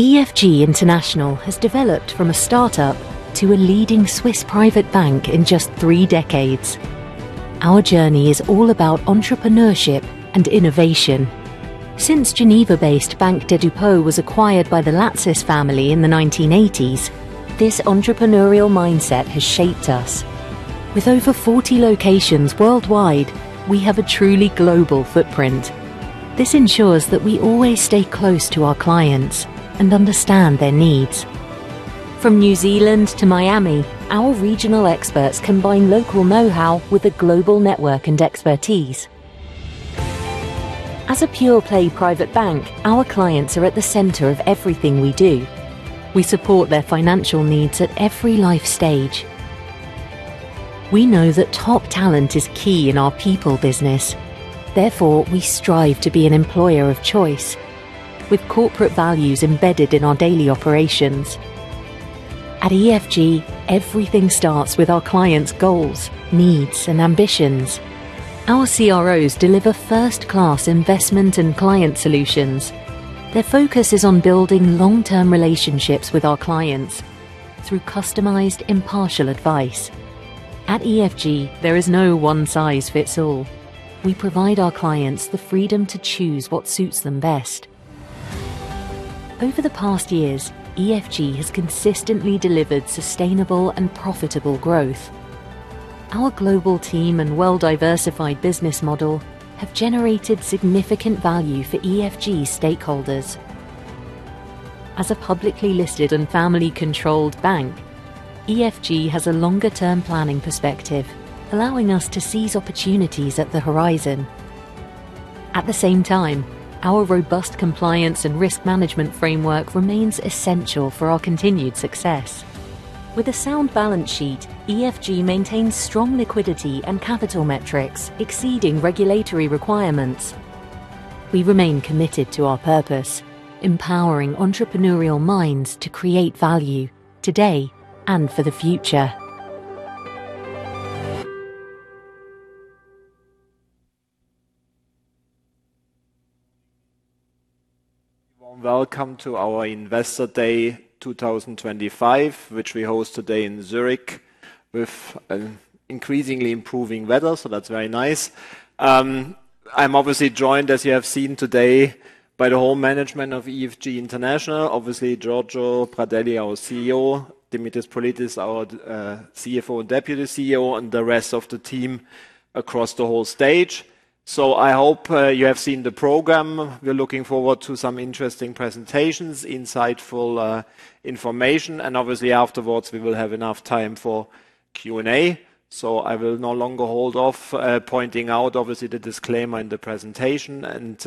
EFG International has developed from a startup to a leading Swiss private bank in just three decades. Our journey is all about entrepreneurship and innovation. Since Geneva-based Banque de Depots was acquired by the Latsis family in the 1980s, this entrepreneurial mindset has shaped us. With over 40 locations worldwide, we have a truly global footprint. This ensures that we always stay close to our clients and understand their needs. From New Zealand to Miami, our regional experts combine local know-how with a global network and expertise. As a pure-play private bank, our clients are at the center of everything we do. We support their financial needs at every life stage. We know that top talent is key in our people business. Therefore, we strive to be an employer of choice, with corporate values embedded in our daily operations. At EFG, everything starts with our clients' goals, needs, and ambitions. Our CROs deliver first-class investment and client solutions. Their focus is on building long-term relationships with our clients through customized, impartial advice. At EFG, there is no one-size-fits-all. We provide our clients the freedom to choose what suits them best. Over the past years, EFG has consistently delivered sustainable and profitable growth. Our global team and well-diversified business model have generated significant value for EFG stakeholders. As a publicly listed and family-controlled bank, EFG has a longer-term planning perspective, allowing us to seize opportunities at the horizon. At the same time, our robust compliance and risk management framework remains essential for our continued success. With a sound balance sheet, EFG maintains strong liquidity and capital metrics exceeding regulatory requirements. We remain committed to our purpose: empowering entrepreneurial minds to create value, today and for the future. Welcome to our Investor Day 2025, which we host today in Zurich with increasingly improving weather, so that's very nice. I'm obviously joined, as you have seen today, by the whole management of EFG International. Obviously, Giorgio Pradelli, our CEO, Dimitris Politis, our CFO and Deputy CEO, and the rest of the team across the whole stage. I hope you have seen the program. We're looking forward to some interesting presentations, insightful information, and obviously afterwards we will have enough time for Q&A. I will no longer hold off pointing out, obviously, the disclaimer in the presentation, and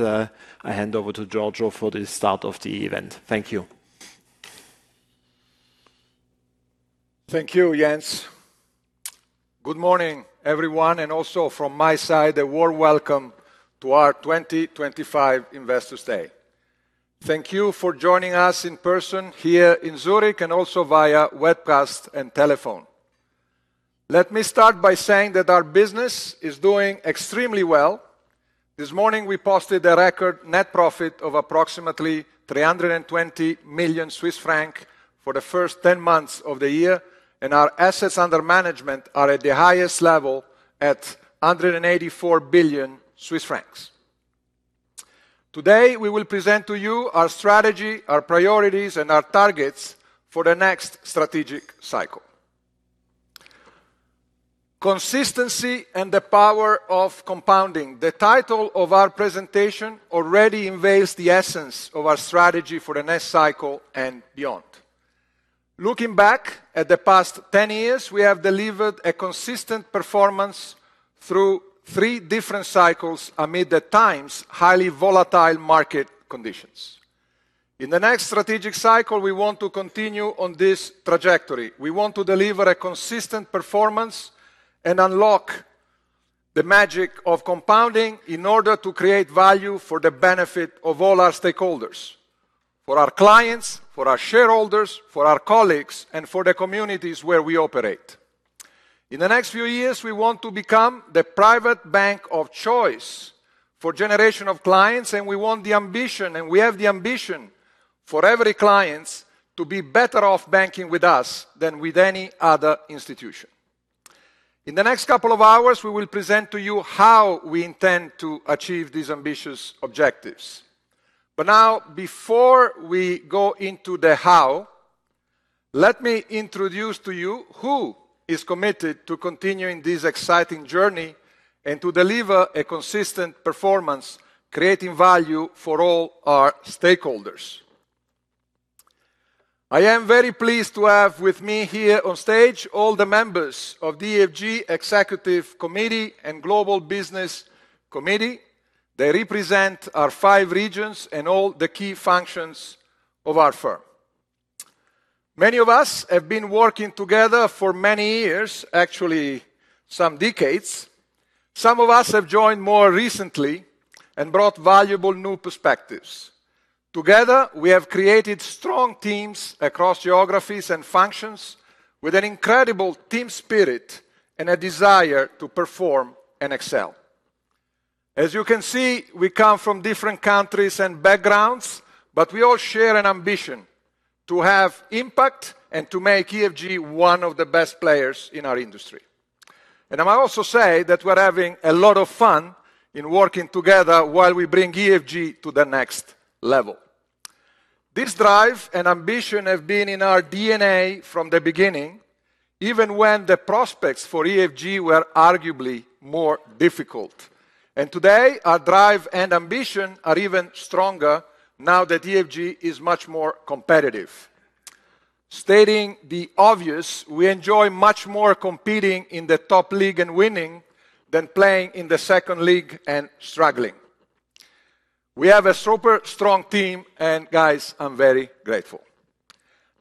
I hand over to Giorgio for the start of the event. Thank you. Thank you, Jens. Good morning, everyone, and also from my side, a warm welcome to our 2025 Investors Day. Thank you for joining us in person here in Zurich and also via webcast and telephone. Let me start by saying that our business is doing extremely well. This morning we posted a record net profit of approximately 320 million Swiss francs for the first 10 months of the year, and our assets under management are at the highest level at 184 billion Swiss francs. Today we will present to you our strategy, our priorities, and our targets for the next strategic cycle. Consistency and the power of compounding. The title of our presentation already invades the essence of our strategy for the next cycle and beyond. Looking back at the past 10 years, we have delivered a consistent performance through three different cycles amid the times' highly volatile market conditions. In the next strategic cycle, we want to continue on this trajectory. We want to deliver a consistent performance and unlock the magic of compounding in order to create value for the benefit of all our stakeholders: for our clients, for our shareholders, for our colleagues, and for the communities where we operate. In the next few years, we want to become the private bank of choice for the generation of clients, and we want the ambition, and we have the ambition for every client to be better off banking with us than with any other institution. In the next couple of hours, we will present to you how we intend to achieve these ambitious objectives. Now, before we go into the how, let me introduce to you who is committed to continuing this exciting journey and to deliver a consistent performance, creating value for all our stakeholders. I am very pleased to have with me here on stage all the members of the EFG Executive Committee and Global Business Committee. They represent our five regions and all the key functions of our firm. Many of us have been working together for many years, actually some decades. Some of us have joined more recently and brought valuable new perspectives. Together, we have created strong teams across geographies and functions with an incredible team spirit and a desire to perform and excel. As you can see, we come from different countries and backgrounds, but we all share an ambition to have impact and to make EFG one of the best players in our industry. I must also say that we're having a lot of fun in working together while we bring EFG to the next level. This drive and ambition have been in our DNA from the beginning, even when the prospects for EFG were arguably more difficult. Today, our drive and ambition are even stronger now that EFG is much more competitive. Stating the obvious, we enjoy much more competing in the top league and winning than playing in the second league and struggling. We have a super strong team, and guys, I'm very grateful.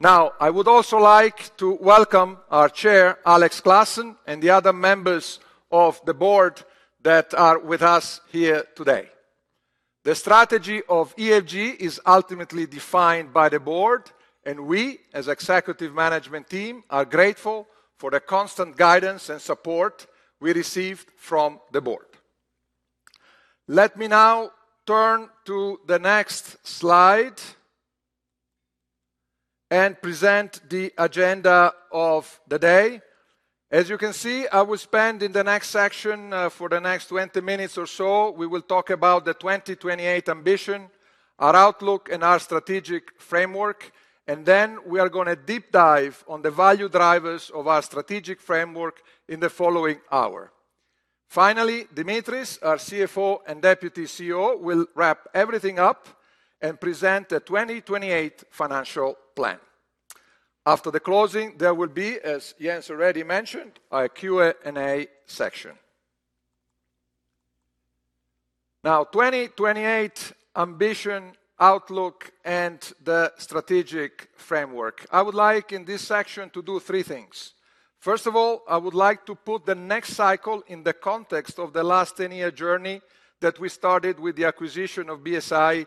Now, I would also like to welcome our Chair, Alex Klassen, and the other members of the Board that are with us here today. The strategy of EFG is ultimately defined by the Board, and we, as an executive management team, are grateful for the constant guidance and support we received from the Board. Let me now turn to the next slide and present the agenda of the day. As you can see, I will spend in the next section for the next 20 minutes or so. We will talk about the 2028 ambition, our outlook, and our strategic framework, and then we are going to deep dive on the value drivers of our strategic framework in the following hour. Finally, Dimitris, our CFO and Deputy CEO, will wrap everything up and present the 2028 financial plan. After the closing, there will be, as Jens already mentioned, a Q&A section. Now, 2028 ambition, outlook, and the strategic framework. I would like in this section to do three things. First of all, I would like to put the next cycle in the context of the last 10-year journey that we started with the acquisition of BSI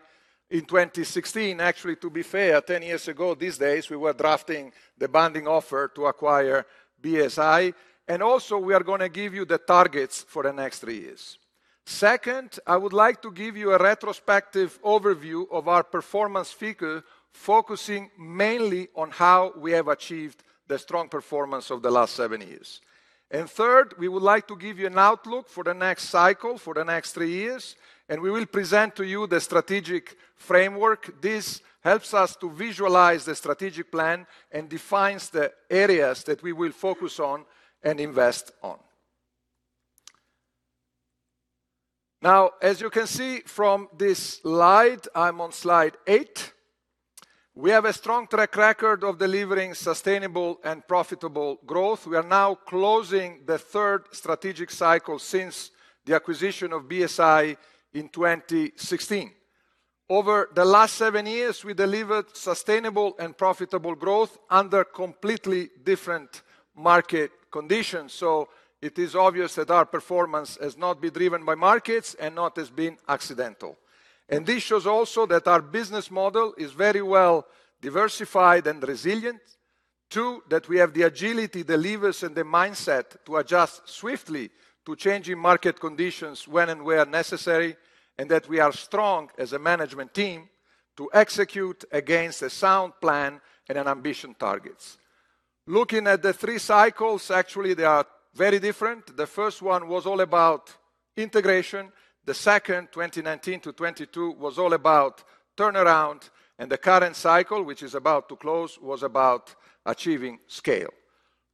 in 2016. Actually, to be fair, 10 years ago these days, we were drafting the binding offer to acquire BSI, and also we are going to give you the targets for the next three years. Second, I would like to give you a retrospective overview of our performance figure, focusing mainly on how we have achieved the strong performance of the last seven years. Third, we would like to give you an outlook for the next cycle, for the next three years, and we will present to you the strategic framework. This helps us to visualize the strategic plan and defines the areas that we will focus on and invest on. Now, as you can see from this slide, I'm on slide eight. We have a strong track record of delivering sustainable and profitable growth. We are now closing the third strategic cycle since the acquisition of BSI in 2016. Over the last seven years, we delivered sustainable and profitable growth under completely different market conditions, so it is obvious that our performance has not been driven by markets and not has been accidental. This shows also that our business model is very well diversified and resilient, too, that we have the agility, the levers, and the mindset to adjust swiftly to changing market conditions when and where necessary, and that we are strong as a management team to execute against a sound plan and ambition targets. Looking at the three cycles, actually, they are very different. The first one was all about integration. The second, 2019 to 2022, was all about turnaround, and the current cycle, which is about to close, was about achieving scale.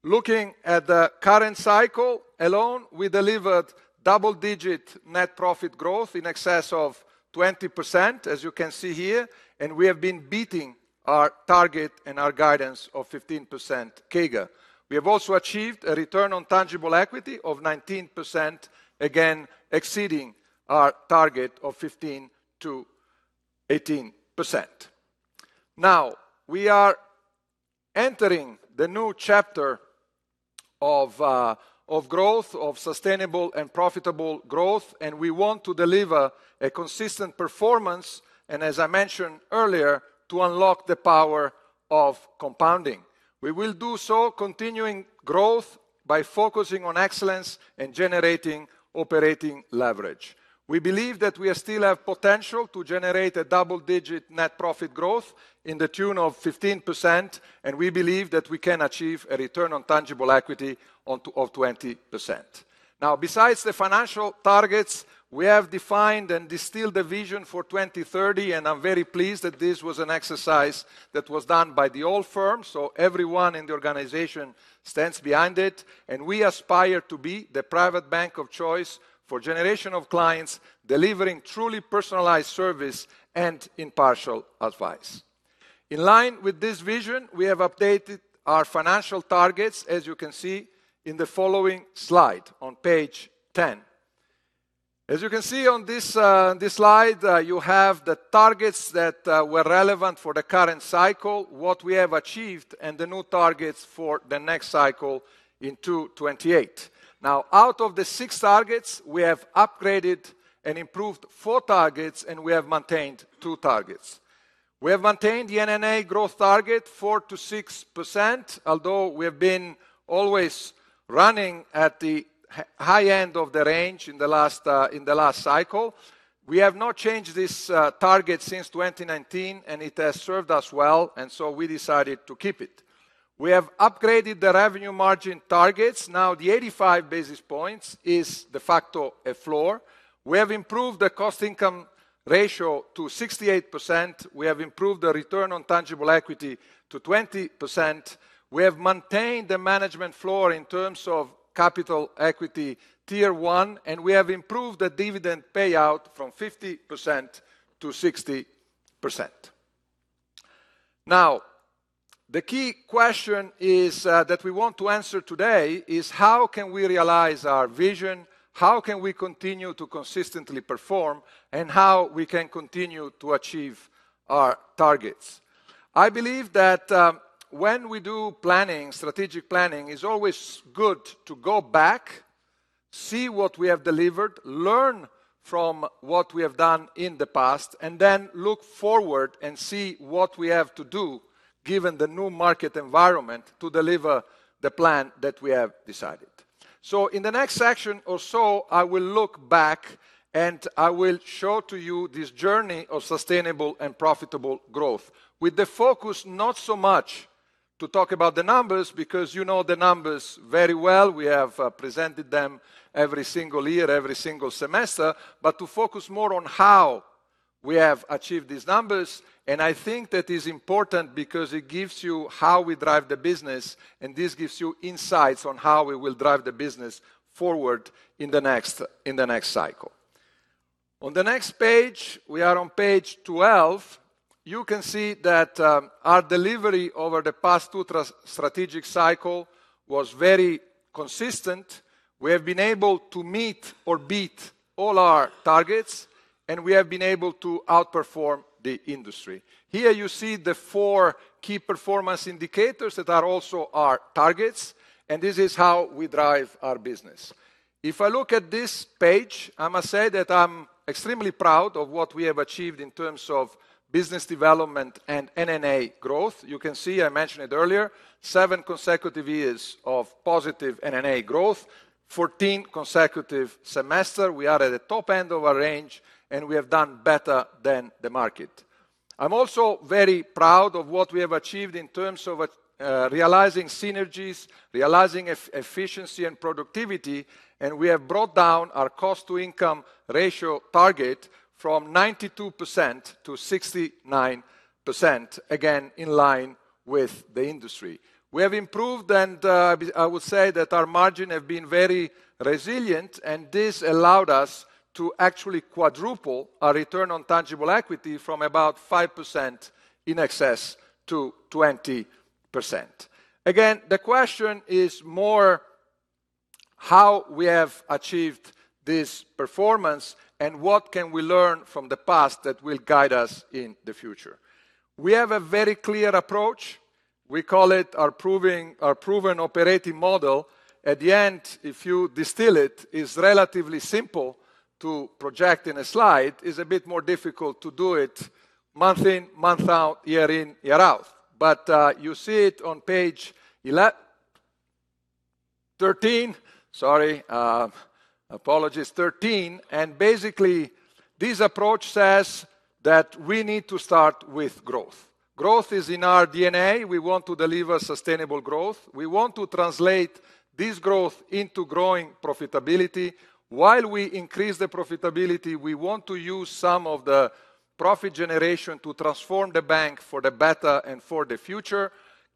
Looking at the current cycle alone, we delivered double-digit net profit growth in excess of 20%, as you can see here, and we have been beating our target and our guidance of 15% CAGR. We have also achieved a return on tangible equity of 19%, again exceeding our target of 15%-18%. Now, we are entering the new chapter of growth, of sustainable and profitable growth, and we want to deliver a consistent performance, and as I mentioned earlier, to unlock the power of compounding. We will do so, continuing growth by focusing on excellence and generating operating leverage. We believe that we still have potential to generate a double-digit net profit growth in the tune of 15%, and we believe that we can achieve a return on tangible equity of 20%. Now, besides the financial targets, we have defined and distilled the vision for 2030, and I'm very pleased that this was an exercise that was done by the whole firm, so everyone in the organization stands behind it, and we aspire to be the private bank of choice for the generation of clients delivering truly personalized service and impartial advice. In line with this vision, we have updated our financial targets, as you can see in the following slide on page 10. As you can see on this slide, you have the targets that were relevant for the current cycle, what we have achieved, and the new targets for the next cycle in 2028. Now, out of the six targets, we have upgraded and improved four targets, and we have maintained two targets. We have maintained the NNA growth target, 4%-6%, although we have been always running at the high end of the range in the last cycle. We have not changed this target since 2019, and it has served us well, and so we decided to keep it. We have upgraded the revenue margin targets. Now, the 85 basis points is de facto a floor. We have improved the cost-income ratio to 68%. We have improved the return on tangible equity to 20%. We have maintained the management floor in terms of capital equity tier one, and we have improved the dividend payout from 50% to 60%. Now, the key question that we want to answer today is how can we realize our vision, how can we continue to consistently perform, and how we can continue to achieve our targets. I believe that when we do planning, strategic planning, it is always good to go back, see what we have delivered, learn from what we have done in the past, and then look forward and see what we have to do given the new market environment to deliver the plan that we have decided. In the next section or so, I will look back and I will show to you this journey of sustainable and profitable growth, with the focus not so much to talk about the numbers, because you know the numbers very well. We have presented them every single year, every single semester, but to focus more on how we have achieved these numbers, and I think that is important because it gives you how we drive the business, and this gives you insights on how we will drive the business forward in the next cycle. On the next page, we are on page 12. You can see that our delivery over the past two strategic cycles was very consistent. We have been able to meet or beat all our targets, and we have been able to outperform the industry. Here you see the four key performance indicators that are also our targets, and this is how we drive our business. If I look at this page, I must say that I'm extremely proud of what we have achieved in terms of business development and NNA growth. You can see I mentioned it earlier, seven consecutive years of positive NNA growth, 14 consecutive semesters. We are at the top end of our range, and we have done better than the market. I'm also very proud of what we have achieved in terms of realizing synergies, realizing efficiency and productivity, and we have brought down our cost-to-income ratio target from 92% to 69%, again in line with the industry. We have improved, and I would say that our margin has been very resilient, and this allowed us to actually quadruple our return on tangible equity from about 5% in excess to 20%. Again, the question is more how we have achieved this performance and what can we learn from the past that will guide us in the future. We have a very clear approach. We call it our proven operating model. At the end, if you distill it, it is relatively simple to project in a slide. It is a bit more difficult to do it month in, month out, year in, year out, but you see it on page 13. Sorry, apologies, thirteen. Basically, this approach says that we need to start with growth. Growth is in our DNA. We want to deliver sustainable growth. We want to translate this growth into growing profitability. While we increase the profitability, we want to use some of the profit generation to transform the bank for the better and for the future.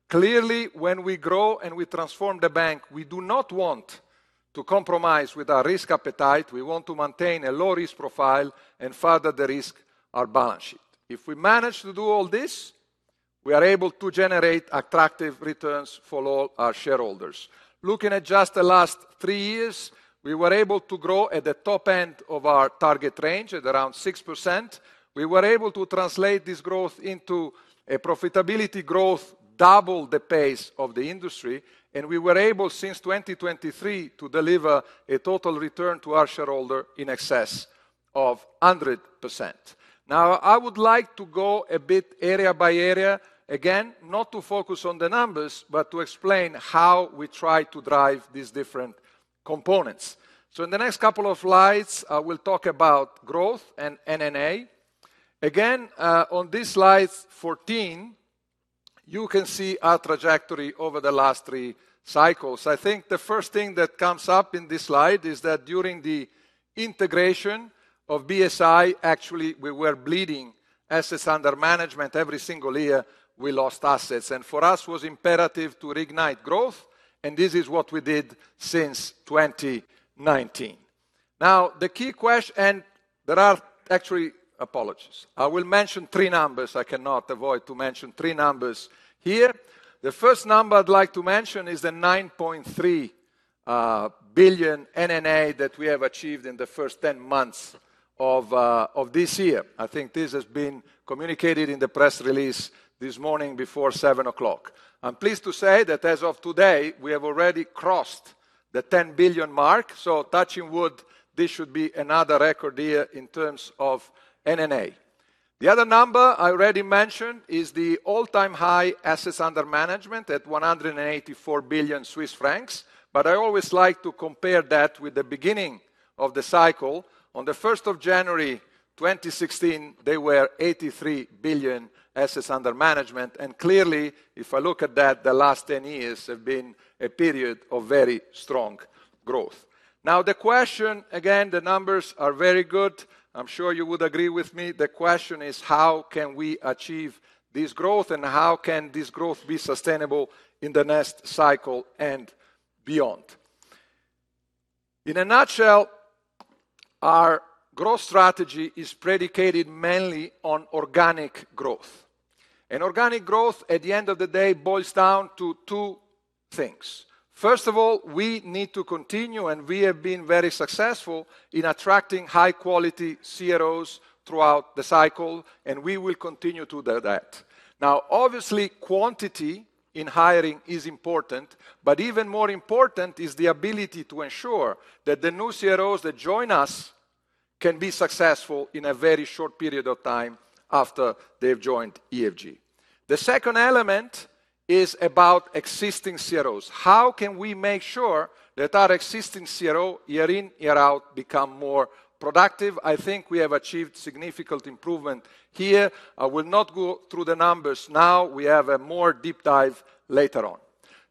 Clearly, when we grow and we transform the bank, we do not want to compromise with our risk appetite. We want to maintain a low-risk profile and further the risk, our balance sheet. If we manage to do all this, we are able to generate attractive returns for all our shareholders. Looking at just the last three years, we were able to grow at the top end of our target range at around 6%. We were able to translate this growth into a profitability growth double the pace of the industry, and we were able since 2023 to deliver a total return to our shareholder in excess of 100%. Now, I would like to go a bit area by area, again, not to focus on the numbers, but to explain how we try to drive these different components. In the next couple of slides, I will talk about growth and NNA. Again, on this slide 14, you can see our trajectory over the last three cycles. I think the first thing that comes up in this slide is that during the integration of BSI, actually, we were bleeding assets under management every single year. We lost assets, and for us, it was imperative to reignite growth, and this is what we did since 2019. Now, the key question, and there are actually apologies. I will mention three numbers. I cannot avoid mentioning three numbers here. The first number I'd like to mention is the 9.3 billion NNA that we have achieved in the first 10 months of this year. I think this has been communicated in the press release this morning before 7:00 A.M. I'm pleased to say that as of today, we have already crossed the 10 billion mark, touching wood, this should be another record year in terms of NNA. The other number I already mentioned is the all-time high assets under management at 184 billion Swiss francs, but I always like to compare that with the beginning of the cycle. On the 1st of January 2016, they were 83 billion assets under management, and clearly, if I look at that, the last 10 years have been a period of very strong growth. Now, the question, again, the numbers are very good. I'm sure you would agree with me. The question is how can we achieve this growth, and how can this growth be sustainable in the next cycle and beyond? In a nutshell, our growth strategy is predicated mainly on organic growth. Organic growth, at the end of the day, boils down to two things. First of all, we need to continue, and we have been very successful in attracting high-quality CROs throughout the cycle, and we will continue to do that. Obviously, quantity in hiring is important, but even more important is the ability to ensure that the new CROs that join us can be successful in a very short period of time after they've joined EFG. The second element is about existing CROs. How can we make sure that our existing CRO, year in, year out, become more productive? I think we have achieved significant improvement here. I will not go through the numbers now. We have a more deep dive later on.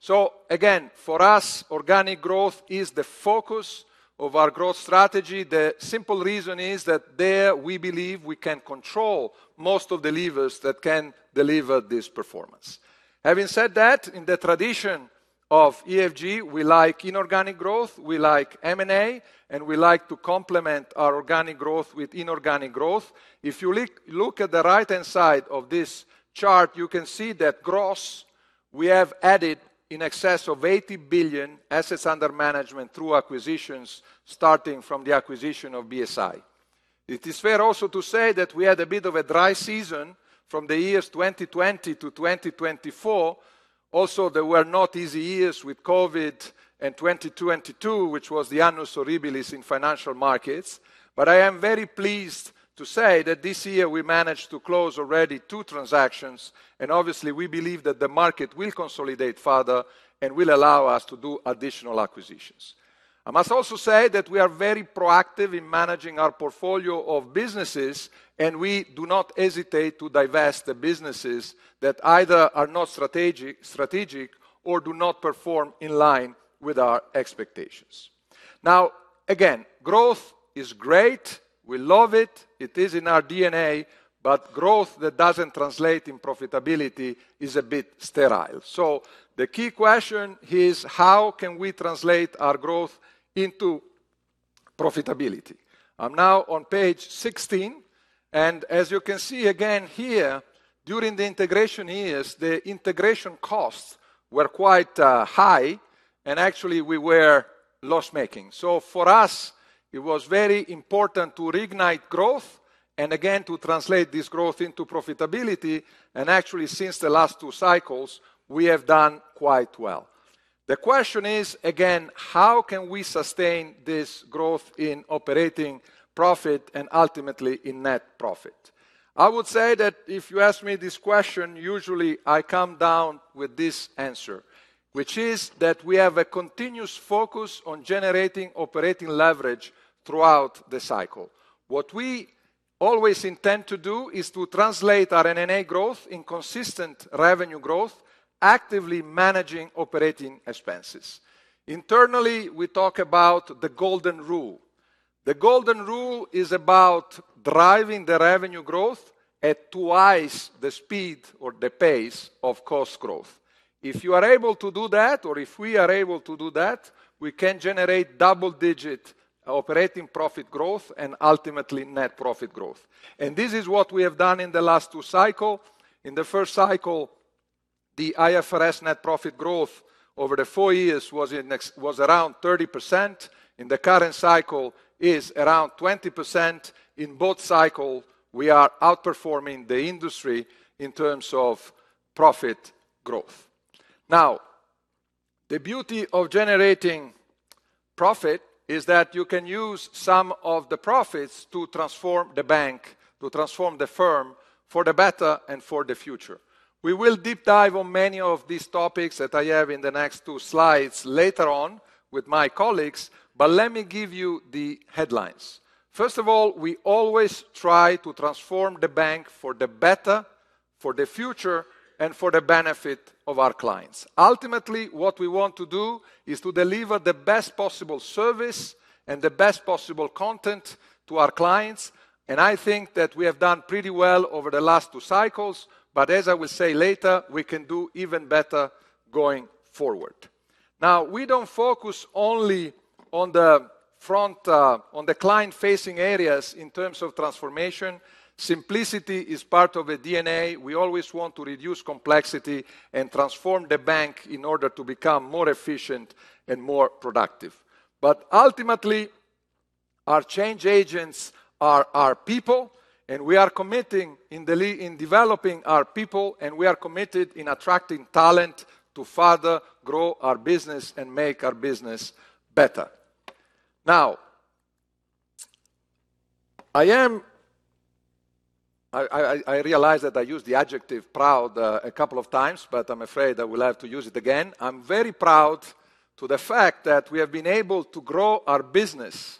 For us, organic growth is the focus of our growth strategy. The simple reason is that there we believe we can control most of the levers that can deliver this performance. Having said that, in the tradition of EFG, we like inorganic growth, we like M&A, and we like to complement our organic growth with inorganic growth. If you look at the right-hand side of this chart, you can see that gross we have added in excess of 80 billion assets under management through acquisitions, starting from the acquisition of BSI. It is fair also to say that we had a bit of a dry season from the years 2020 to 2024. Also, there were not easy years with COVID and 2022, which was the annus horribilis in financial markets, but I am very pleased to say that this year we managed to close already two transactions, and obviously, we believe that the market will consolidate further and will allow us to do additional acquisitions. I must also say that we are very proactive in managing our portfolio of businesses, and we do not hesitate to divest the businesses that either are not strategic or do not perform in line with our expectations. Now, again, growth is great. We love it. It is in our DNA, but growth that doesn't translate in profitability is a bit sterile. The key question is how can we translate our growth into profitability? I'm now on page 16, and as you can see again here, during the integration years, the integration costs were quite high, and actually, we were loss-making. For us, it was very important to reignite growth and again to translate this growth into profitability, and actually, since the last two cycles, we have done quite well. The question is again, how can we sustain this growth in operating profit and ultimately in net profit? I would say that if you ask me this question, usually I come down with this answer, which is that we have a continuous focus on generating operating leverage throughout the cycle. What we always intend to do is to translate our NNA growth in consistent revenue growth, actively managing operating expenses. Internally, we talk about the golden rule. The golden rule is about driving the revenue growth at twice the speed or the pace of cost growth. If you are able to do that, or if we are able to do that, we can generate double-digit operating profit growth and ultimately net profit growth. This is what we have done in the last two cycles. In the first cycle, the IFRS net profit growth over the four years was around 30%. In the current cycle, it is around 20%. In both cycles, we are outperforming the industry in terms of profit growth. Now, the beauty of generating profit is that you can use some of the profits to transform the bank, to transform the firm for the better and for the future. We will deep dive on many of these topics that I have in the next two slides later on with my colleagues, but let me give you the headlines. First of all, we always try to transform the bank for the better, for the future, and for the benefit of our clients. Ultimately, what we want to do is to deliver the best possible service and the best possible content to our clients, and I think that we have done pretty well over the last two cycles, but as I will say later, we can do even better going forward. Now, we do not focus only on the front, on the client-facing areas in terms of transformation. Simplicity is part of the DNA. We always want to reduce complexity and transform the bank in order to become more efficient and more productive. Ultimately, our change agents are our people, and we are committing in developing our people, and we are committed in attracting talent to further grow our business and make our business better. Now, I realize that I used the adjective proud a couple of times, but I'm afraid I will have to use it again. I'm very proud of the fact that we have been able to grow our business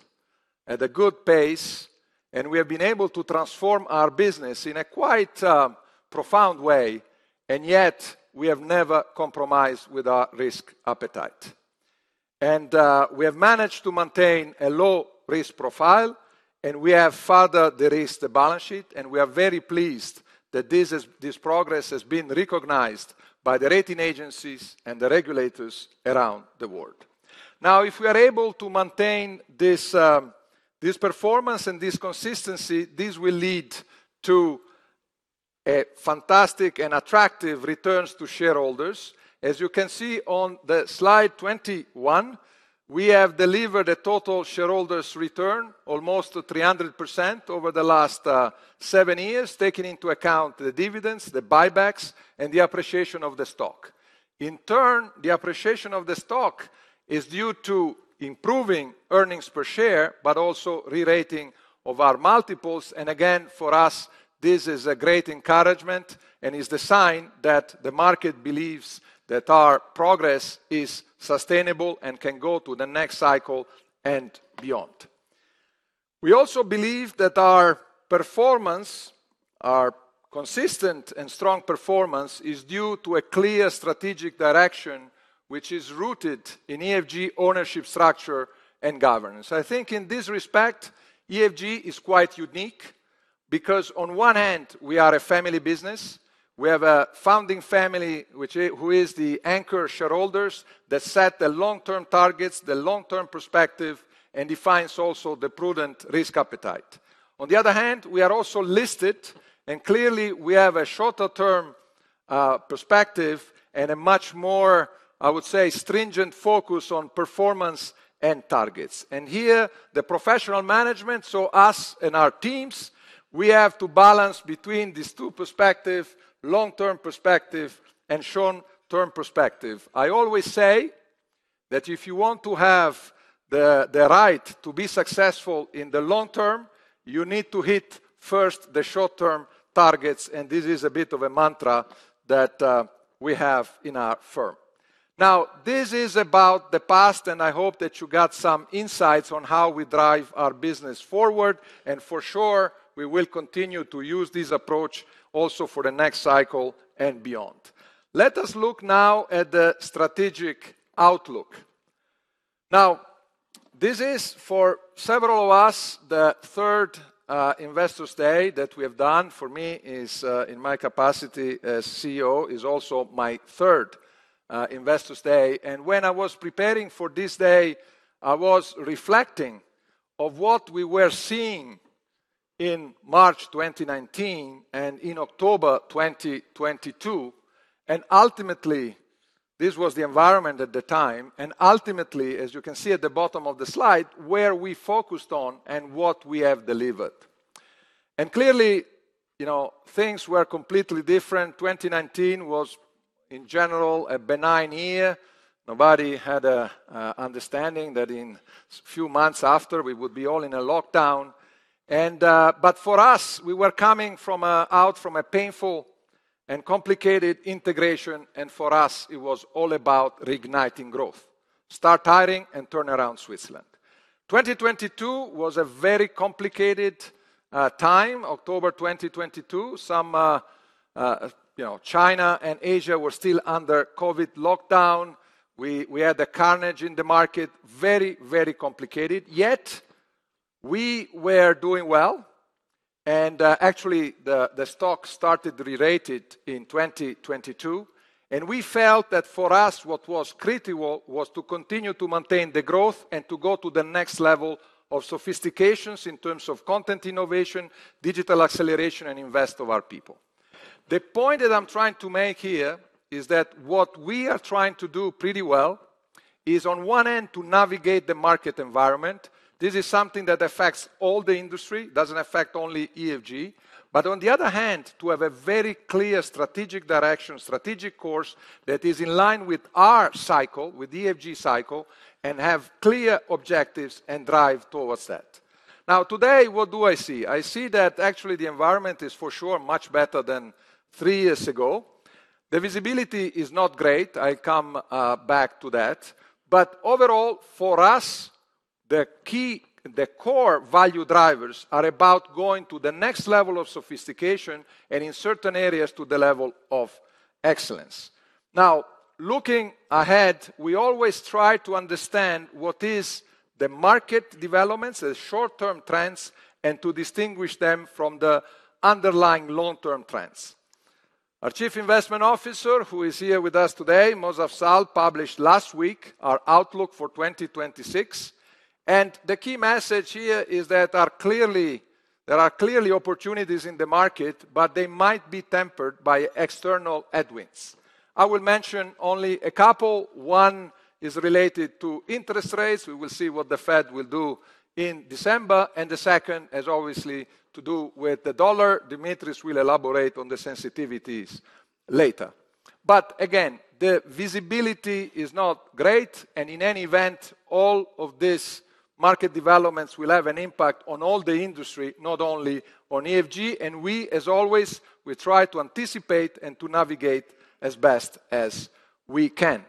at a good pace, and we have been able to transform our business in a quite profound way, yet we have never compromised with our risk appetite. We have managed to maintain a low-risk profile, and we have furthered the risk, the balance sheet, and we are very pleased that this progress has been recognized by the rating agencies and the regulators around the world. Now, if we are able to maintain this performance and this consistency, this will lead to fantastic and attractive returns to shareholders. As you can see on slide 21, we have delivered a total shareholders' return of almost 300% over the last seven years, taking into account the dividends, the buybacks, and the appreciation of the stock. In turn, the appreciation of the stock is due to improving earnings per share, but also re-rating of our multiples. For us, this is a great encouragement and is the sign that the market believes that our progress is sustainable and can go to the next cycle and beyond. We also believe that our performance, our consistent and strong performance, is due to a clear strategic direction, which is rooted in EFG ownership structure and governance. I think in this respect, EFG is quite unique because on one hand, we are a family business. We have a founding family, which is the anchor shareholders that set the long-term targets, the long-term perspective, and defines also the prudent risk appetite. On the other hand, we are also listed, and clearly, we have a shorter-term perspective and a much more, I would say, stringent focus on performance and targets. Here, the professional management, so us and our teams, we have to balance between these two perspectives: long-term perspective and short-term perspective. I always say that if you want to have the right to be successful in the long term, you need to hit first the short-term targets, and this is a bit of a mantra that we have in our firm. Now, this is about the past, and I hope that you got some insights on how we drive our business forward, and for sure, we will continue to use this approach also for the next cycle and beyond. Let us look now at the strategic outlook. Now, this is for several of us, the third Investors' Day that we have done. For me, in my capacity as CEO, it is also my third Investors' Day. When I was preparing for this day, I was reflecting on what we were seeing in March 2019 and in October 2022, and ultimately, this was the environment at the time. Ultimately, as you can see at the bottom of the slide, where we focused on and what we have delivered. Clearly, things were completely different. 2019 was, in general, a benign year. Nobody had an understanding that in a few months after, we would be all in a lockdown. For us, we were coming out from a painful and complicated integration, and for us, it was all about reigniting growth, start hiring, and turn around Switzerland. 2022 was a very complicated time, October 2022. China and Asia were still under COVID lockdown. We had a carnage in the market, very, very complicated. Yet, we were doing well, and actually, the stock started re-rated in 2022, and we felt that for us, what was critical was to continue to maintain the growth and to go to the next level of sophistications in terms of content innovation, digital acceleration, and invest of our people. The point that I'm trying to make here is that what we are trying to do pretty well is, on one end, to navigate the market environment. This is something that affects all the industry. It does not affect only EFG. On the other hand, to have a very clear strategic direction, strategic course that is in line with our cycle, with EFG cycle, and have clear objectives and drive towards that. Now, today, what do I see? I see that actually the environment is for sure much better than three years ago. The visibility is not great. I will come back to that. Overall, for us, the key, the core value drivers are about going to the next level of sophistication and in certain areas to the level of excellence. Now, looking ahead, we always try to understand what is the market developments, the short-term trends, and to distinguish them from the underlying long-term trends. Our Chief Investment Officer, who is here with us today, Moz Afzal, published last week our outlook for 2026. The key message here is that there are clearly opportunities in the market, but they might be tempered by external headwinds. I will mention only a couple. One is related to interest rates. We will see what the Fed will do in December. The second is obviously to do with the dollar. Dimitris will elaborate on the sensitivities later. Again, the visibility is not great, and in any event, all of these market developments will have an impact on all the industry, not only on EFG. We, as always, will try to anticipate and to navigate as best as we can.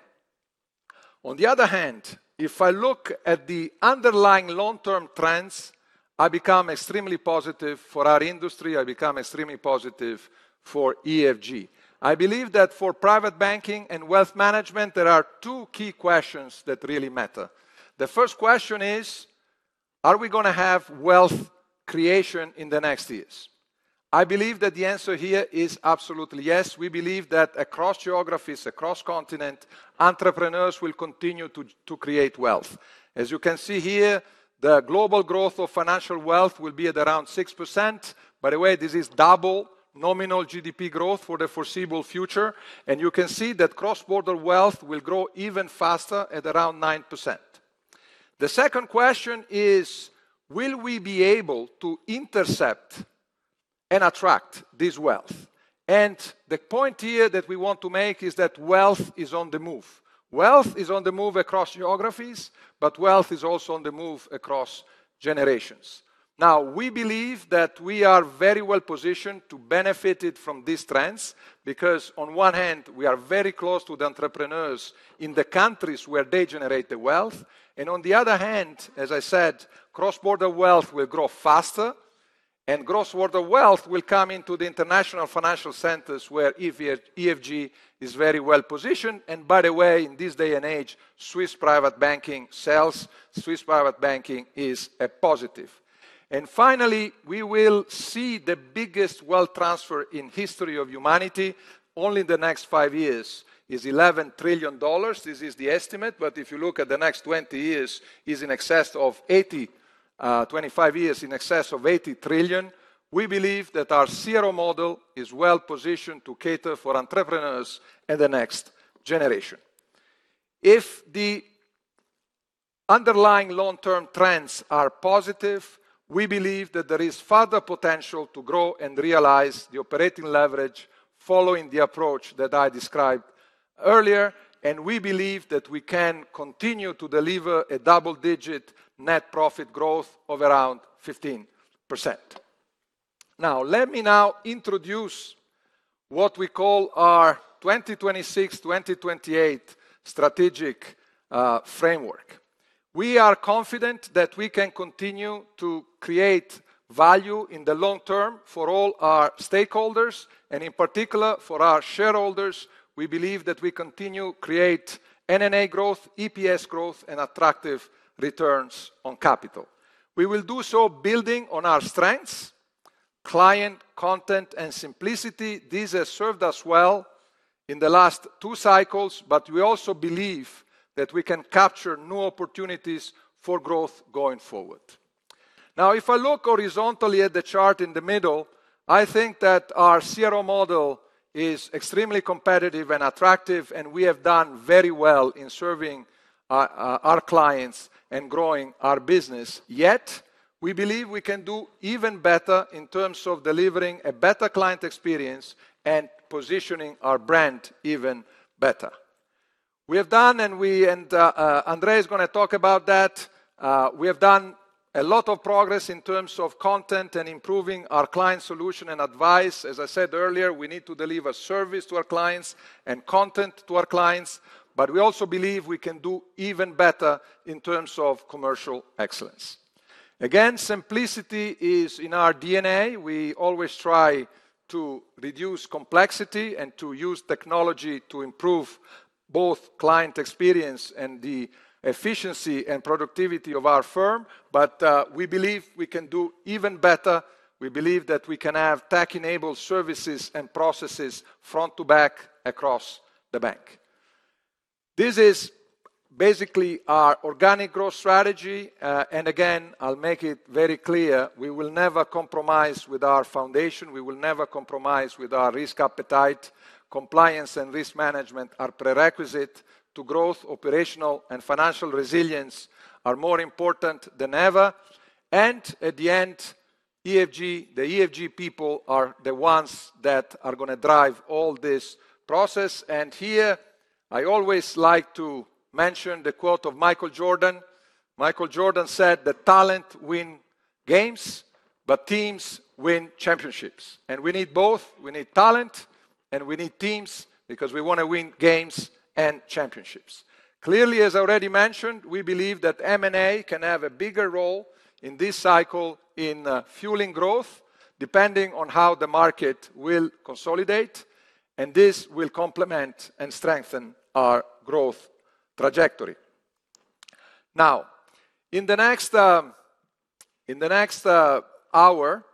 On the other hand, if I look at the underlying long-term trends, I become extremely positive for our industry. I become extremely positive for EFG. I believe that for private banking and wealth management, there are two key questions that really matter. The first question is, are we going to have wealth creation in the next years? I believe that the answer here is absolutely yes. We believe that across geographies, across continents, entrepreneurs will continue to create wealth. As you can see here, the global growth of financial wealth will be at around 6%. By the way, this is double nominal GDP growth for the foreseeable future. You can see that cross-border wealth will grow even faster at around 9%. The second question is, will we be able to intercept and attract this wealth? The point here that we want to make is that wealth is on the move. Wealth is on the move across geographies, but wealth is also on the move across generations. Now, we believe that we are very well positioned to benefit from these trends because on one hand, we are very close to the entrepreneurs in the countries where they generate the wealth. On the other hand, as I said, cross-border wealth will grow faster, and cross-border wealth will come into the international financial centers where EFG is very well positioned. By the way, in this day and age, Swiss private banking sells. Swiss private banking is a positive. Finally, we will see the biggest wealth transfer in the history of humanity only in the next five years is $11 trillion. This is the estimate, but if you look at the next 20 years, it is in excess of $80 trillion over 25 years. We believe that our CRO model is well positioned to cater for entrepreneurs and the next generation. If the underlying long-term trends are positive, we believe that there is further potential to grow and realize the operating leverage following the approach that I described earlier, and we believe that we can continue to deliver a double-digit net profit growth of around 15%. Now, let me now introduce what we call our 2026-2028 strategic framework. We are confident that we can continue to create value in the long term for all our stakeholders, and in particular, for our shareholders. We believe that we continue to create NNA growth, EPS growth, and attractive returns on capital. We will do so building on our strengths, client content, and simplicity. This has served us well in the last two cycles, but we also believe that we can capture new opportunities for growth going forward. Now, if I look horizontally at the chart in the middle, I think that our CRO model is extremely competitive and attractive, and we have done very well in serving our clients and growing our business. Yet, we believe we can do even better in terms of delivering a better client experience and positioning our brand even better. We have done, and André is going to talk about that. We have done a lot of progress in terms of content and improving our client solution and advice. As I said earlier, we need to deliver service to our clients and content to our clients, but we also believe we can do even better in terms of commercial excellence. Again, simplicity is in our DNA. We always try to reduce complexity and to use technology to improve both client experience and the efficiency and productivity of our firm, but we believe we can do even better. We believe that we can have tech-enabled services and processes front to back across the bank. This is basically our organic growth strategy, and again, I'll make it very clear. We will never compromise with our foundation. We will never compromise with our risk appetite. Compliance and risk management are prerequisites to growth. Operational and financial resilience are more important than ever. At the end, the EFG people are the ones that are going to drive all this process. Here, I always like to mention the quote of Michael Jordan. Michael Jordan said, "The talent wins games, but teams win championships." We need both. We need talent, and we need teams because we want to win games and championships. Clearly, as I already mentioned, we believe that M&A can have a bigger role in this cycle in fueling growth, depending on how the market will consolidate, and this will complement and strengthen our growth trajectory. Now, in the next hour,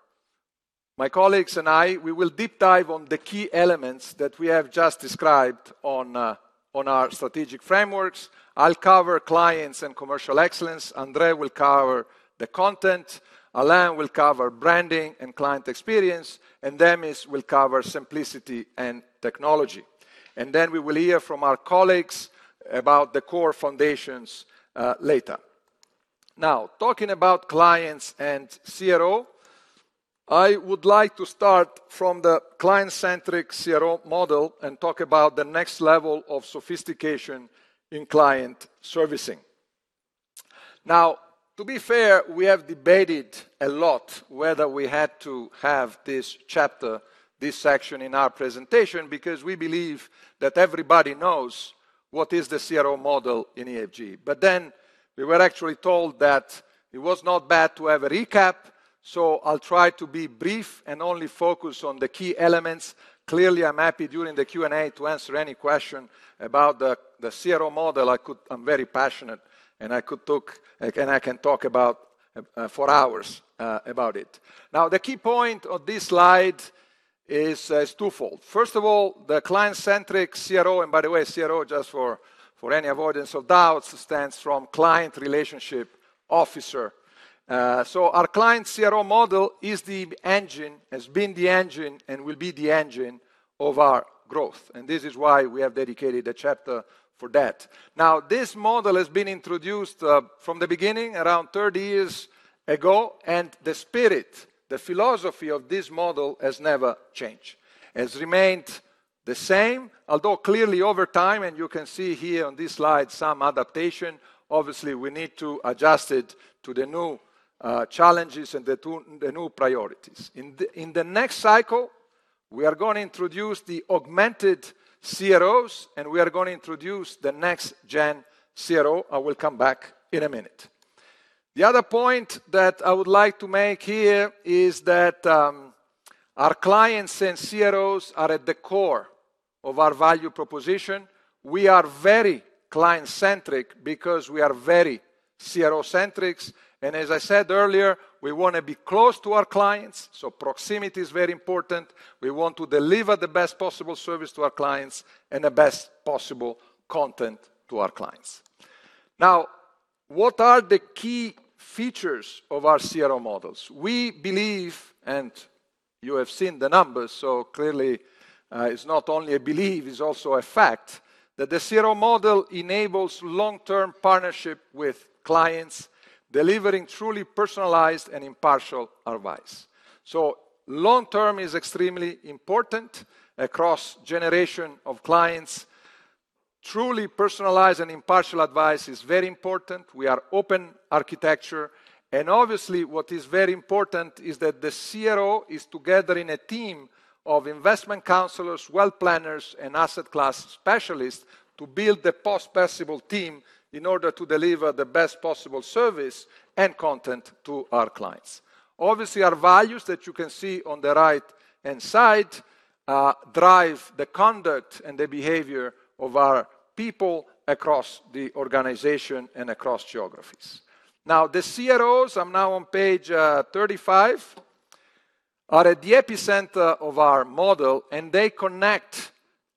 my colleagues and I, we will deep dive on the key elements that we have just described on our strategic frameworks. I'll cover clients and commercial excellence. André will cover the content. Alain will cover branding and client experience. Demis will cover simplicity and technology. We will hear from our colleagues about the core foundations later. Now, talking about clients and CRO, I would like to start from the client-centric CRO model and talk about the next level of sophistication in client servicing. Now, to be fair, we have debated a lot whether we had to have this chapter, this section in our presentation because we believe that everybody knows what is the CRO model in EFG. Actually, we were told that it was not bad to have a recap, so I'll try to be brief and only focus on the key elements. Clearly, I'm happy during the Q&A to answer any question about the CRO model. I'm very passionate, and I could talk, and I can talk for hours about it. Now, the key point of this slide is twofold. First of all, the client-centric CRO, and by the way, CRO, just for any avoidance of doubts, stands for Client Relationship Officer. So our client CRO model is the engine, has been the engine, and will be the engine of our growth. This is why we have dedicated a chapter for that. Now, this model has been introduced from the beginning, around 30 years ago, and the spirit, the philosophy of this model has never changed. It has remained the same, although clearly over time, and you can see here on this slide some adaptation. Obviously, we need to adjust it to the new challenges and the new priorities. In the next cycle, we are going to introduce the augmented CROs, and we are going to introduce the next-gen CRO. I will come back in a minute. The other point that I would like to make here is that our clients and CROs are at the core of our value proposition. We are very client-centric because we are very CRO-centric. As I said earlier, we want to be close to our clients, so proximity is very important. We want to deliver the best possible service to our clients and the best possible content to our clients. Now, what are the key features of our CRO models? We believe, and you have seen the numbers, so clearly, it is not only a belief, it is also a fact that the CRO model enables long-term partnership with clients, delivering truly personalized and impartial advice. Long-term is extremely important across generations of clients. Truly personalized and impartial advice is very important. We are open architecture. Obviously, what is very important is that the CRO is together in a team of investment counselors, wealth planners, and asset class specialists to build the possible team in order to deliver the best possible service and content to our clients. Obviously, our values that you can see on the right-hand side drive the conduct and the behavior of our people across the organization and across geographies. Now, the CROs, I'm now on page 35, are at the epicenter of our model, and they connect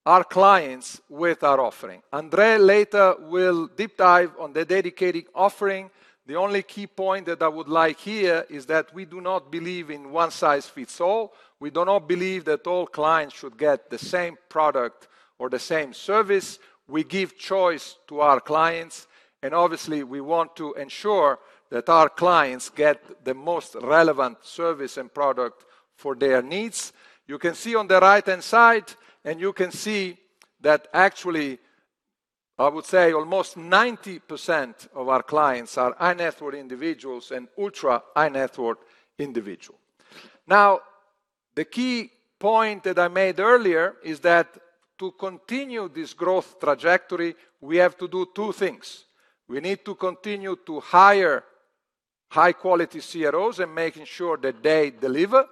our clients with our offering. Andre later will deep dive on the dedicated offering. The only key point that I would like here is that we do not believe in one size fits all. We do not believe that all clients should get the same product or the same service. We give choice to our clients. Obviously, we want to ensure that our clients get the most relevant service and product for their needs. You can see on the right-hand side, and you can see that actually, I would say almost 90% of our clients are high-net worth individuals and ultra-high-net worth individuals. Now, the key point that I made earlier is that to continue this growth trajectory, we have to do two things. We need to continue to hire high-quality CROs and make sure that they deliver.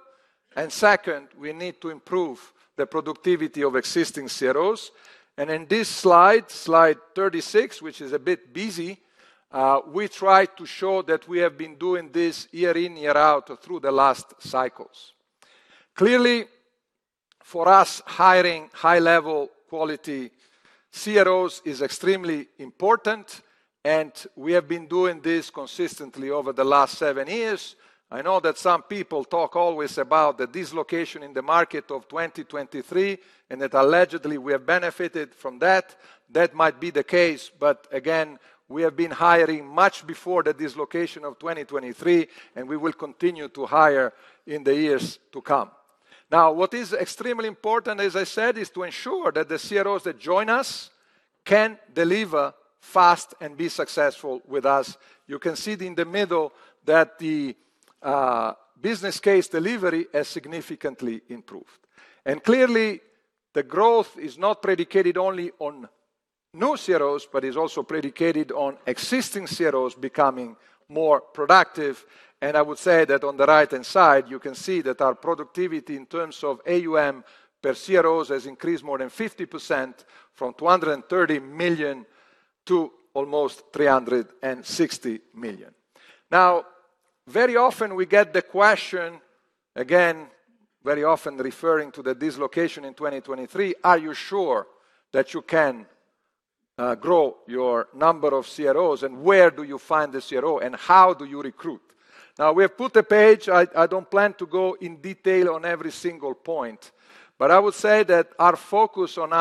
Second, we need to improve the productivity of existing CROs. In this slide, slide 36, which is a bit busy, we try to show that we have been doing this year in, year out through the last cycles. Clearly, for us, hiring high-level quality CROs is extremely important, and we have been doing this consistently over the last seven years. I know that some people talk always about the dislocation in the market of 2023 and that allegedly we have benefited from that. That might be the case, but again, we have been hiring much before the dislocation of 2023, and we will continue to hire in the years to come. Now, what is extremely important, as I said, is to ensure that the CROs that join us can deliver fast and be successful with us. You can see in the middle that the business case delivery has significantly improved. Clearly, the growth is not predicated only on new CROs, but is also predicated on existing CROs becoming more productive. I would say that on the right-hand side, you can see that our productivity in terms of AUM per CROs has increased more than 50% from 230 million to almost 360 million. Very often we get the question, again, very often referring to the dislocation in 2023, "Are you sure that you can grow your number of CROs? And where do you find the CRO? And how do you recruit?" We have put a page. I don't plan to go in detail on every single point, but I would say that our focus on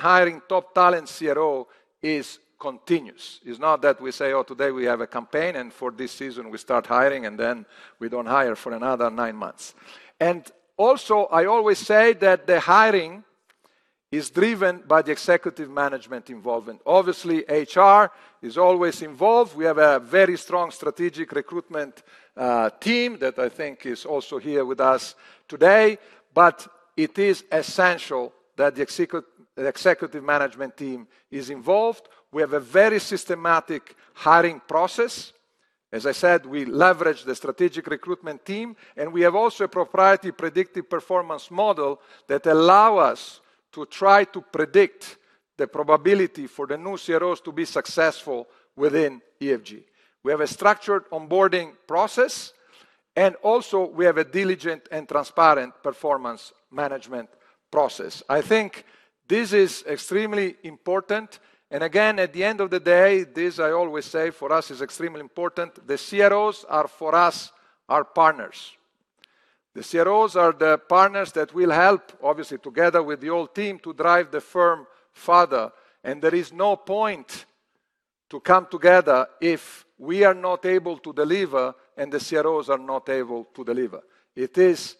hiring top talent CRO is continuous. It's not that we say, "Oh, today we have a campaign, and for this season we start hiring, and then we don't hire for another nine months." I always say that the hiring is driven by the executive management involvement. Obviously, HR is always involved. We have a very strong strategic recruitment team that I think is also here with us today, but it is essential that the executive management team is involved. We have a very systematic hiring process. As I said, we leverage the strategic recruitment team, and we have also a proprietary predictive performance model that allows us to try to predict the probability for the new CROs to be successful within EFG. We have a structured onboarding process, and also we have a diligent and transparent performance management process. I think this is extremely important. Again, at the end of the day, this, I always say, for us is extremely important. The CROs are for us our partners. The CROs are the partners that will help, obviously, together with the whole team to drive the firm further. There is no point to come together if we are not able to deliver and the CROs are not able to deliver. It is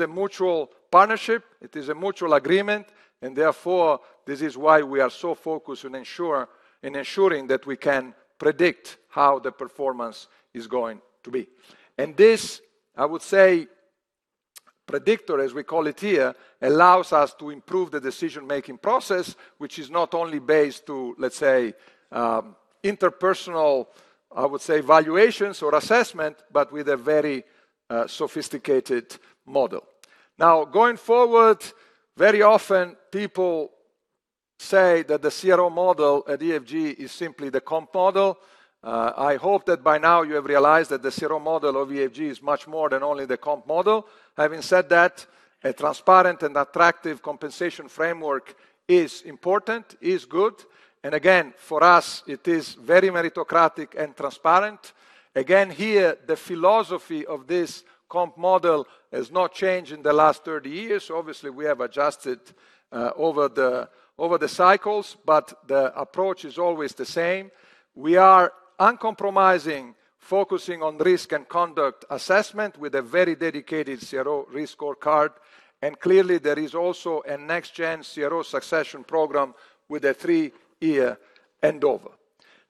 a mutual partnership. It is a mutual agreement, and therefore, this is why we are so focused on ensuring that we can predict how the performance is going to be. This, I would say, predictor, as we call it here, allows us to improve the decision-making process, which is not only based to, let's say, interpersonal, I would say, valuations or assessment, but with a very sophisticated model. Now, going forward, very often people say that the CRO model at EFG is simply the comp model. I hope that by now you have realized that the CRO model of EFG is much more than only the comp model. Having said that, a transparent and attractive compensation framework is important, is good. Again, for us, it is very meritocratic and transparent. Again, here, the philosophy of this comp model has not changed in the last 30 years. Obviously, we have adjusted over the cycles, but the approach is always the same. We are uncompromising, focusing on risk and conduct assessment with a very dedicated CRO risk scorecard. Clearly, there is also a next-gen CRO succession program with a three-year endover.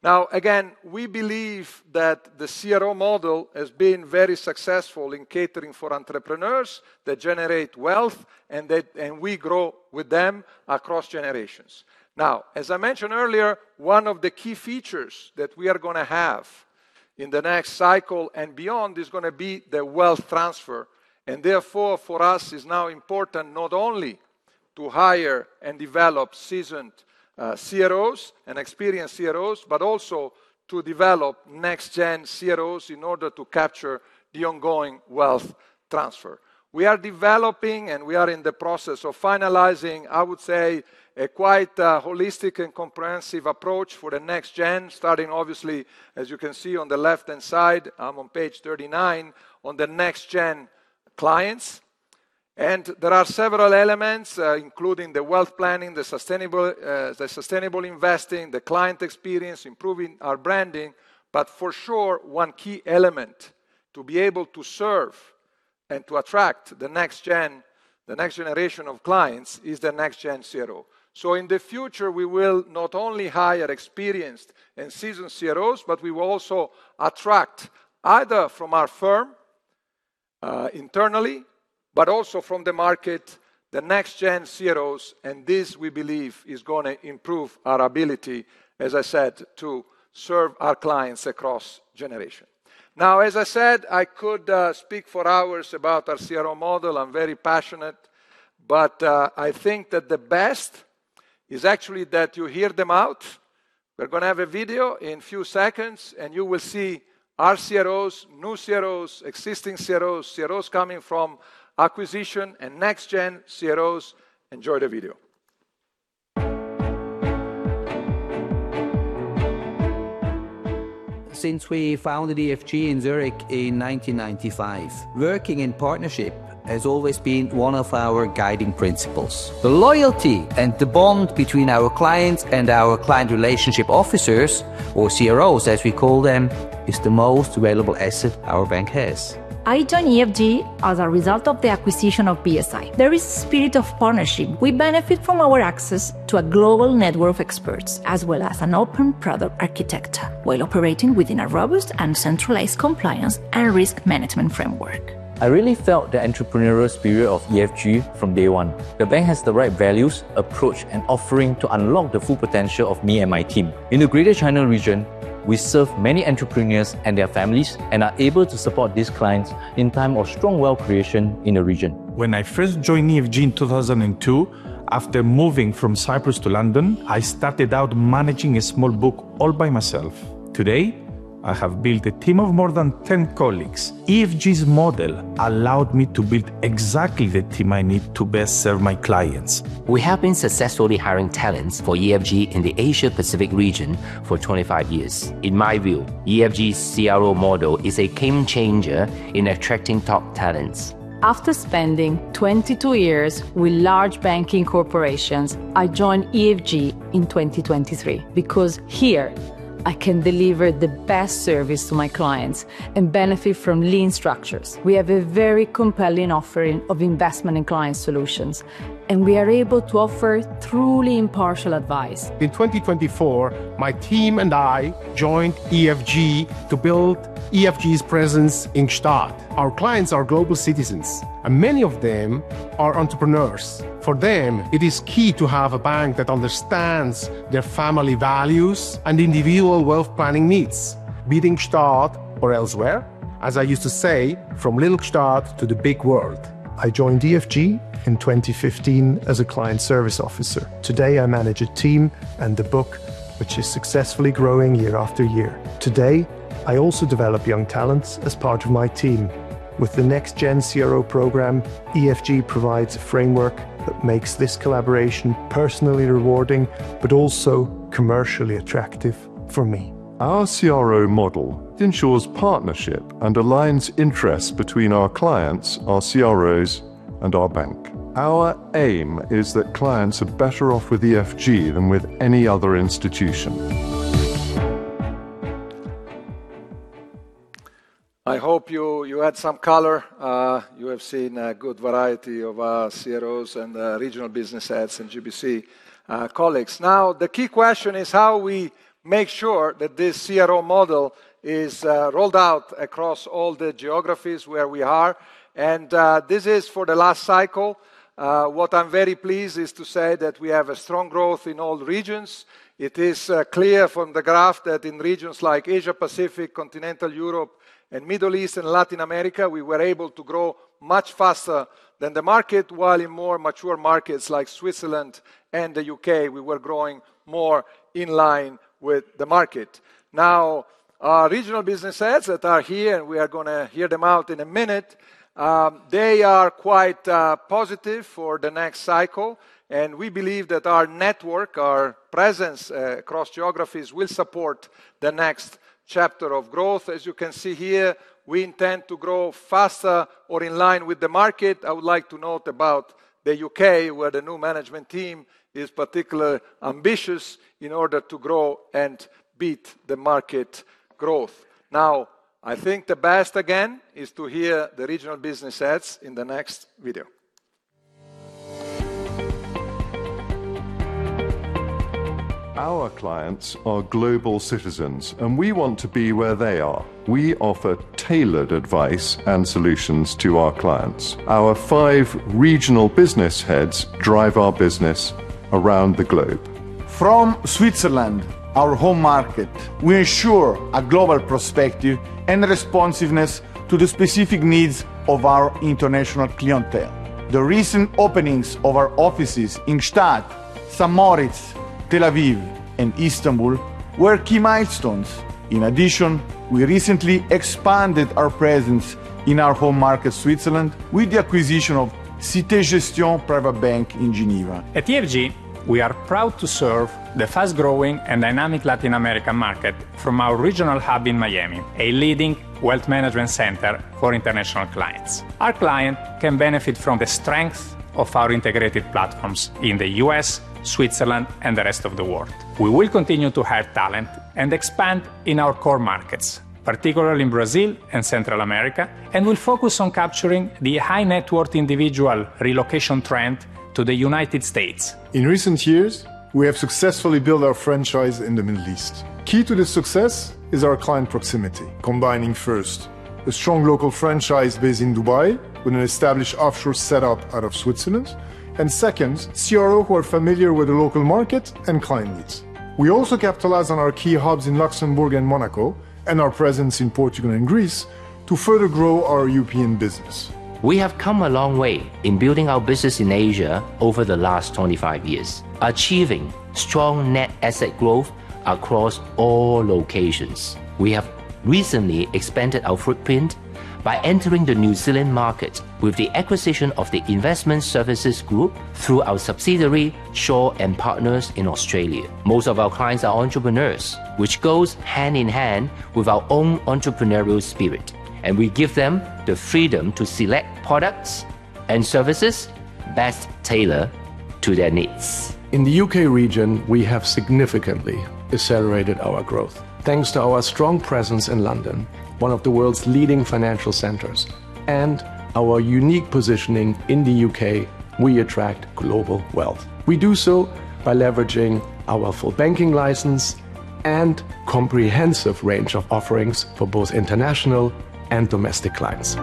Now, again, we believe that the CRO model has been very successful in catering for entrepreneurs that generate wealth, and we grow with them across generations. As I mentioned earlier, one of the key features that we are going to have in the next cycle and beyond is going to be the wealth transfer. Therefore, for us, it is now important not only to hire and develop seasoned CROs and experienced CROs, but also to develop next-gen CROs in order to capture the ongoing wealth transfer. We are developing, and we are in the process of finalizing, I would say, a quite holistic and comprehensive approach for the next gen, starting, obviously, as you can see on the left-hand side, I am on page 39, on the next-gen clients. There are several elements, including the wealth planning, the sustainable investing, the client experience, improving our branding. For sure, one key element to be able to serve and to attract the next gen, the next generation of clients is the next-gen CRO. In the future, we will not only hire experienced and seasoned CROs, but we will also attract either from our firm internally, but also from the market, the next-gen CROs. This, we believe, is going to improve our ability, as I said, to serve our clients across generations. As I said, I could speak for hours about our CRO model. I am very passionate, but I think that the best is actually that you hear them out. We are going to have a video in a few seconds, and you will see our CROs, new CROs, existing CROs, CROs coming from acquisition, and next-gen CROs. Enjoy the video. Since we founded EFG in Zurich in 1995, working in partnership has always been one of our guiding principles. The loyalty and the bond between our clients and our client relationship officers, or CROs, as we call them, is the most valuable asset our bank has. I joined EFG as a result of the acquisition of BSI. There is a spirit of partnership. We benefit from our access to a global network of experts, as well as an open product architecture, while operating within a robust and centralized compliance and risk management framework. I really felt the entrepreneurial spirit of EFG from day one. The bank has the right values, approach, and offering to unlock the full potential of me and my team. In the Greater China region, we serve many entrepreneurs and their families and are able to support these clients in time of strong wealth creation in the region. When I first joined EFG in 2002, after moving from Cyprus to London, I started out managing a small book all by myself. Today, I have built a team of more than 10 colleagues. EFG's model allowed me to build exactly the team I need to best serve my clients. We have been successfully hiring talents for EFG in the Asia-Pacific region for 25 years. In my view, EFG's CRO model is a game changer in attracting top talents. After spending 22 years with large banking corporations, I joined EFG in 2023 because here I can deliver the best service to my clients and benefit from lean structures. We have a very compelling offering of investment and client solutions, and we are able to offer truly impartial advice. In 2024, my team and I joined EFG to build EFG's presence in Gstaad. Our clients are global citizens, and many of them are entrepreneurs. For them, it is key to have a bank that understands their family values and individual wealth planning needs, be it in Gstaad or elsewhere. As I used to say, from little Gstaad to the big world. I joined EFG in 2015 as a client service officer. Today, I manage a team and the book, which is successfully growing year after year. Today, I also develop young talents as part of my team. With the next-gen CRO program, EFG provides a framework that makes this collaboration personally rewarding, but also commercially attractive for me. Our CRO model ensures partnership and aligns interests between our clients, our CROs, and our bank. Our aim is that clients are better off with EFG than with any other institution. I hope you had some color. You have seen a good variety of CROs and regional business heads and GBC colleagues. Now, the key question is how we make sure that this CRO model is rolled out across all the geographies where we are. This is for the last cycle. What I am very pleased is to say that we have strong growth in all regions. It is clear from the graph that in regions like Asia-Pacific, continental Europe, and Middle East and Latin America, we were able to grow much faster than the market, while in more mature markets like Switzerland and the U.K., we were growing more in line with the market. Now, our regional business heads that are here, and we are going to hear them out in a minute, they are quite positive for the next cycle. We believe that our network, our presence across geographies, will support the next chapter of growth. As you can see here, we intend to grow faster or in line with the market. I would like to note about the U.K., where the new management team is particularly ambitious in order to grow and beat the market growth. I think the best again is to hear the regional business heads in the next video. Our clients are global citizens, and we want to be where they are. We offer tailored advice and solutions to our clients. Our five regional business heads drive our business around the globe. From Switzerland, our home market, we ensure a global perspective and responsiveness to the specific needs of our international clientele. The recent openings of our offices in Gstaad, St. Moritz, Tel Aviv, and Istanbul were key milestones. In addition, we recently expanded our presence in our home market, Switzerland, with the acquisition of Cité Gestion Private Bank in Geneva. At EFG, we are proud to serve the fast-growing and dynamic Latin American market from our regional hub in Miami, a leading wealth management center for international clients. Our clients can benefit from the strength of our integrated platforms in the US, Switzerland, and the rest of the world. We will continue to hire talent and expand in our core markets, particularly in Brazil and Central America, and we'll focus on capturing the high-net-worth individual relocation trend to the United States. In recent years, we have successfully built our franchise in the Middle East. Key to this success is our client proximity, combining first a strong local franchise based in Dubai with an established offshore setup out of Switzerland, and second, CROs who are familiar with the local market and client needs. We also capitalize on our key hubs in Luxembourg and Monaco and our presence in Portugal and Greece to further grow our European business. We have come a long way in building our business in Asia over the last 25 years, achieving strong net asset growth across all locations. We have recently expanded our footprint by entering the New Zealand market with the acquisition of the Investment Services Group through our subsidiary, Shaw & Partners in Australia. Most of our clients are entrepreneurs, which goes hand in hand with our own entrepreneurial spirit, and we give them the freedom to select products and services best tailored to their needs. In the U.K. region, we have significantly accelerated our growth. Thanks to our strong presence in London, one of the world's leading financial centers, and our unique positioning in the U.K., we attract global wealth. We do so by leveraging our full banking license and comprehensive range of offerings for both international and domestic clients.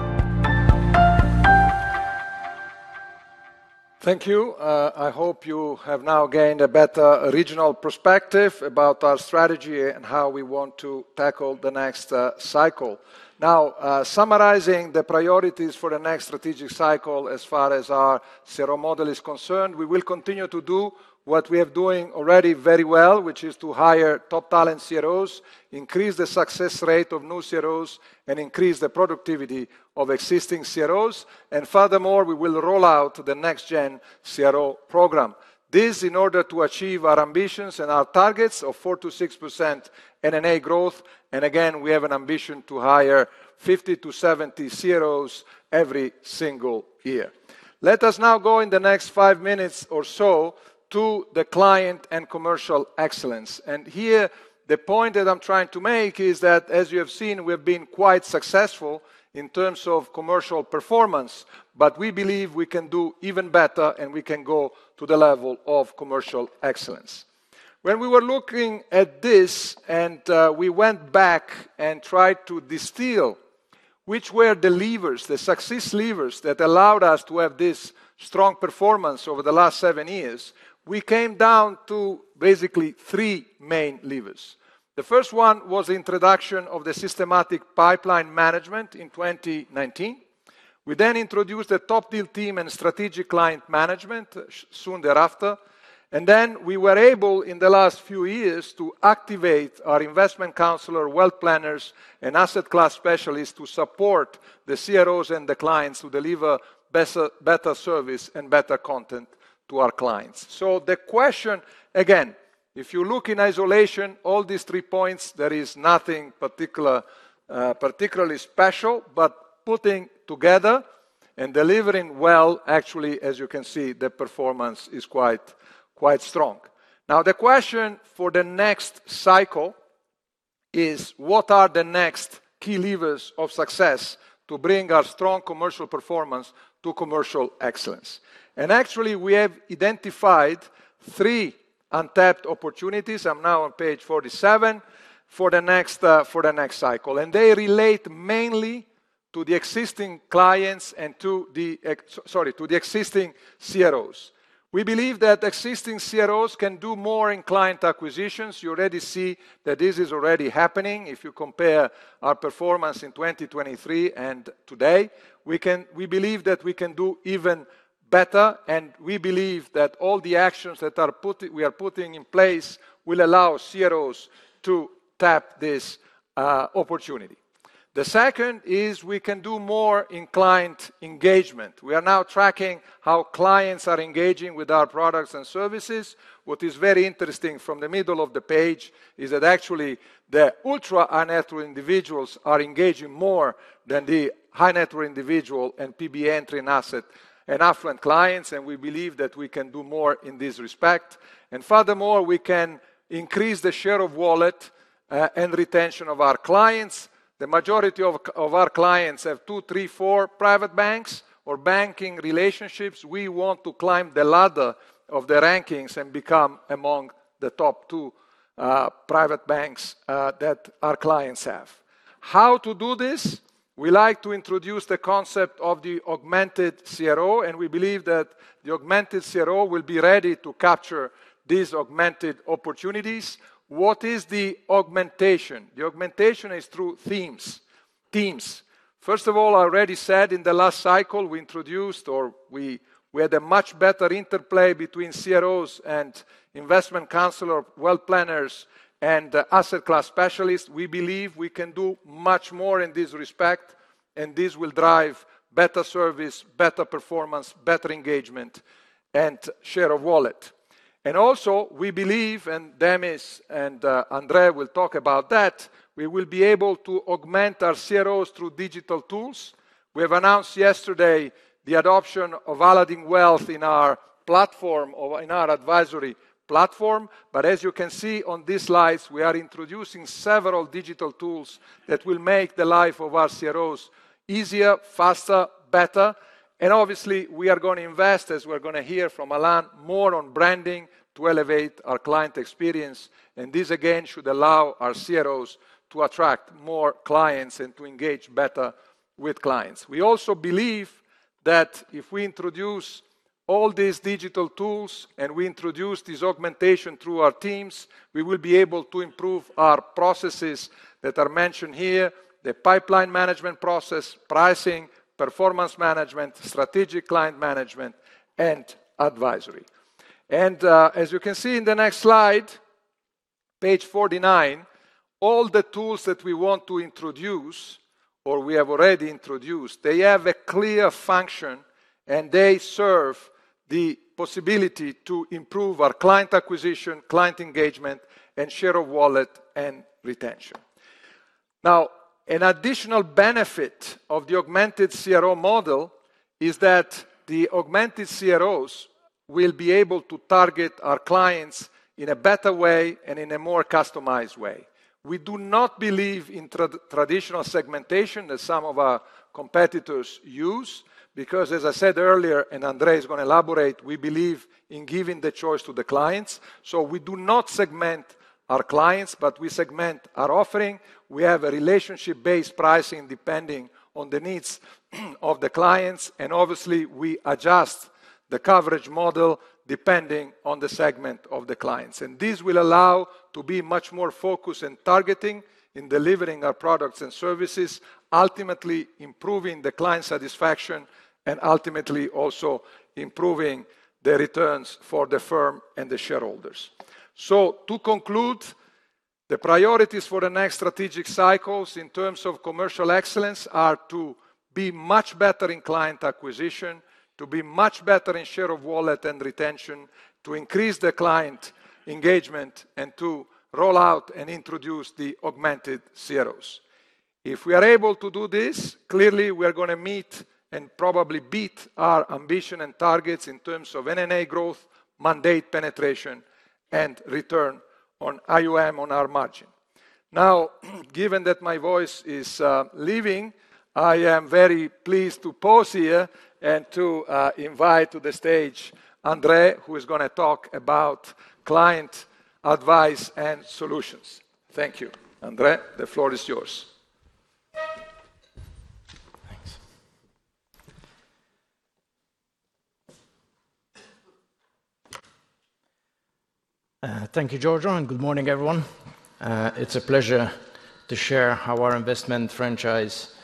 Thank you. I hope you have now gained a better regional perspective about our strategy and how we want to tackle the next cycle. Now, summarizing the priorities for the next strategic cycle as far as our CRO model is concerned, we will continue to do what we are doing already very well, which is to hire top talent CROs, increase the success rate of new CROs, and increase the productivity of existing CROs. Furthermore, we will roll out the next-gen CRO program. This is in order to achieve our ambitions and our targets of 4%-6% NNA growth. Again, we have an ambition to hire 50-70 CROs every single year. Let us now go in the next five minutes or so to the client and commercial excellence. Here, the point that I'm trying to make is that, as you have seen, we have been quite successful in terms of commercial performance, but we believe we can do even better and we can go to the level of commercial excellence. When we were looking at this, and we went back and tried to distill which were the levers, the success levers that allowed us to have this strong performance over the last seven years, we came down to basically three main levers. The first one was the introduction of the systematic pipeline management in 2019. We then introduced the top deal team and strategic client management soon thereafter. We were able, in the last few years, to activate our investment counselor, wealth planners, and asset class specialists to support the CROs and the clients to deliver better service and better content to our clients. The question, again, if you look in isolation, all these three points, there is nothing particularly special, but putting together and delivering well, actually, as you can see, the performance is quite strong. The question for the next cycle is, what are the next key levers of success to bring our strong commercial performance to commercial excellence? Actually, we have identified three untapped opportunities. I am now on page 47 for the next cycle. They relate mainly to the existing clients and to the existing CROs. We believe that existing CROs can do more in client acquisitions. You already see that this is already happening. If you compare our performance in 2023 and today, we believe that we can do even better. We believe that all the actions that we are putting in place will allow CROs to tap this opportunity. The second is we can do more in client engagement. We are now tracking how clients are engaging with our products and services. What is very interesting from the middle of the page is that actually the ultra high net worth individuals are engaging more than the high net worth individual and PB entry and asset and affluent clients. We believe that we can do more in this respect. Furthermore, we can increase the share of wallet and retention of our clients. The majority of our clients have two, three, four private banks or banking relationships. We want to climb the ladder of the rankings and become among the top two private banks that our clients have. How to do this? We like to introduce the concept of the augmented CRO, and we believe that the augmented CRO will be ready to capture these augmented opportunities. What is the augmentation? The augmentation is through themes. First of all, I already said in the last cycle, we introduced or we had a much better interplay between CROs and investment counselors, wealth planners, and asset class specialists. We believe we can do much more in this respect, and this will drive better service, better performance, better engagement, and share of wallet. We also believe, and Demis and André will talk about that, we will be able to augment our CROs through digital tools. We have announced yesterday the adoption of Aladdin Wealth in our platform, in our advisory platform. As you can see on these slides, we are introducing several digital tools that will make the life of our CROs easier, faster, better. Obviously, we are going to invest, as we are going to hear from Alain, more on branding to elevate our client experience. This, again, should allow our CROs to attract more clients and to engage better with clients. We also believe that if we introduce all these digital tools and we introduce this augmentation through our teams, we will be able to improve our processes that are mentioned here, the pipeline management process, pricing, performance management, strategic client management, and advisory. As you can see in the next slide, page 49, all the tools that we want to introduce or we have already introduced, they have a clear function and they serve the possibility to improve our client acquisition, client engagement, and share of wallet and retention. Now, an additional benefit of the augmented CRO model is that the augmented CROs will be able to target our clients in a better way and in a more customized way. We do not believe in traditional segmentation that some of our competitors use because, as I said earlier, and André is going to elaborate, we believe in giving the choice to the clients. We do not segment our clients, but we segment our offering. We have a relationship-based pricing depending on the needs of the clients. Obviously, we adjust the coverage model depending on the segment of the clients. This will allow us to be much more focused and targeting in delivering our products and services, ultimately improving the client satisfaction and ultimately also improving the returns for the firm and the shareholders. To conclude, the priorities for the next strategic cycles in terms of commercial excellence are to be much better in client acquisition, to be much better in share of wallet and retention, to increase the client engagement, and to roll out and introduce the augmented CROs. If we are able to do this, clearly, we are going to meet and probably beat our ambition and targets in terms of NNA growth, mandate penetration, and return on AUM on our margin. Now, given that my voice is leaving, I am very pleased to pause here and to invite to the stage André, who is going to talk about client advice and solutions. Thank you, André. The floor is yours. Thanks. Thank you, Giorgio. Good morning, everyone. It's a pleasure to share how our investment franchise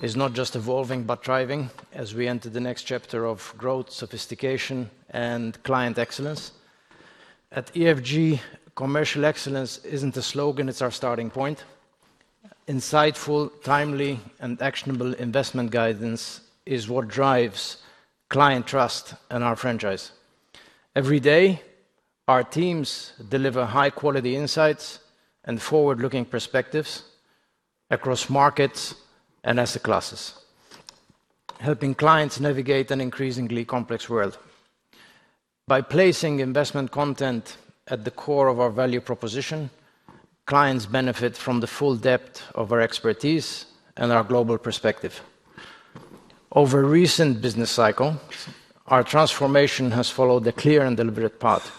is not just evolving, but thriving as we enter the next chapter of growth, sophistication, and client excellence. At EFG, commercial excellence isn't a slogan. It's our starting point. Insightful, timely, and actionable investment guidance is what drives client trust in our franchise. Every day, our teams deliver high-quality insights and forward-looking perspectives across markets and asset classes, helping clients navigate an increasingly complex world. By placing investment content at the core of our value proposition, clients benefit from the full depth of our expertise and our global perspective. Over a recent business cycle, our transformation has followed a clear and deliberate path.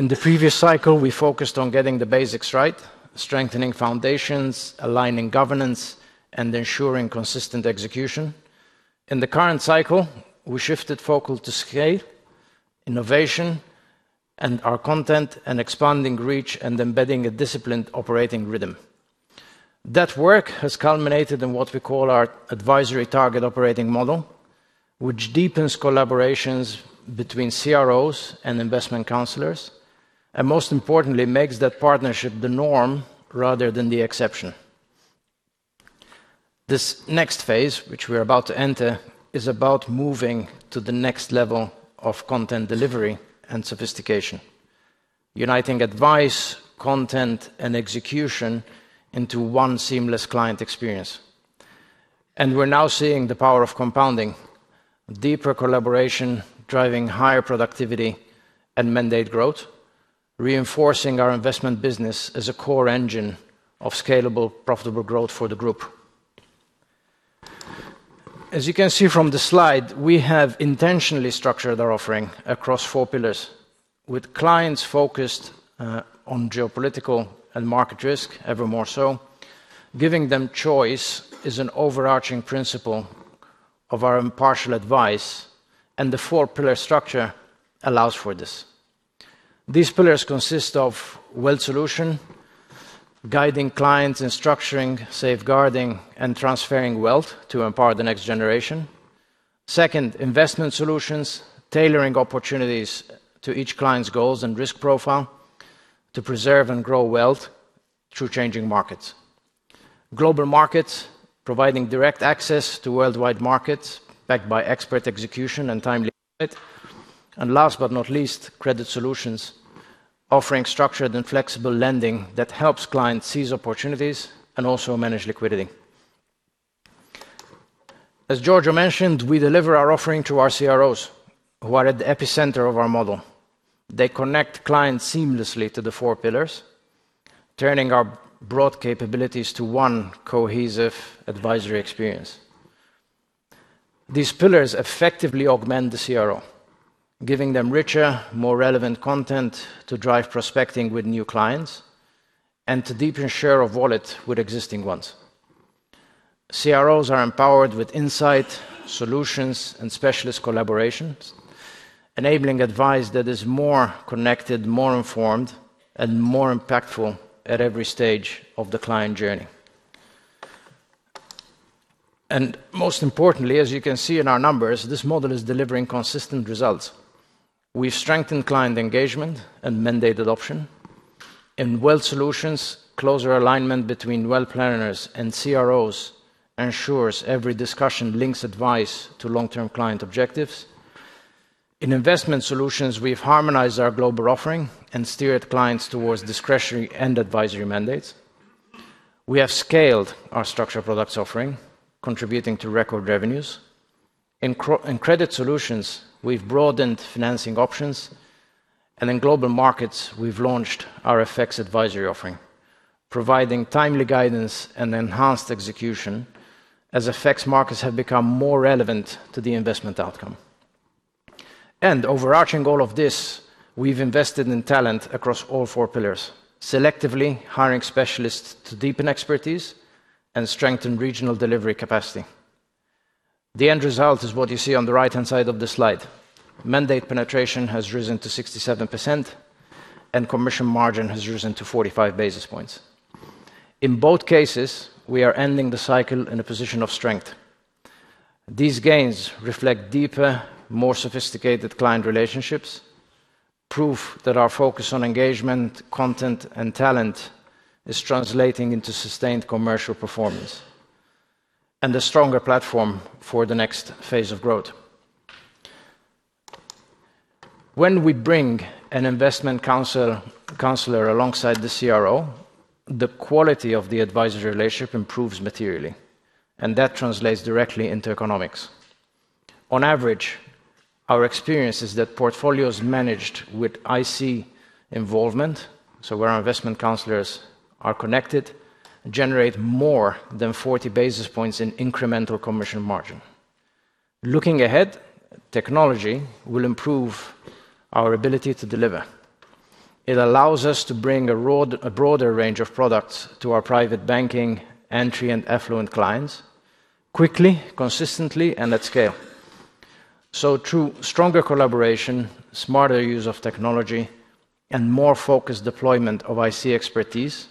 In the previous cycle, we focused on getting the basics right, strengthening foundations, aligning governance, and ensuring consistent execution. In the current cycle, we shifted focal to scale, innovation, and our content and expanding reach and embedding a disciplined operating rhythm. That work has culminated in what we call our advisory target operating model, which deepens collaborations between CROs and investment counselors and, most importantly, makes that partnership the norm rather than the exception. This next phase, which we are about to enter, is about moving to the next level of content delivery and sophistication, uniting advice, content, and execution into one seamless client experience. We are now seeing the power of compounding, deeper collaboration, driving higher productivity and mandate growth, reinforcing our investment business as a core engine of scalable, profitable growth for the group. As you can see from the slide, we have intentionally structured our offering across four pillars with clients focused on geopolitical and market risk ever more so. Giving them choice is an overarching principle of our impartial advice, and the four-pillar structure allows for this. These pillars consist of wealth solution, guiding clients in structuring, safeguarding, and transferring wealth to empower the next generation. Second, investment solutions, tailoring opportunities to each client's goals and risk profile to preserve and grow wealth through changing markets. Global markets, providing direct access to worldwide markets backed by expert execution and timely credit. Last but not least, credit solutions, offering structured and flexible lending that helps clients seize opportunities and also manage liquidity. As Giorgio mentioned, we deliver our offering to our CROs who are at the epicenter of our model. They connect clients seamlessly to the four pillars, turning our broad capabilities to one cohesive advisory experience. These pillars effectively augment the CRO, giving them richer, more relevant content to drive prospecting with new clients and to deepen share of wallet with existing ones. CROs are empowered with insight, solutions, and specialist collaborations, enabling advice that is more connected, more informed, and more impactful at every stage of the client journey. Most importantly, as you can see in our numbers, this model is delivering consistent results. We have strengthened client engagement and mandate adoption. In wealth solutions, closer alignment between wealth planners and CROs ensures every discussion links advice to long-term client objectives. In investment solutions, we have harmonized our global offering and steered clients towards discretionary and advisory mandates. We have scaled our structured products offering, contributing to record revenues. In credit solutions, we have broadened financing options. In global markets, we've launched our FX advisory offering, providing timely guidance and enhanced execution as FX markets have become more relevant to the investment outcome. An overarching goal of this, we've invested in talent across all four pillars, selectively hiring specialists to deepen expertise and strengthen regional delivery capacity. The end result is what you see on the right-hand side of the slide. Mandate penetration has risen to 67%, and commission margin has risen to 45 basis points. In both cases, we are ending the cycle in a position of strength. These gains reflect deeper, more sophisticated client relationships, proof that our focus on engagement, content, and talent is translating into sustained commercial performance and a stronger platform for the next phase of growth. When we bring an investment counselor alongside the CRO, the quality of the advisory relationship improves materially, and that translates directly into economics. On average, our experience is that portfolios managed with IC involvement, so where our investment counselors are connected, generate more than 40 basis points in incremental commission margin. Looking ahead, technology will improve our ability to deliver. It allows us to bring a broader range of products to our private banking, entry, and affluent clients quickly, consistently, and at scale. Through stronger collaboration, smarter use of technology, and more focused deployment of IC expertise,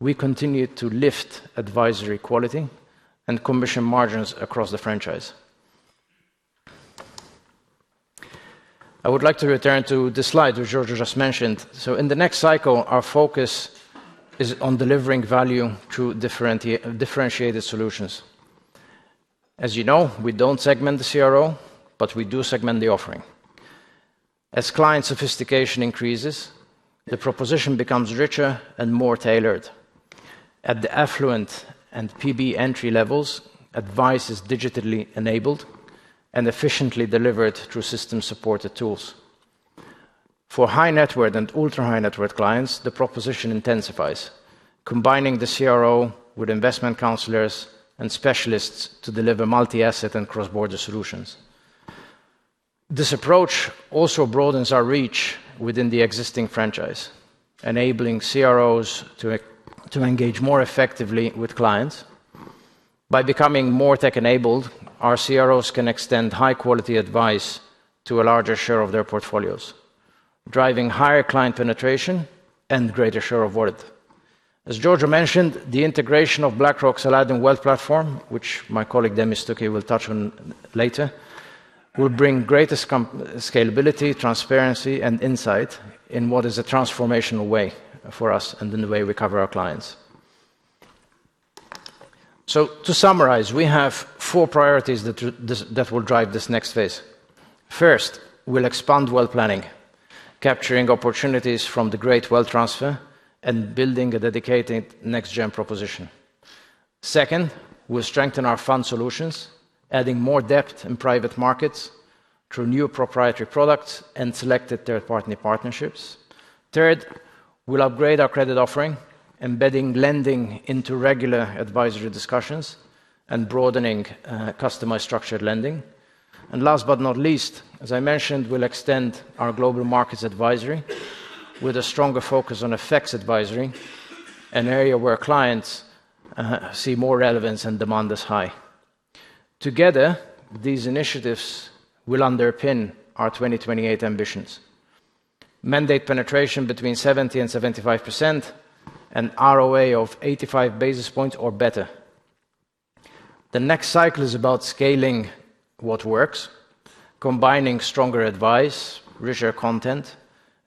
we continue to lift advisory quality and commission margins across the franchise. I would like to return to the slide that Giorgio just mentioned. In the next cycle, our focus is on delivering value through differentiated solutions. As you know, we do not segment the CRO, but we do segment the offering. As client sophistication increases, the proposition becomes richer and more tailored. At the affluent and PB entry levels, advice is digitally enabled and efficiently delivered through system-supported tools. For high-net-worth and ultra-high-net-worth clients, the proposition intensifies, combining the CRO with investment counselors and specialists to deliver multi-asset and cross-border solutions. This approach also broadens our reach within the existing franchise, enabling CROs to engage more effectively with clients. By becoming more tech-enabled, our CROs can extend high-quality advice to a larger share of their portfolios, driving higher client penetration and greater share of worth. As Giorgio mentioned, the integration of BlackRock's Aladdin Wealth platform, which my colleague Demis Stucki will touch on later, will bring greatest scalability, transparency, and insight in what is a transformational way for us and in the way we cover our clients. To summarize, we have four priorities that will drive this next phase. First, we'll expand wealth planning, capturing opportunities from the great wealth transfer and building a dedicated next-gen proposition. Second, we'll strengthen our fund solutions, adding more depth in private markets through new proprietary products and selected third-party partnerships. Third, we'll upgrade our credit offering, embedding lending into regular advisory discussions and broadening customized structured lending. Last but not least, as I mentioned, we'll extend our global markets advisory with a stronger focus on FX advisory, an area where clients see more relevance and demand is high. Together, these initiatives will underpin our 2028 ambitions: mandate penetration between 70%-75% and ROA of 85 basis points or better. The next cycle is about scaling what works, combining stronger advice, richer content,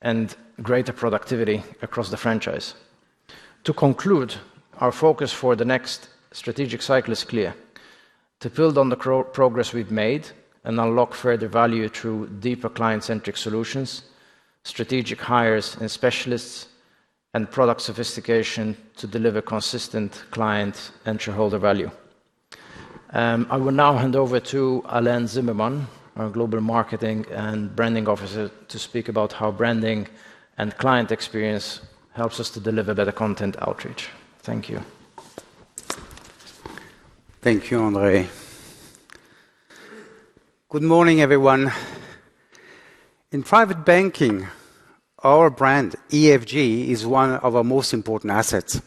and greater productivity across the franchise. To conclude, our focus for the next strategic cycle is clear: to build on the progress we've made and unlock further value through deeper client-centric solutions, strategic hires and specialists, and product sophistication to deliver consistent client and shareholder value. I will now hand over to Alain Zimmerman, our Global Marketing and Branding Officer, to speak about how branding and client experience helps us to deliver better content outreach. Thank you. Thank you, André. Good morning, everyone. In private banking, our brand, EFG, is one of our most important assets.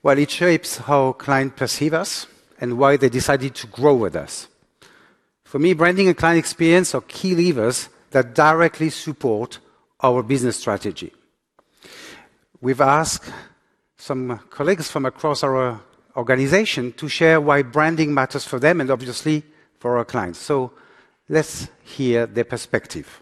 While it shapes how clients perceive us and why they decided to grow with us, for me, branding and client experience are key levers that directly support our business strategy. We've asked some colleagues from across our organization to share why branding matters for them and, obviously, for our clients. Let's hear their perspective.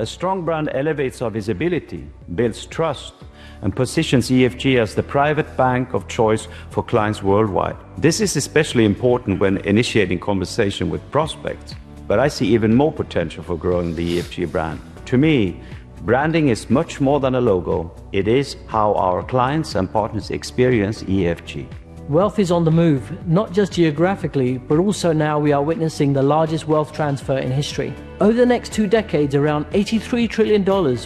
A strong brand elevates our visibility, builds trust, and positions EFG as the private bank of choice for clients worldwide. This is especially important when initiating conversation with prospects, but I see even more potential for growing the EFG brand. To me, branding is much more than a logo. It is how our clients and partners experience EFG. Wealth is on the move, not just geographically, but also now we are witnessing the largest wealth transfer in history. Over the next two decades, around $83 trillion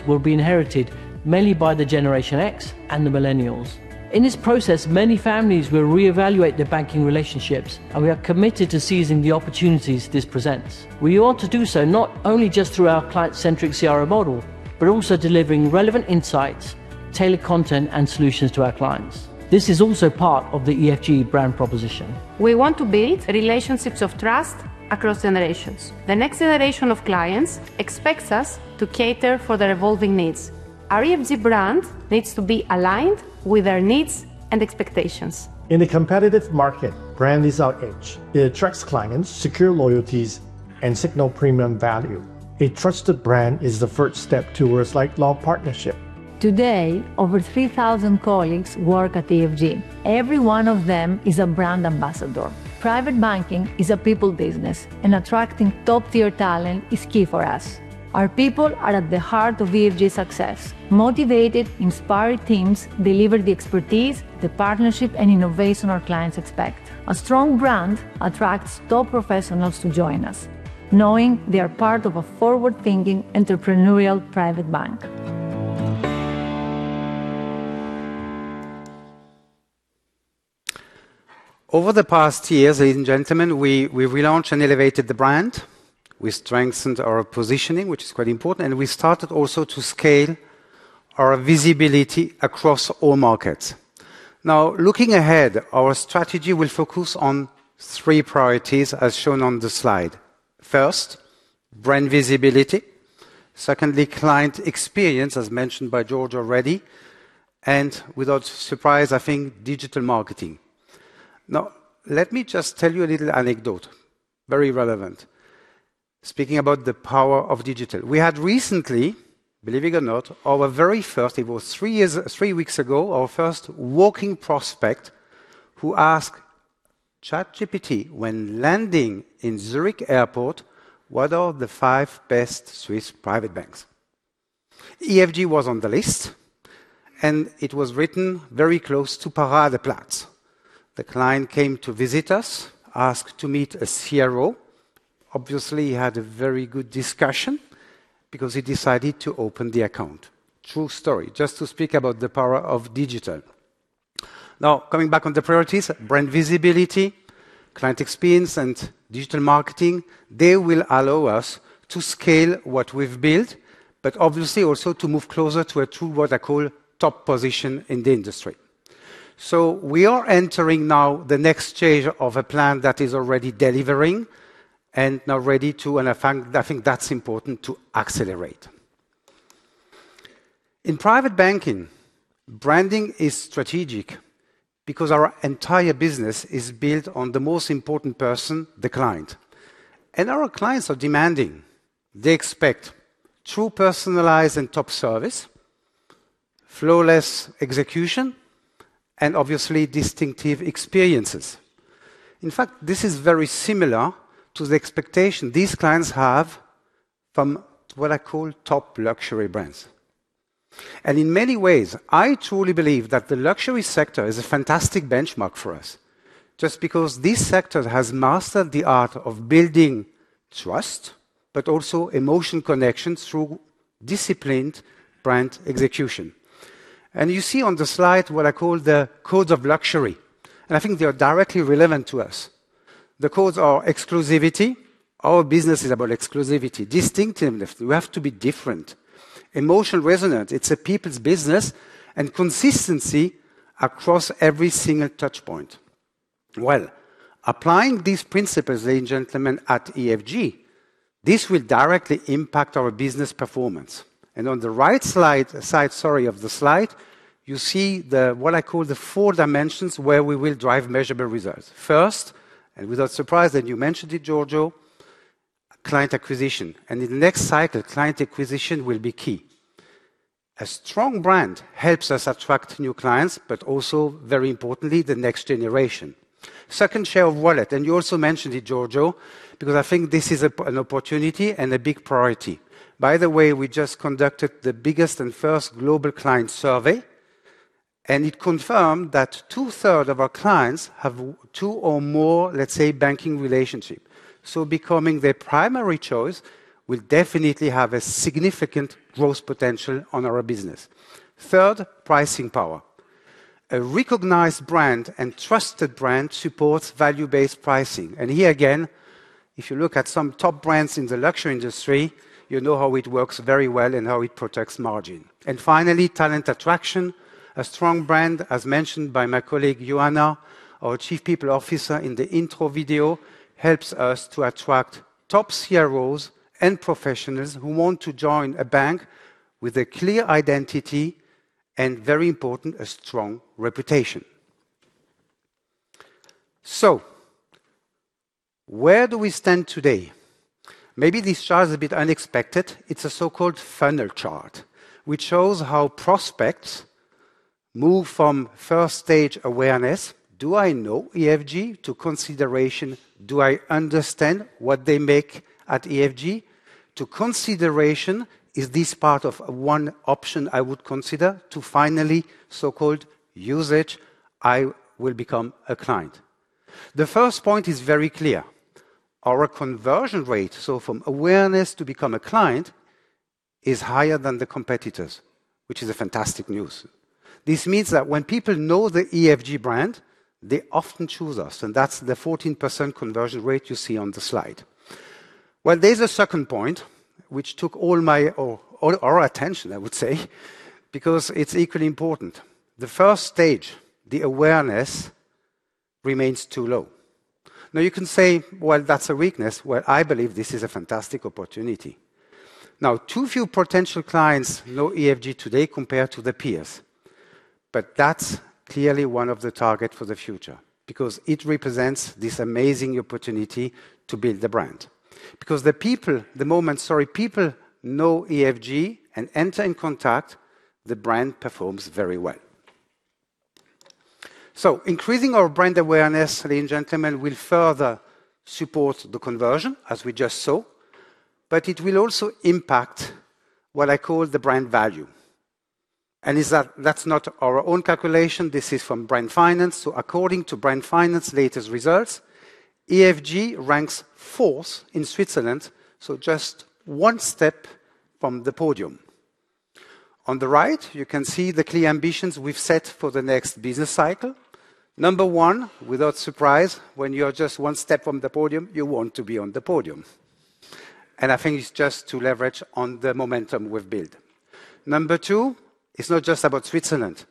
will be inherited, mainly by the Generation X and the Millennials. In this process, many families will reevaluate their banking relationships, and we are committed to seizing the opportunities this presents. We ought to do so not only just through our client-centric CRO model, but also delivering relevant insights, tailored content, and solutions to our clients. This is also part of the EFG brand proposition. We want to build relationships of trust across generations. The next generation of clients expects us to cater for their evolving needs. Our EFG brand needs to be aligned with their needs and expectations. In a competitive market, brand is our edge. It attracts clients, secures loyalties, and signals premium value. A trusted brand is the first step towards like-law partnership. Today, over 3,000 colleagues work at EFG. Every one of them is a brand ambassador. Private banking is a people business, and attracting top-tier talent is key for us. Our people are at the heart of EFG's success. Motivated, inspired teams deliver the expertise, the partnership, and innovation our clients expect. A strong brand attracts top professionals to join us, knowing they are part of a forward-thinking entrepreneurial private bank. Over the past years, ladies and gentlemen, we relaunched and elevated the brand. We strengthened our positioning, which is quite important, and we started also to scale our visibility across all markets. Now, looking ahead, our strategy will focus on three priorities, as shown on the slide. First, brand visibility. Secondly, client experience, as mentioned by Giorgio already. Without surprise, I think digital marketing. Now, let me just tell you a little anecdote, very relevant, speaking about the power of digital. We had recently, believe it or not, our very first, it was three weeks ago, our first walking prospect who asked ChatGPT, when landing in Zurich Airport, what are the five best Swiss private banks? EFG was on the list, and it was written very close to Paradeplatz. The client came to visit us, asked to meet a CRO. Obviously, he had a very good discussion because he decided to open the account. True story, just to speak about the power of digital. Now, coming back on the priorities, brand visibility, client experience, and digital marketing, they will allow us to scale what we've built, but obviously also to move closer to a true what I call top position in the industry. We are entering now the next stage of a plan that is already delivering and now ready to, and I think that's important, to accelerate. In private banking, branding is strategic because our entire business is built on the most important person, the client. Our clients are demanding. They expect true personalized and top service, flawless execution, and obviously distinctive experiences. In fact, this is very similar to the expectation these clients have from what I call top luxury brands. In many ways, I truly believe that the luxury sector is a fantastic benchmark for us, just because this sector has mastered the art of building trust, but also emotional connections through disciplined brand execution. You see on the slide what I call the codes of luxury. I think they are directly relevant to us. The codes are exclusivity. Our business is about exclusivity. Distinctiveness. We have to be different. Emotional resonance. It's a people's business and consistency across every single touchpoint. Applying these principles, ladies and gentlemen, at EFG, this will directly impact our business performance. On the right side, sorry, of the slide, you see what I call the four dimensions where we will drive measurable results. First, and without surprise, and you mentioned it, Giorgio, client acquisition. In the next cycle, client acquisition will be key. A strong brand helps us attract new clients, but also, very importantly, the next generation. Second, share of wallet. And you also mentioned it, Giorgio, because I think this is an opportunity and a big priority. By the way, we just conducted the biggest and first global client survey, and it confirmed that 2/3 of our clients have two or more, let's say, banking relationships. So becoming their primary choice will definitely have a significant growth potential on our business. Third, pricing power. A recognized brand and trusted brand supports value-based pricing. Here again, if you look at some top brands in the luxury industry, you know how it works very well and how it protects margin. Finally, talent attraction. A strong brand, as mentioned by my colleague Ioanna, our Chief People Officer in the intro video, helps us to attract top CROs and professionals who want to join a bank with a clear identity and, very important, a strong reputation. Where do we stand today? Maybe this chart is a bit unexpected. It is a so-called funnel chart, which shows how prospects move from first-stage awareness, do I know EFG, to consideration, do I understand what they make at EFG, to consideration, is this part of one option I would consider, to finally, so-called usage, I will become a client. The first point is very clear. Our conversion rate, from awareness to become a client, is higher than the competitors, which is fantastic news. This means that when people know the EFG brand, they often choose us, and that is the 14% conversion rate you see on the slide. There is a second point, which took all our attention, I would say, because it is equally important. The first stage, the awareness, remains too low. Now, you can say, well, that is a weakness. I believe this is a fantastic opportunity. Now, too few potential clients know EFG today compared to the peers, but that is clearly one of the targets for the future because it represents this amazing opportunity to build the brand. Because the people, the moment, sorry, people know EFG and enter in contact, the brand performs very well. Increasing our brand awareness, ladies and gentlemen, will further support the conversion, as we just saw, but it will also impact what I call the brand value. That is not our own calculation. This is from Brand Finance. According to Brand Finance's latest results, EFG ranks fourth in Switzerland, just one step from the podium. On the right, you can see the clear ambitions we've set for the next business cycle. Number one, without surprise, when you're just one step from the podium, you want to be on the podium. I think it's just to leverage on the momentum we've built. Number two, it's not just about Switzerland.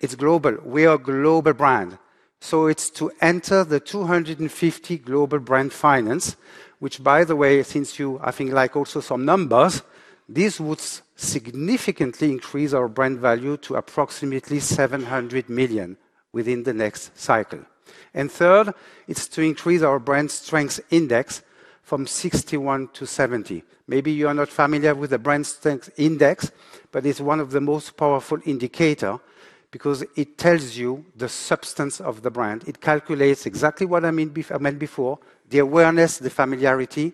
It's global. We are a global brand. It's to enter the 250 global brand finance, which, by the way, since you, I think, like also some numbers, this would significantly increase our brand value to approximately 700 million within the next cycle. Third, it's to increase our brand strength index from 61 to 70. Maybe you are not familiar with the brand strength index, but it's one of the most powerful indicators because it tells you the substance of the brand. It calculates exactly what I meant before, the awareness, the familiarity,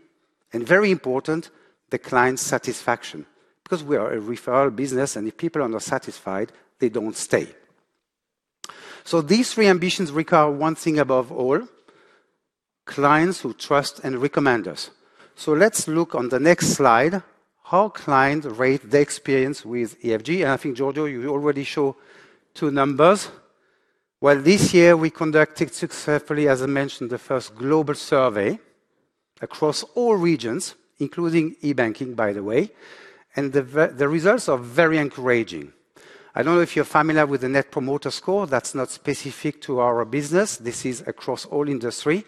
and very important, the client satisfaction, because we are a referral business, and if people are not satisfied, they don't stay. These three ambitions require one thing above all, clients who trust and recommend us. Let's look on the next slide, how clients rate the experience with EFG. I think, Giorgio, you already showed two numbers. This year, we conducted successfully, as I mentioned, the first global survey across all regions, including e-banking, by the way, and the results are very encouraging. I don't know if you're familiar with the Net Promoter Score. That's not specific to our business. This is across all industries.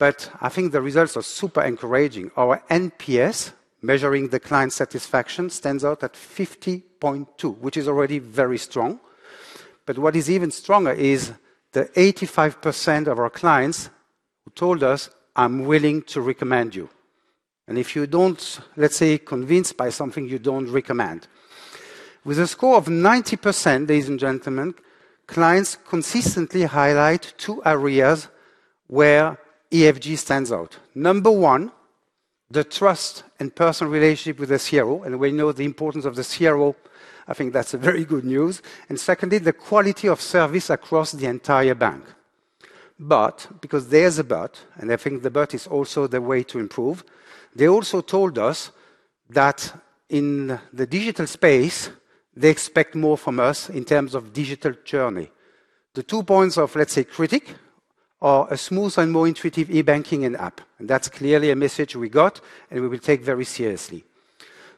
I think the results are super encouraging. Our NPS, measuring the client satisfaction, stands out at 50.2, which is already very strong. What is even stronger is the 85% of our clients who told us, "I'm willing to recommend you." If you do not, let's say, feel convinced by something, you do not recommend. With a score of 90%, ladies and gentlemen, clients consistently highlight two areas where EFG stands out. Number one, the trust and personal relationship with the CRO, and we know the importance of the CRO. I think that's very good news. Secondly, the quality of service across the entire bank. There is a but, and I think the but is also the way to improve. They also told us that in the digital space, they expect more from us in terms of digital journey. The two points of, let's say, critic are a smoother and more intuitive e-banking and app. That is clearly a message we got and we will take very seriously.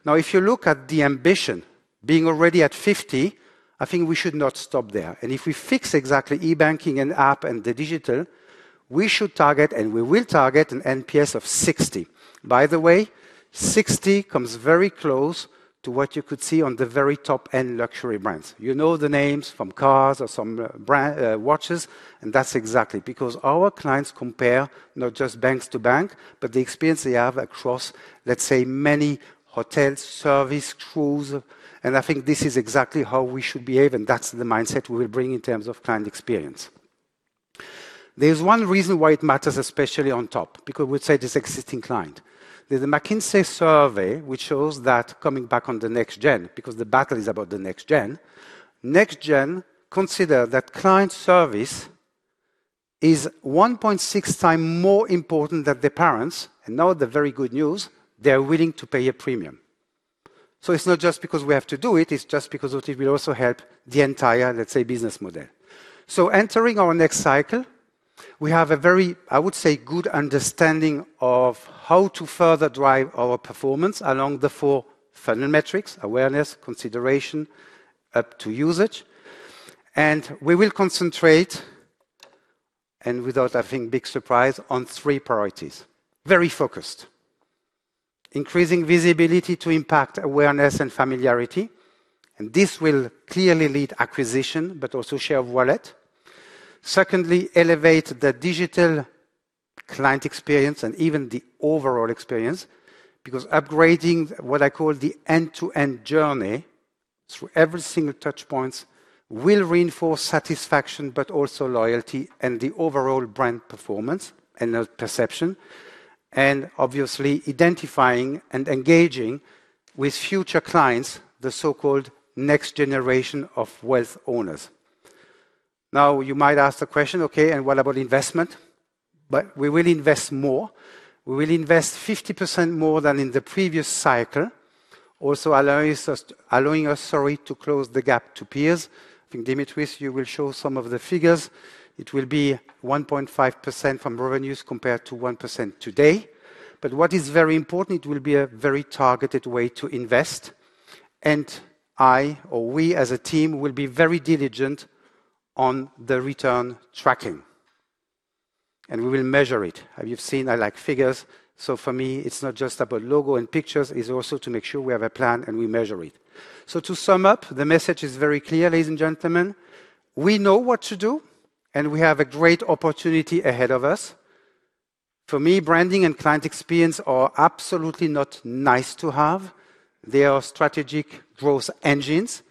Now, if you look at the ambition, being already at 50, I think we should not stop there. If we fix exactly e-banking and app and the digital, we should target, and we will target, an NPS of 60. By the way, 60 comes very close to what you could see on the very top-end luxury brands. You know the names from cars or some watches, and that's exactly because our clients compare not just banks to bank, but the experience they have across, let's say, many hotels, service, cruise. I think this is exactly how we should behave, and that's the mindset we will bring in terms of client experience. There's one reason why it matters especially on top, because we would say this existing client. There's a McKinsey survey which shows that coming back on the next gen, because the battle is about the next gen. Next gen consider that client service is 1.6x more important than their parents. Now the very good news, they're willing to pay a premium. It's not just because we have to do it, it's just because it will also help the entire, let's say, business model. Entering our next cycle, we have a very, I would say, good understanding of how to further drive our performance along the four funnel metrics, awareness, consideration, up to usage. We will concentrate, and without, I think, big surprise, on three priorities. Very focused. Increasing visibility to impact awareness and familiarity. This will clearly lead to acquisition, but also share of wallet. Secondly, elevate the digital client experience and even the overall experience, because upgrading what I call the end-to-end journey through every single touchpoint will reinforce satisfaction, but also loyalty and the overall brand performance and perception. Obviously, identifying and engaging with future clients, the so-called next generation of wealth owners. You might ask the question, okay, what about investment? We will invest more. We will invest 50% more than in the previous cycle, also allowing us, sorry, to close the gap to peers. I think Dimitris, you will show some of the figures. It will be 1.5% from revenues compared to 1% today. What is very important, it will be a very targeted way to invest. I, or we as a team, will be very diligent on the return tracking. We will measure it. Have you seen? I like figures. For me, it's not just about logo and pictures, it's also to make sure we have a plan and we measure it. To sum up, the message is very clear, ladies and gentlemen. We know what to do, and we have a great opportunity ahead of us. For me, branding and client experience are absolutely not nice to have. They are strategic growth engines,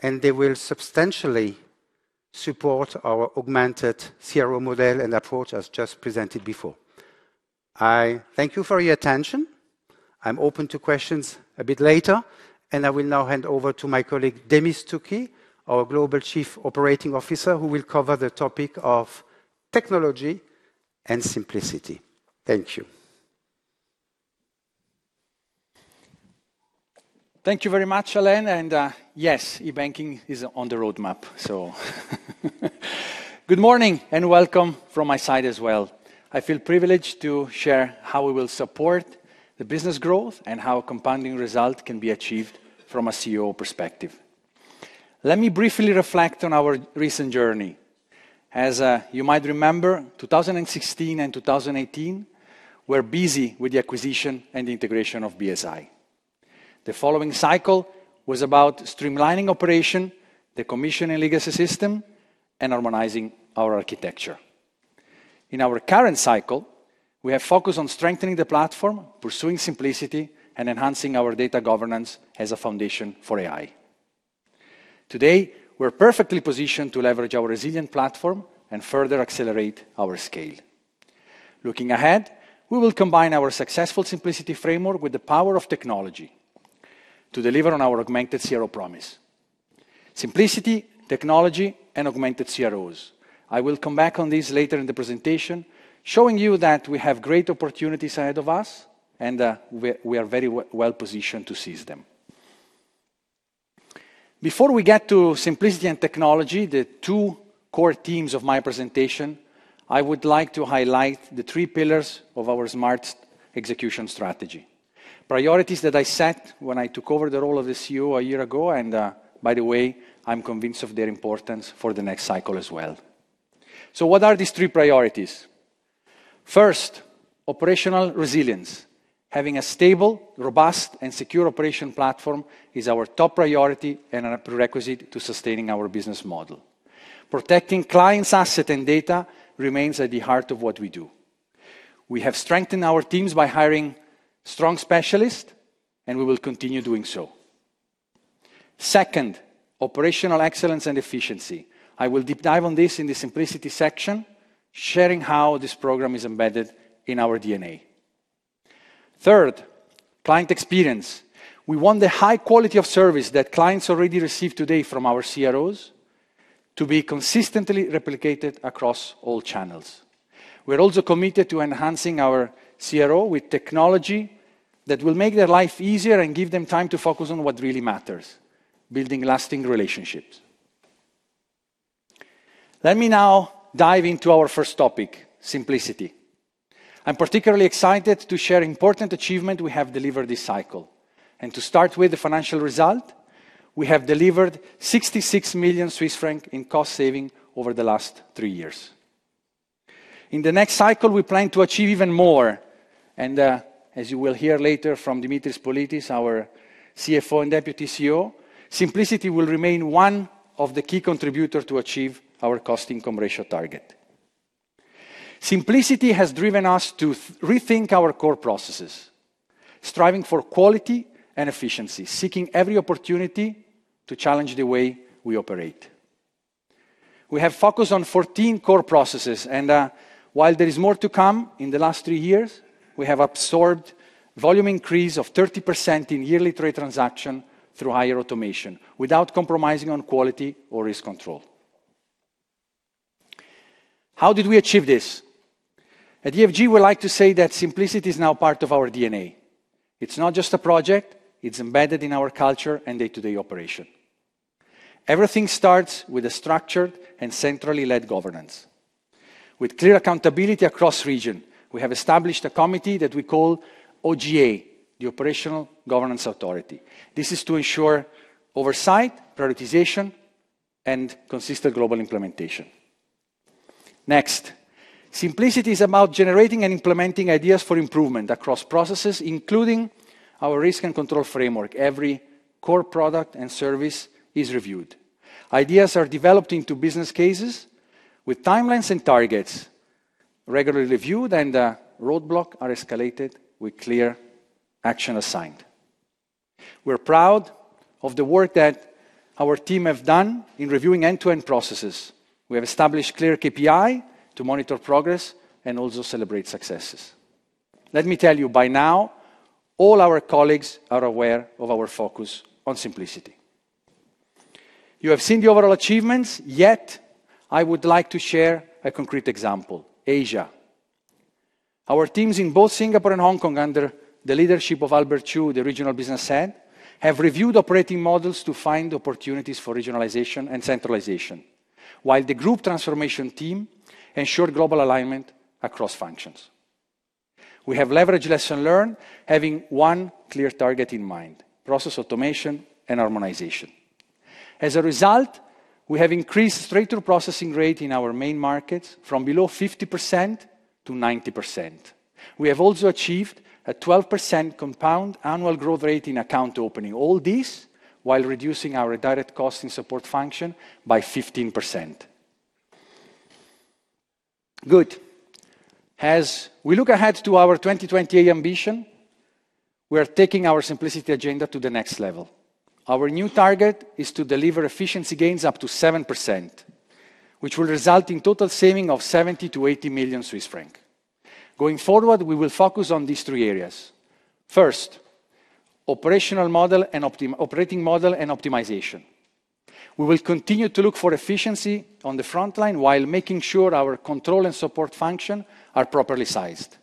and they will substantially support our augmented CRO model and approach as just presented before. I thank you for your attention. I'm open to questions a bit later, and I will now hand over to my colleague Demis Stucki, our Global Chief Operating Officer, who will cover the topic of technology and simplicity. Thank you. Thank you very much, Alain. Yes, e-banking is on the roadmap. Good morning and welcome from my side as well. I feel privileged to share how we will support the business growth and how compounding results can be achieved from a CEO perspective. Let me briefly reflect on our recent journey. As you might remember, 2016 and 2018, we were busy with the acquisition and the integration of BSI. The following cycle was about streamlining operation, decommissioning legacy systems, and harmonizing our architecture. In our current cycle, we have focused on strengthening the platform, pursuing simplicity, and enhancing our data governance as a foundation for AI. Today, we are perfectly positioned to leverage our resilient platform and further accelerate our scale. Looking ahead, we will combine our successful simplicity framework with the power of technology to deliver on our augmented CRO promise. Simplicity, technology, and augmented CROs. I will come back on this later in the presentation, showing you that we have great opportunities ahead of us, and we are very well positioned to seize them. Before we get to simplicity and technology, the two core themes of my presentation, I would like to highlight the three pillars of our smart execution strategy. Priorities that I set when I took over the role of the CEO a year ago, and by the way, I'm convinced of their importance for the next cycle as well. What are these three priorities? First, operational resilience. Having a stable, robust, and secure operation platform is our top priority and a prerequisite to sustaining our business model. Protecting clients' assets and data remains at the heart of what we do. We have strengthened our teams by hiring strong specialists, and we will continue doing so. Second, operational excellence and efficiency. I will deep dive on this in the simplicity section, sharing how this program is embedded in our DNA. Third, client experience. We want the high quality of service that clients already receive today from our CROs to be consistently replicated across all channels. We're also committed to enhancing our CRO with technology that will make their life easier and give them time to focus on what really matters, building lasting relationships. Let me now dive into our first topic, simplicity. I'm particularly excited to share important achievements we have delivered this cycle. To start with the financial result, we have delivered 66 million Swiss francs in cost saving over the last three years. In the next cycle, we plan to achieve even more. As you will hear later from Dimitris Politis, our CFO and Deputy CEO, simplicity will remain one of the key contributors to achieve our cost income ratio target. Simplicity has driven us to rethink our core processes, striving for quality and efficiency, seeking every opportunity to challenge the way we operate. We have focused on 14 core processes, and while there is more to come in the last three years, we have absorbed a volume increase of 30% in yearly trade transactions through higher automation without compromising on quality or risk control. How did we achieve this? At EFG, we like to say that simplicity is now part of our DNA. It's not just a project. It's embedded in our culture and day-to-day operation. Everything starts with structured and centrally led governance. With clear accountability across regions, we have established a committee that we call OGA, the Operational Governance Authority. This is to ensure oversight, prioritization, and consistent global implementation. Next, simplicity is about generating and implementing ideas for improvement across processes, including our risk and control framework. Every core product and service is reviewed. Ideas are developed into business cases with timelines and targets regularly reviewed, and roadblocks are escalated with clear action assigned. We're proud of the work that our team has done in reviewing end-to-end processes. We have established clear KPIs to monitor progress and also celebrate successes. Let me tell you, by now, all our colleagues are aware of our focus on simplicity. You have seen the overall achievements, yet I would like to share a concrete example. Asia. Our teams in both Singapore and Hong Kong, under the leadership of Albert Chiu, the Regional Business Head, have reviewed operating models to find opportunities for regionalization and centralization, while the group transformation team ensured global alignment across functions. We have leveraged lessons learned, having one clear target in mind: process automation and harmonization. As a result, we have increased straight-through processing rate in our main markets from below 50% to 90%. We have also achieved a 12% compound annual growth rate in account opening, all this while reducing our direct cost and support function by 15%. Good. As we look ahead to our 2028 ambition, we are taking our simplicity agenda to the next level. Our new target is to deliver efficiency gains up to 7%, which will result in total savings of 70 million-80 million Swiss francs. Going forward, we will focus on these three areas. First, operational model and operating model and optimization. We will continue to look for efficiency on the frontline while making sure our control and support functions are properly sized.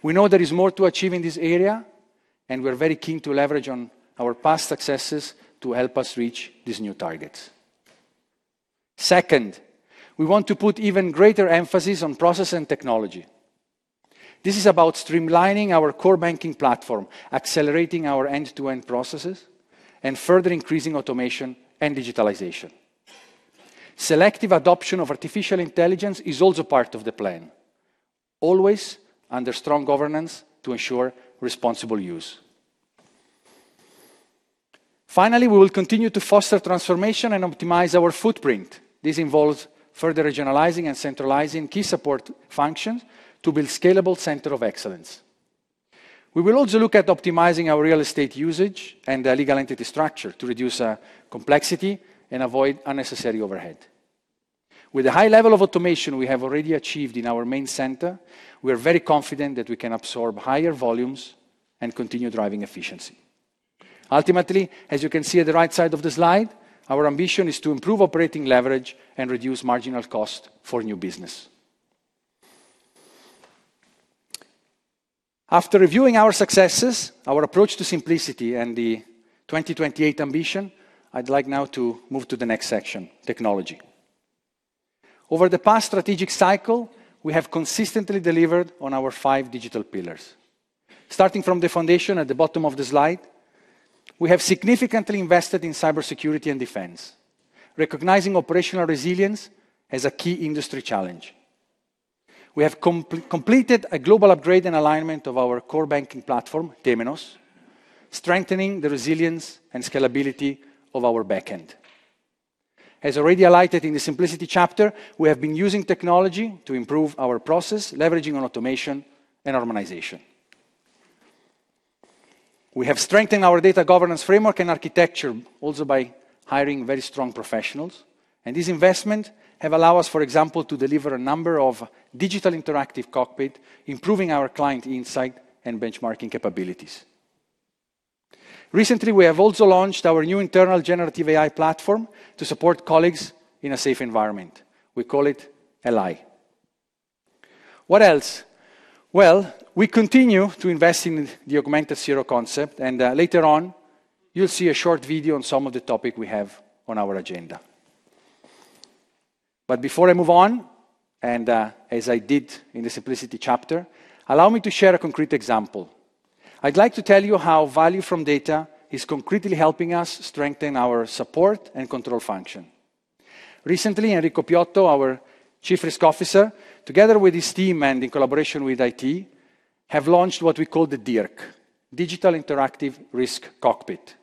We know there is more to achieve in this area, and we're very keen to leverage our past successes to help us reach these new targets. Second, we want to put even greater emphasis on process and technology. This is about streamlining our core banking platform, accelerating our end-to-end processes, and further increasing automation and digitalization. Selective adoption of artificial intelligence is also part of the plan, always under strong governance to ensure responsible use. Finally, we will continue to foster transformation and optimize our footprint. This involves further regionalizing and centralizing key support functions to build a scalable center of excellence. We will also look at optimizing our real estate usage and legal entity structure to reduce complexity and avoid unnecessary overhead. With the high level of automation we have already achieved in our main center, we are very confident that we can absorb higher volumes and continue driving efficiency. Ultimately, as you can see at the right side of the slide, our ambition is to improve operating leverage and reduce marginal costs for new business. After reviewing our successes, our approach to simplicity, and the 2028 ambition, I'd like now to move to the next section, technology. Over the past strategic cycle, we have consistently delivered on our five digital pillars. Starting from the foundation at the bottom of the slide, we have significantly invested in cybersecurity and defense, recognizing operational resilience as a key industry challenge. We have completed a global upgrade and alignment of our core banking platform, Temenos, strengthening the resilience and scalability of our backend. As already highlighted in the simplicity chapter, we have been using technology to improve our process, leveraging automation and harmonization. We have strengthened our data governance framework and architecture also by hiring very strong professionals. These investments have allowed us, for example, to deliver a number of digital interactive cockpits, improving our client insight and benchmarking capabilities. Recently, we have also launched our new internal generative AI platform to support colleagues in a safe environment. We call it LI. What else? We continue to invest in the augmented CRO concept, and later on, you'll see a short video on some of the topics we have on our agenda. Before I move on, and as I did in the simplicity chapter, allow me to share a concrete example. I'd like to tell you how value from data is concretely helping us strengthen our support and control function. Recently, Enrico Piotto, our Chief Risk Officer, together with his team and in collaboration with IT, have launched what we call the DIRC, Digital Interactive Risk Cockpit.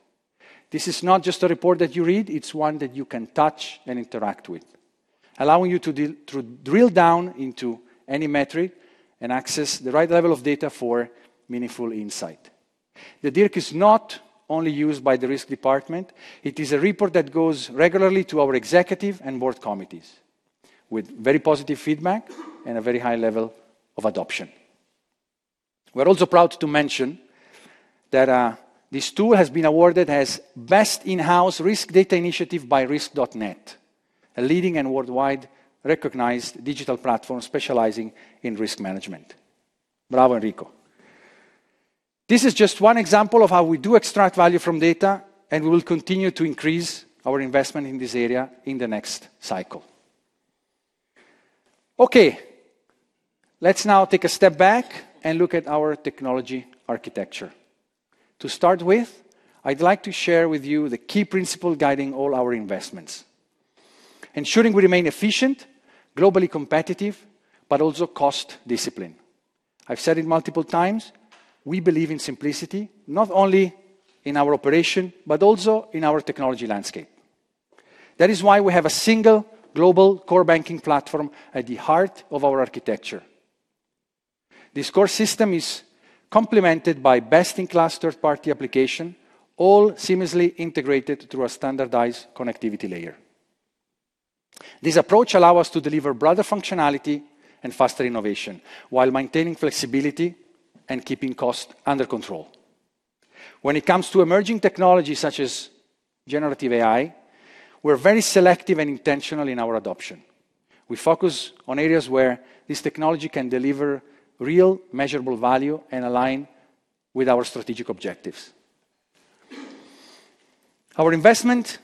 This is not just a report that you read; it's one that you can touch and interact with, allowing you to drill down into any metric and access the right level of data for meaningful insight. The DIRC is not only used by the risk department; it is a report that goes regularly to our executive and board committees, with very positive feedback and a very high level of adoption. We're also proud to mention that this tool has been awarded as Best In-House Risk Data Initiative by Risk.net, a leading and worldwide recognized digital platform specializing in risk management. Bravo, Enrico. This is just one example of how we do extract value from data, and we will continue to increase our investment in this area in the next cycle. Okay, let's now take a step back and look at our technology architecture. To start with, I'd like to share with you the key principle guiding all our investments: ensuring we remain efficient, globally competitive, but also cost discipline. I've said it multiple times: we believe in simplicity, not only in our operation, but also in our technology landscape. That is why we have a single global core banking platform at the heart of our architecture. This core system is complemented by best-in-class third-party applications, all seamlessly integrated through a standardized connectivity layer. This approach allows us to deliver broader functionality and faster innovation while maintaining flexibility and keeping costs under control. When it comes to emerging technologies such as generative AI, we're very selective and intentional in our adoption. We focus on areas where this technology can deliver real measurable value and align with our strategic objectives. Our investments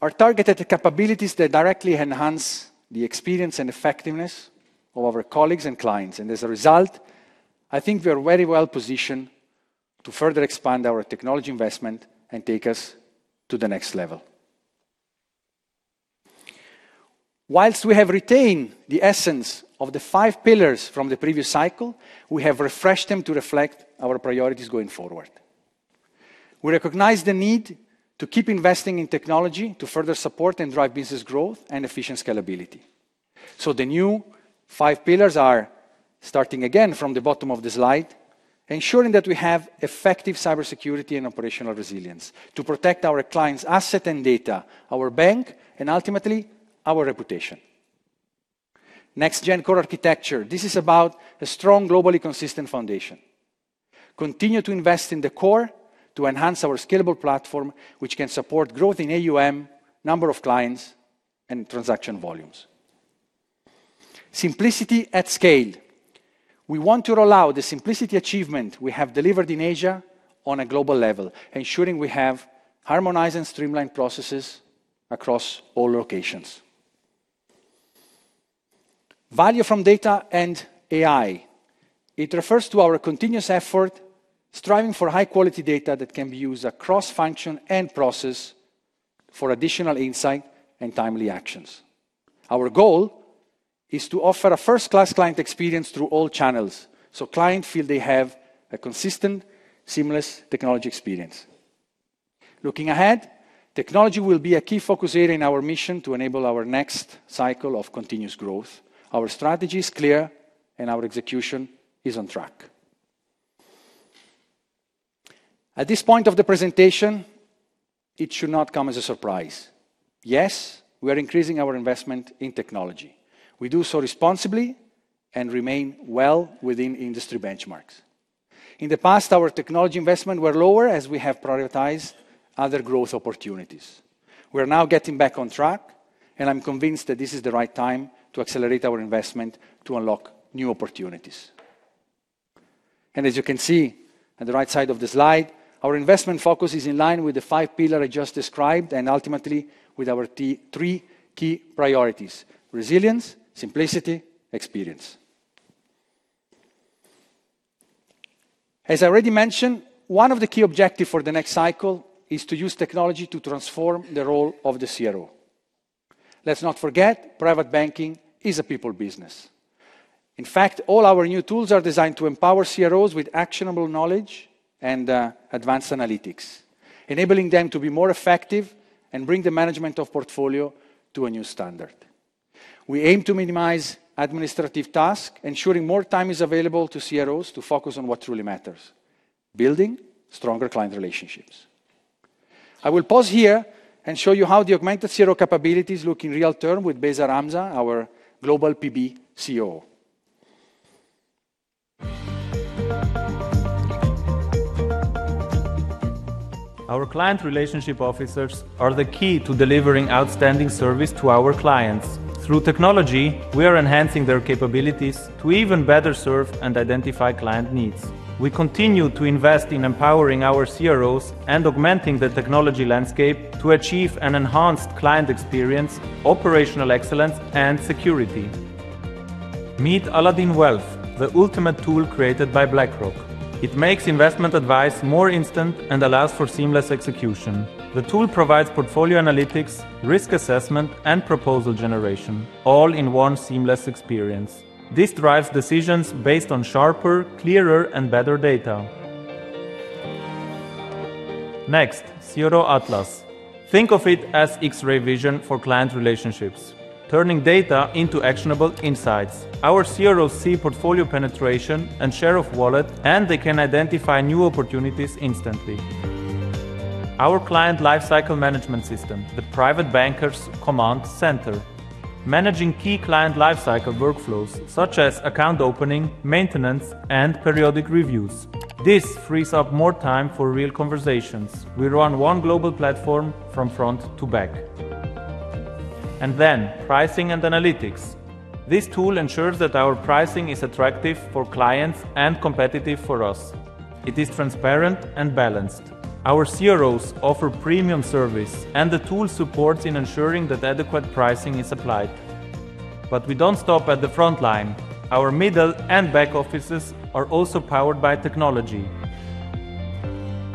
are targeted at capabilities that directly enhance the experience and effectiveness of our colleagues and clients. As a result, I think we are very well positioned to further expand our technology investment and take us to the next level. Whilst we have retained the essence of the five pillars from the previous cycle, we have refreshed them to reflect our priorities going forward. We recognize the need to keep investing in technology to further support and drive business growth and efficient scalability. The new five pillars are starting again from the bottom of the slide, ensuring that we have effective cybersecurity and operational resilience to protect our clients' assets and data, our bank, and ultimately our reputation. Next-gen core architecture. This is about a strong, globally consistent foundation. Continue to invest in the core to enhance our scalable platform, which can support growth in AUM, number of clients, and transaction volumes. Simplicity at scale. We want to roll out the simplicity achievement we have delivered in Asia on a global level, ensuring we have harmonized and streamlined processes across all locations. Value from data and AI. It refers to our continuous effort, striving for high-quality data that can be used across functions and processes for additional insight and timely actions. Our goal is to offer a first-class client experience through all channels, so clients feel they have a consistent, seamless technology experience. Looking ahead, technology will be a key focus area in our mission to enable our next cycle of continuous growth. Our strategy is clear, and our execution is on track. At this point of the presentation, it should not come as a surprise. Yes, we are increasing our investment in technology. We do so responsibly and remain well within industry benchmarks. In the past, our technology investments were lower as we have prioritized other growth opportunities. We are now getting back on track, and I'm convinced that this is the right time to accelerate our investment to unlock new opportunities. As you can see on the right side of the slide, our investment focus is in line with the five pillars I just described and ultimately with our three key priorities: resilience, simplicity, and experience. As I already mentioned, one of the key objectives for the next cycle is to use technology to transform the role of the CRO. Let's not forget, private banking is a people business. In fact, all our new tools are designed to empower CROs with actionable knowledge and advanced analytics, enabling them to be more effective and bring the management of portfolio to a new standard. We aim to minimize administrative tasks, ensuring more time is available to CROs to focus on what truly matters: building stronger client relationships. I will pause here and show you how the augmented CRO capabilities look in real terms with Besar Amza, our global PB COO. Our client relationship officers are the key to delivering outstanding service to our clients. Through technology, we are enhancing their capabilities to even better serve and identify client needs. We continue to invest in empowering our CROs and augmenting the technology landscape to achieve an enhanced client experience, operational excellence, and security. Meet Aladdin Wealth, the ultimate tool created by BlackRock. It makes investment advice more instant and allows for seamless execution. The tool provides portfolio analytics, risk assessment, and proposal generation, all in one seamless experience. This drives decisions based on sharper, clearer, and better data. Next, CRO Atlas. Think of it as X-ray vision for client relationships, turning data into actionable insights. Our CROs see portfolio penetration and share of wallet, and they can identify new opportunities instantly. Our client lifecycle management system, the Private Bankers Command Center, manages key client lifecycle workflows such as account opening, maintenance, and periodic reviews. This frees up more time for real conversations. We run one global platform from front to back. Pricing and analytics. This tool ensures that our pricing is attractive for clients and competitive for us. It is transparent and balanced. Our CROs offer premium service, and the tool supports in ensuring that adequate pricing is applied. We do not stop at the frontline. Our middle and back offices are also powered by technology.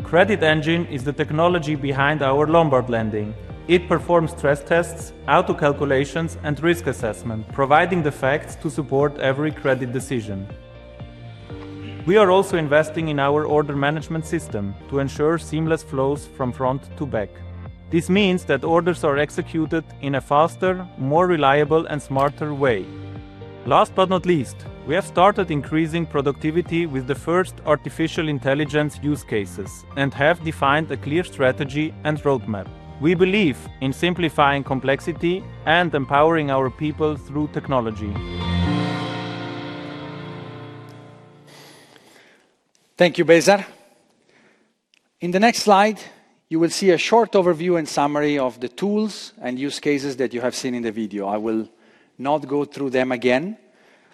Credit Engine is the technology behind our Lombard lending. It performs stress tests, auto calculations, and risk assessment, providing the facts to support every credit decision. We are also investing in our order management system to ensure seamless flows from front to back. This means that orders are executed in a faster, more reliable, and smarter way. Last but not least, we have started increasing productivity with the first artificial intelligence use cases and have defined a clear strategy and roadmap. We believe in simplifying complexity and empowering our people through technology. Thank you, Besar. In the next slide, you will see a short overview and summary of the tools and use cases that you have seen in the video. I will not go through them again,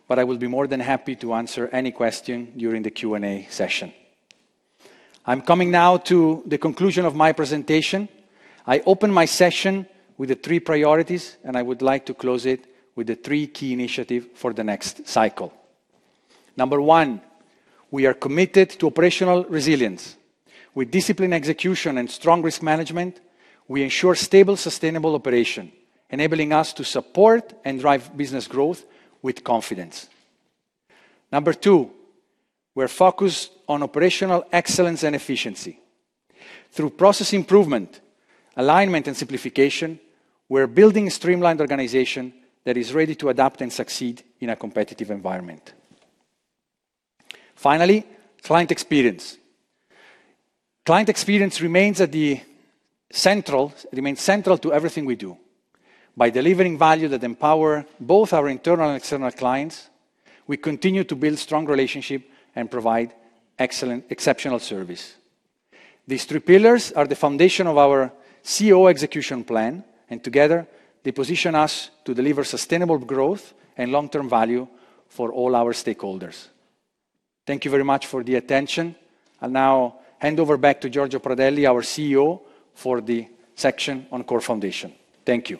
but I will be more than happy to answer any question during the Q&A session. I'm coming now to the conclusion of my presentation. I open my session with the three priorities, and I would like to close it with the three key initiatives for the next cycle. Number one, we are committed to operational resilience. With disciplined execution and strong risk management, we ensure stable, sustainable operation, enabling us to support and drive business growth with confidence. Number two, we're focused on operational excellence and efficiency. Through process improvement, alignment, and simplification, we're building a streamlined organization that is ready to adapt and succeed in a competitive environment. Finally, client experience. Client experience remains central to everything we do. By delivering value that empowers both our internal and external clients, we continue to build strong relationships and provide excellent, exceptional service. These three pillars are the foundation of our COO execution plan, and together, they position us to deliver sustainable growth and long-term value for all our stakeholders. Thank you very much for the attention. I'll now hand over back to Giorgio Pradelli, our CEO, for the section on core foundation. Thank you.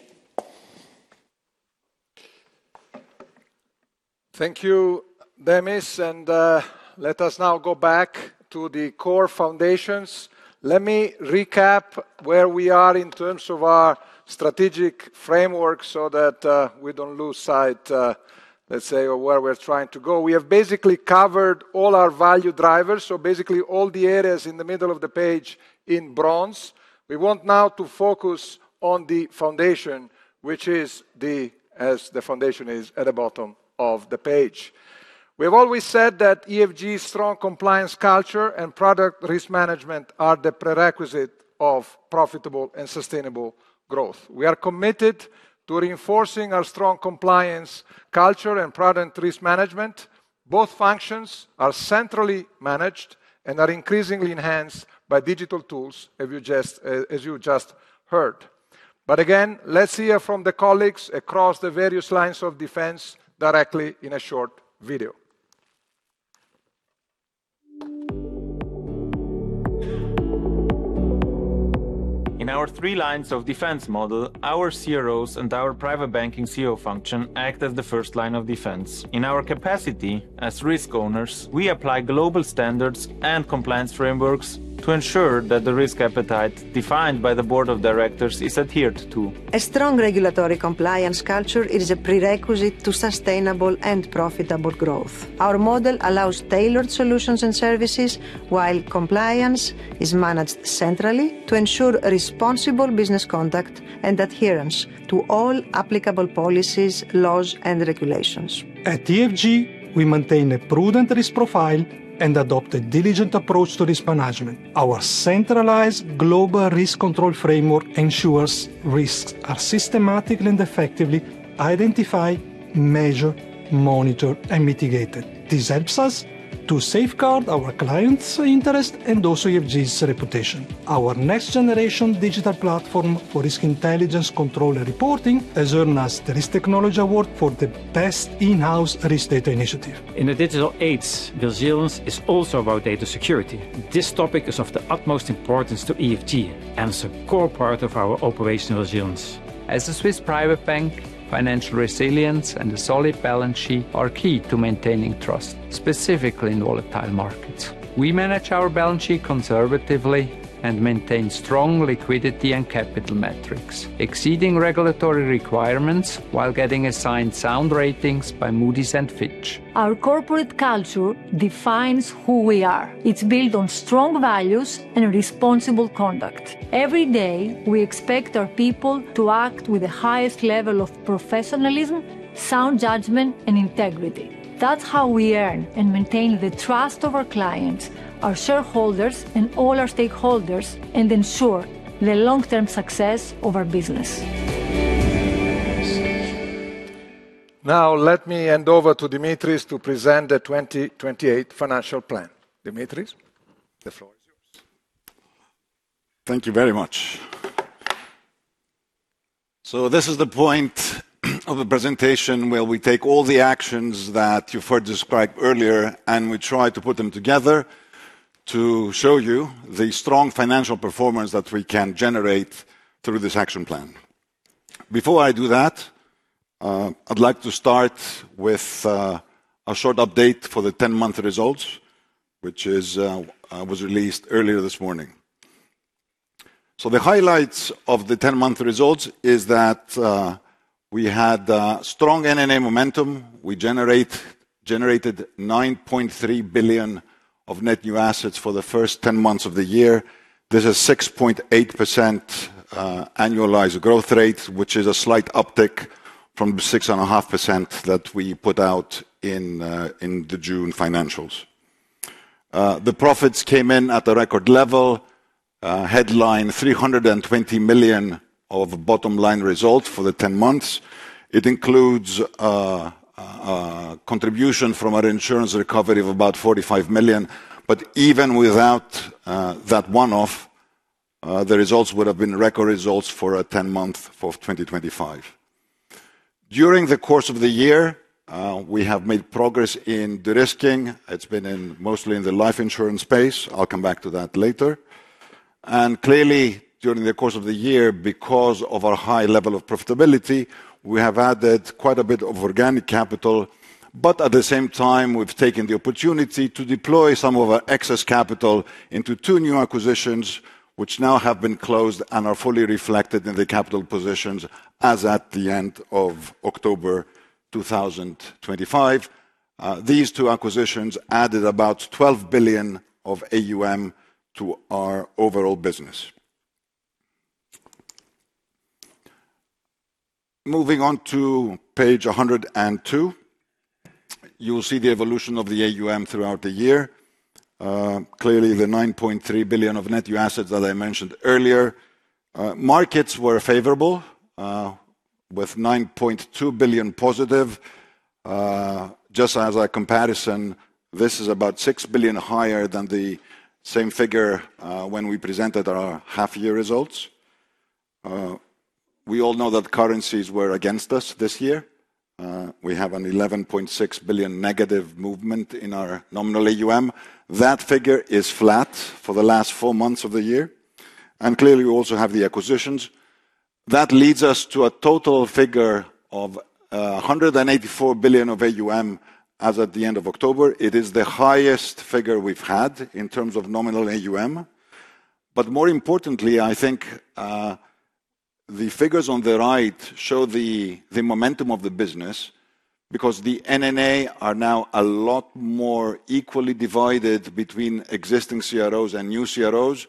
Thank you, Demis. Let us now go back to the core foundations. Let me recap where we are in terms of our strategic framework so that we don't lose sight, let's say, of where we're trying to go. We have basically covered all our value drivers, so basically all the areas in the middle of the page in bronze. We want now to focus on the foundation, which is the, as the foundation is at the bottom of the page. We have always said that EFG, strong compliance culture, and product risk management are the prerequisite of profitable and sustainable growth. We are committed to reinforcing our strong compliance culture and product risk management. Both functions are centrally managed and are increasingly enhanced by digital tools, as you just heard. Again, let's hear from the colleagues across the various lines of defense directly in a short video. In our three lines of defense model, our CROs and our private banking COO function act as the first line of defense. In our capacity as risk owners, we apply global standards and compliance frameworks to ensure that the risk appetite defined by the Board of directors is adhered to. A strong regulatory compliance culture is a prerequisite to sustainable and profitable growth. Our model allows tailored solutions and services while compliance is managed centrally to ensure responsible business conduct and adherence to all applicable policies, laws, and regulations. At EFG, we maintain a prudent risk profile and adopt a diligent approach to risk management. Our centralized global risk control framework ensures risks are systematically and effectively identified, measured, monitored, and mitigated. This helps us to safeguard our clients' interests and also EFG's reputation. Our next-generation digital platform for risk intelligence control and reporting has earned us the Risk Technology Award for the best in-house risk data initiative. In the digital age, resilience is also about data security. This topic is of the utmost importance to EFG and is a core part of our operational resilience. As a Swiss private bank, financial resilience and a solid balance sheet are key to maintaining trust, specifically in volatile markets. We manage our balance sheet conservatively and maintain strong liquidity and capital metrics, exceeding regulatory requirements while getting assigned sound ratings by Moody's and Fitch. Our corporate culture defines who we are. It's built on strong values and responsible conduct. Every day, we expect our people to act with the highest level of professionalism, sound judgment, and integrity. That's how we earn and maintain the trust of our clients, our shareholders, and all our stakeholders, and ensure the long-term success of our business. Now, let me hand over to Dimitris to present the 2028 financial plan. Dimitris, the floor is yours. Thank you very much. This is the point of the presentation where we take all the actions that you first described earlier, and we try to put them together to show you the strong financial performance that we can generate through this action plan. Before I do that, I'd like to start with a short update for the 10-month results, which was released earlier this morning. The highlights of the 10-month results are that we had strong NNA momentum. We generated 9.3 billion of net new assets for the first 10 months of the year. This is a 6.8% annualized growth rate, which is a slight uptick from the 6.5% that we put out in the June financials. The profits came in at a record level, headline 320 million of bottom-line results for the 10 months. It includes a contribution from our insurance recovery of about 45 million. Even without that one-off, the results would have been record results for a 10-month for 2025. During the course of the year, we have made progress in de-risking. It's been mostly in the life insurance space. I'll come back to that later. Clearly, during the course of the year, because of our high level of profitability, we have added quite a bit of organic capital. At the same time, we've taken the opportunity to deploy some of our excess capital into two new acquisitions, which now have been closed and are fully reflected in the capital positions as at the end of October 2025. These two acquisitions added about 12 billion of AUM to our overall business. Moving on to page 102, you'll see the evolution of the AUM throughout the year. Clearly, the 9.3 billion of net new assets that I mentioned earlier. Markets were favorable with 9.2 billion positive. Just as a comparison, this is about 6 billion higher than the same figure when we presented our half-year results. We all know that currencies were against us this year. We have a 11.6 billion negative movement in our nominal AUM. That figure is flat for the last four months of the year. Clearly, we also have the acquisitions. That leads us to a total figure of 184 billion of AUM as at the end of October. It is the highest figure we've had in terms of nominal AUM. More importantly, I think the figures on the right show the momentum of the business because the NNA are now a lot more equally divided between existing CROs and new CROs.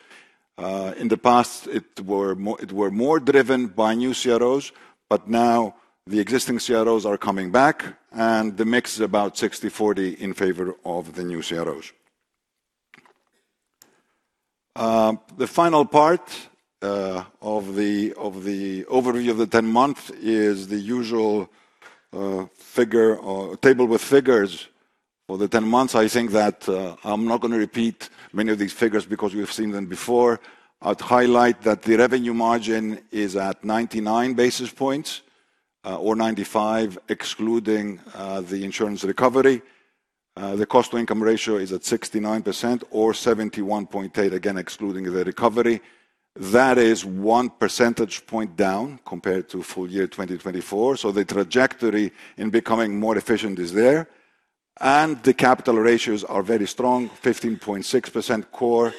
In the past, it were more driven by new CROs, but now the existing CROs are coming back, and the mix is about 60/40 in favor of the new CROs. The final part of the overview of the 10 months is the usual table with figures for the 10 months. I think that I'm not going to repeat many of these figures because we've seen them before. I'd highlight that the revenue margin is at 99 basis points or 95, excluding the insurance recovery. The cost-to-income ratio is at 69% or 71.8%, again, excluding the recovery. That is one percentage point down compared to full year 2024. The trajectory in becoming more efficient is there. The capital ratios are very strong: 15.6% core,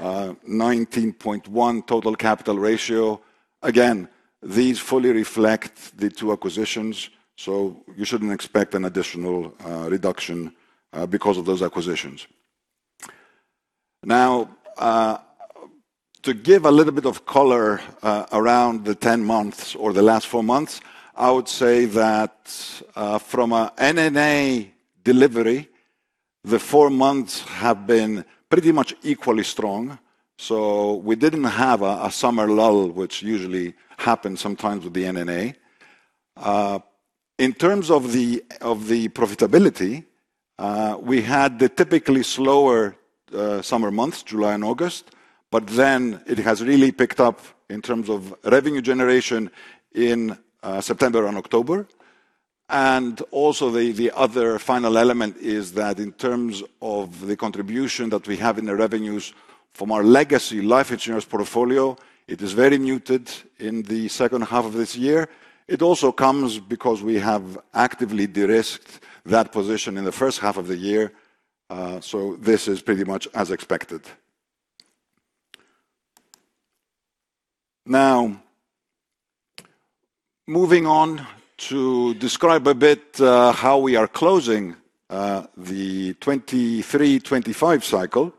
19.1% total capital ratio. Again, these fully reflect the two acquisitions, so you shouldn't expect an additional reduction because of those acquisitions. Now, to give a little bit of color around the 10 months or the last four months, I would say that from an NNA delivery, the four months have been pretty much equally strong. We did not have a summer lull, which usually happens sometimes with the NNA. In terms of the profitability, we had the typically slower summer months, July and August, but it has really picked up in terms of revenue generation in September and October. Also, the other final element is that in terms of the contribution that we have in the revenues from our legacy life insurance portfolio, it is very muted in the second half of this year. It also comes because we have actively de-risked that position in the first half of the year. This is pretty much as expected. Now, moving on to describe a bit how we are closing the 2023-2025 cycle,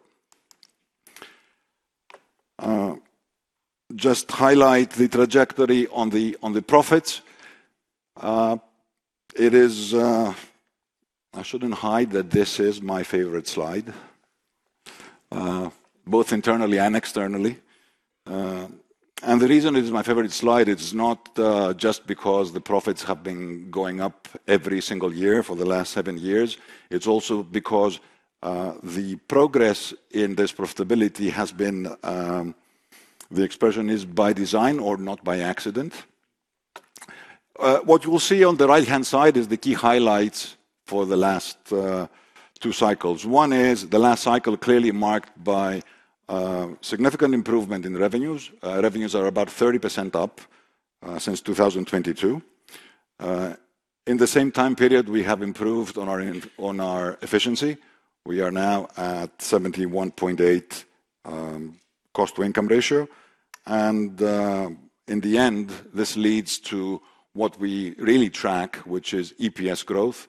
just highlight the trajectory on the profits. It is, I shouldn't hide that this is my favorite slide, both internally and externally. The reason it is my favorite slide is not just because the profits have been going up every single year for the last seven years. It's also because the progress in this profitability has been, the expression is by design or not by accident. What you will see on the right-hand side is the key highlights for the last two cycles. One is the last cycle clearly marked by significant improvement in revenues. Revenues are about 30% up since 2022. In the same time period, we have improved on our efficiency. We are now at 71.8% cost-to-income ratio. In the end, this leads to what we really track, which is EPS growth.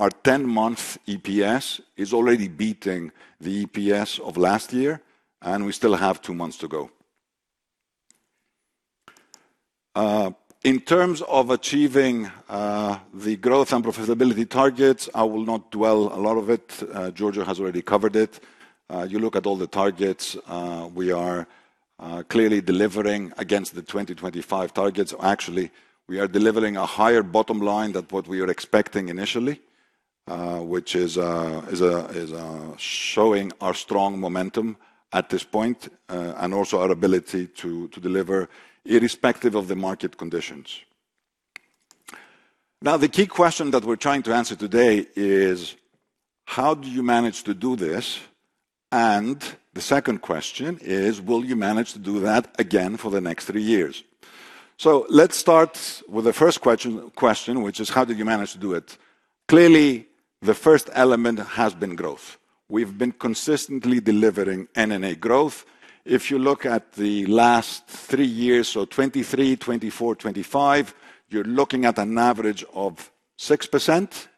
Our 10-month EPS is already beating the EPS of last year, and we still have two months to go. In terms of achieving the growth and profitability targets, I will not dwell a lot on it. Giorgio has already covered it. You look at all the targets. We are clearly delivering against the 2025 targets. Actually, we are delivering a higher bottom line than what we were expecting initially, which is showing our strong momentum at this point and also our ability to deliver irrespective of the market conditions. Now, the key question that we're trying to answer today is, how do you manage to do this? The second question is, will you manage to do that again for the next three years? Let's start with the first question, which is, how did you manage to do it? Clearly, the first element has been growth. We've been consistently delivering NNA growth. If you look at the last three years, so 2023, 2024, 2025, you're looking at an average of 6%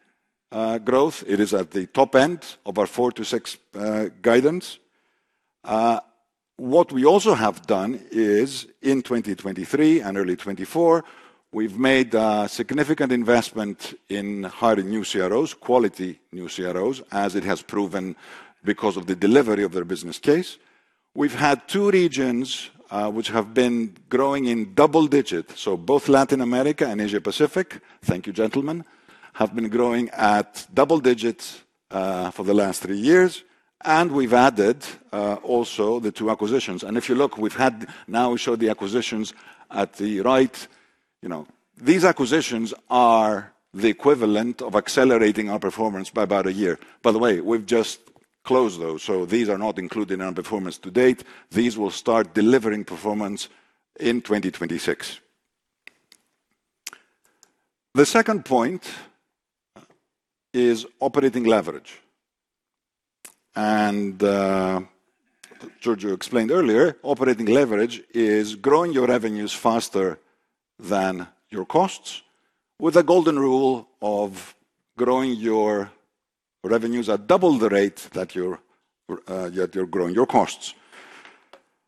growth. It is at the top end of our 4%-6% guidance. What we also have done is, in 2023 and early 2024, we've made a significant investment in hiring new CROs, quality new CROs, as it has proven because of the delivery of their business case. We've had two regions which have been growing in double digits. Latin America and Asia-Pacific, thank you, gentlemen, have been growing at double digits for the last three years. We've added also the two acquisitions. If you look, we've had, now we show the acquisitions at the right. These acquisitions are the equivalent of accelerating our performance by about a year. By the way, we've just closed those. These are not included in our performance to date. These will start delivering performance in 2026. The second point is operating leverage. Giorgio explained earlier, operating leverage is growing your revenues faster than your costs with a golden rule of growing your revenues at double the rate that you're growing your costs.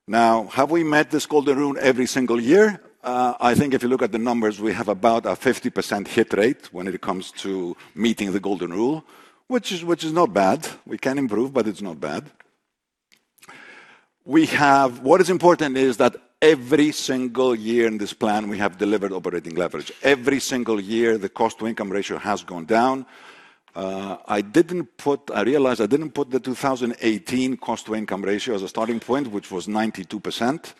Now, have we met this golden rule every single year? I think if you look at the numbers, we have about a 50% hit rate when it comes to meeting the golden rule, which is not bad. We can improve, but it's not bad. What is important is that every single year in this plan, we have delivered operating leverage. Every single year, the cost-to-income ratio has gone down. I realized I didn't put the 2018 cost-to-income ratio as a starting point, which was 92%.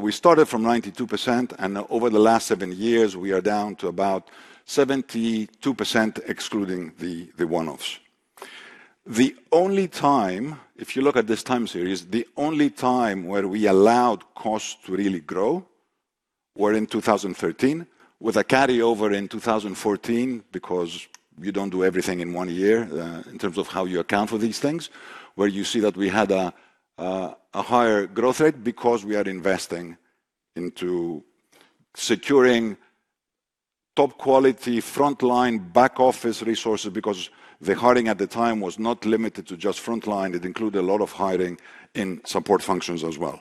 We started from 92%, and over the last seven years, we are down to about 72%, excluding the one-offs. The only time, if you look at this time series, the only time where we allowed costs to really grow was in 2013, with a carryover in 2014 because you do not do everything in one year in terms of how you account for these things, where you see that we had a higher growth rate because we are investing into securing top-quality frontline back-office resources because the hiring at the time was not limited to just frontline. It included a lot of hiring in support functions as well.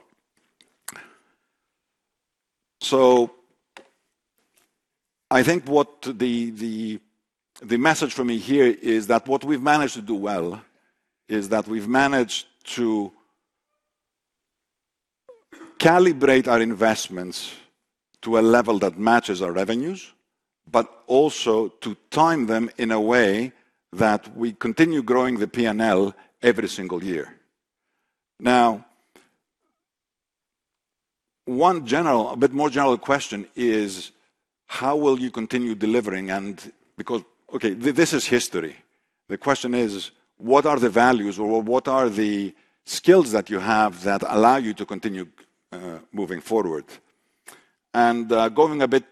I think what the message for me here is that what we've managed to do well is that we've managed to calibrate our investments to a level that matches our revenues, but also to time them in a way that we continue growing the P&L every single year. Now, one general, a bit more general question is, how will you continue delivering? Because, okay, this is history. The question is, what are the values or what are the skills that you have that allow you to continue moving forward? Going a bit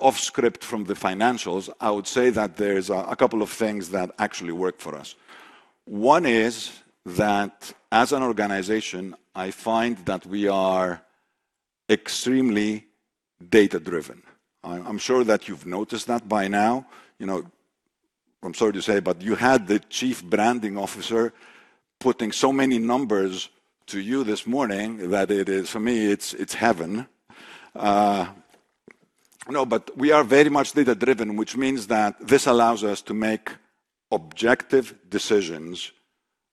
off-script from the financials, I would say that there's a couple of things that actually work for us. One is that as an organization, I find that we are extremely data-driven. I'm sure that you've noticed that by now. I'm sorry to say, but you had the Chief Branding Officer putting so many numbers to you this morning that for me, it's heaven. No, but we are very much data-driven, which means that this allows us to make objective decisions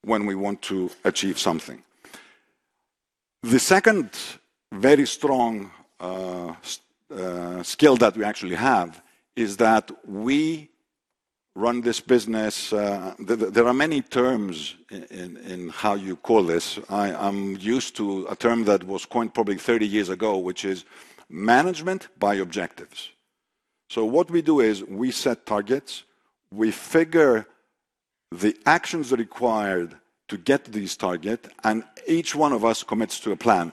when we want to achieve something. The second very strong skill that we actually have is that we run this business. There are many terms in how you call this. I'm used to a term that was coined probably 30 years ago, which is management by objectives. What we do is we set targets, we figure the actions required to get these targets, and each one of us commits to a plan.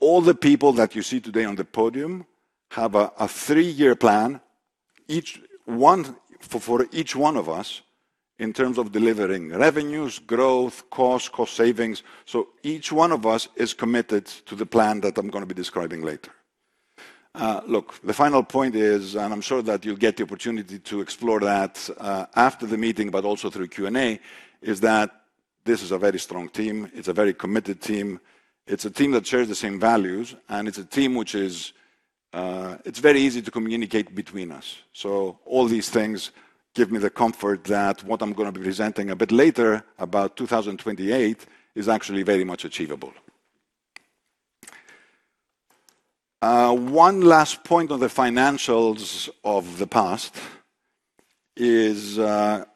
All the people that you see today on the podium have a three-year plan for each one of us in terms of delivering revenues, growth, costs, cost savings. Each one of us is committed to the plan that I'm going to be describing later. The final point is, and I'm sure that you'll get the opportunity to explore that after the meeting, but also through Q&A, this is a very strong team. It's a very committed team. It's a team that shares the same values, and it's a team which is, it's very easy to communicate between us. All these things give me the comfort that what I'm going to be presenting a bit later about 2028 is actually very much achievable. One last point on the financials of the past is, as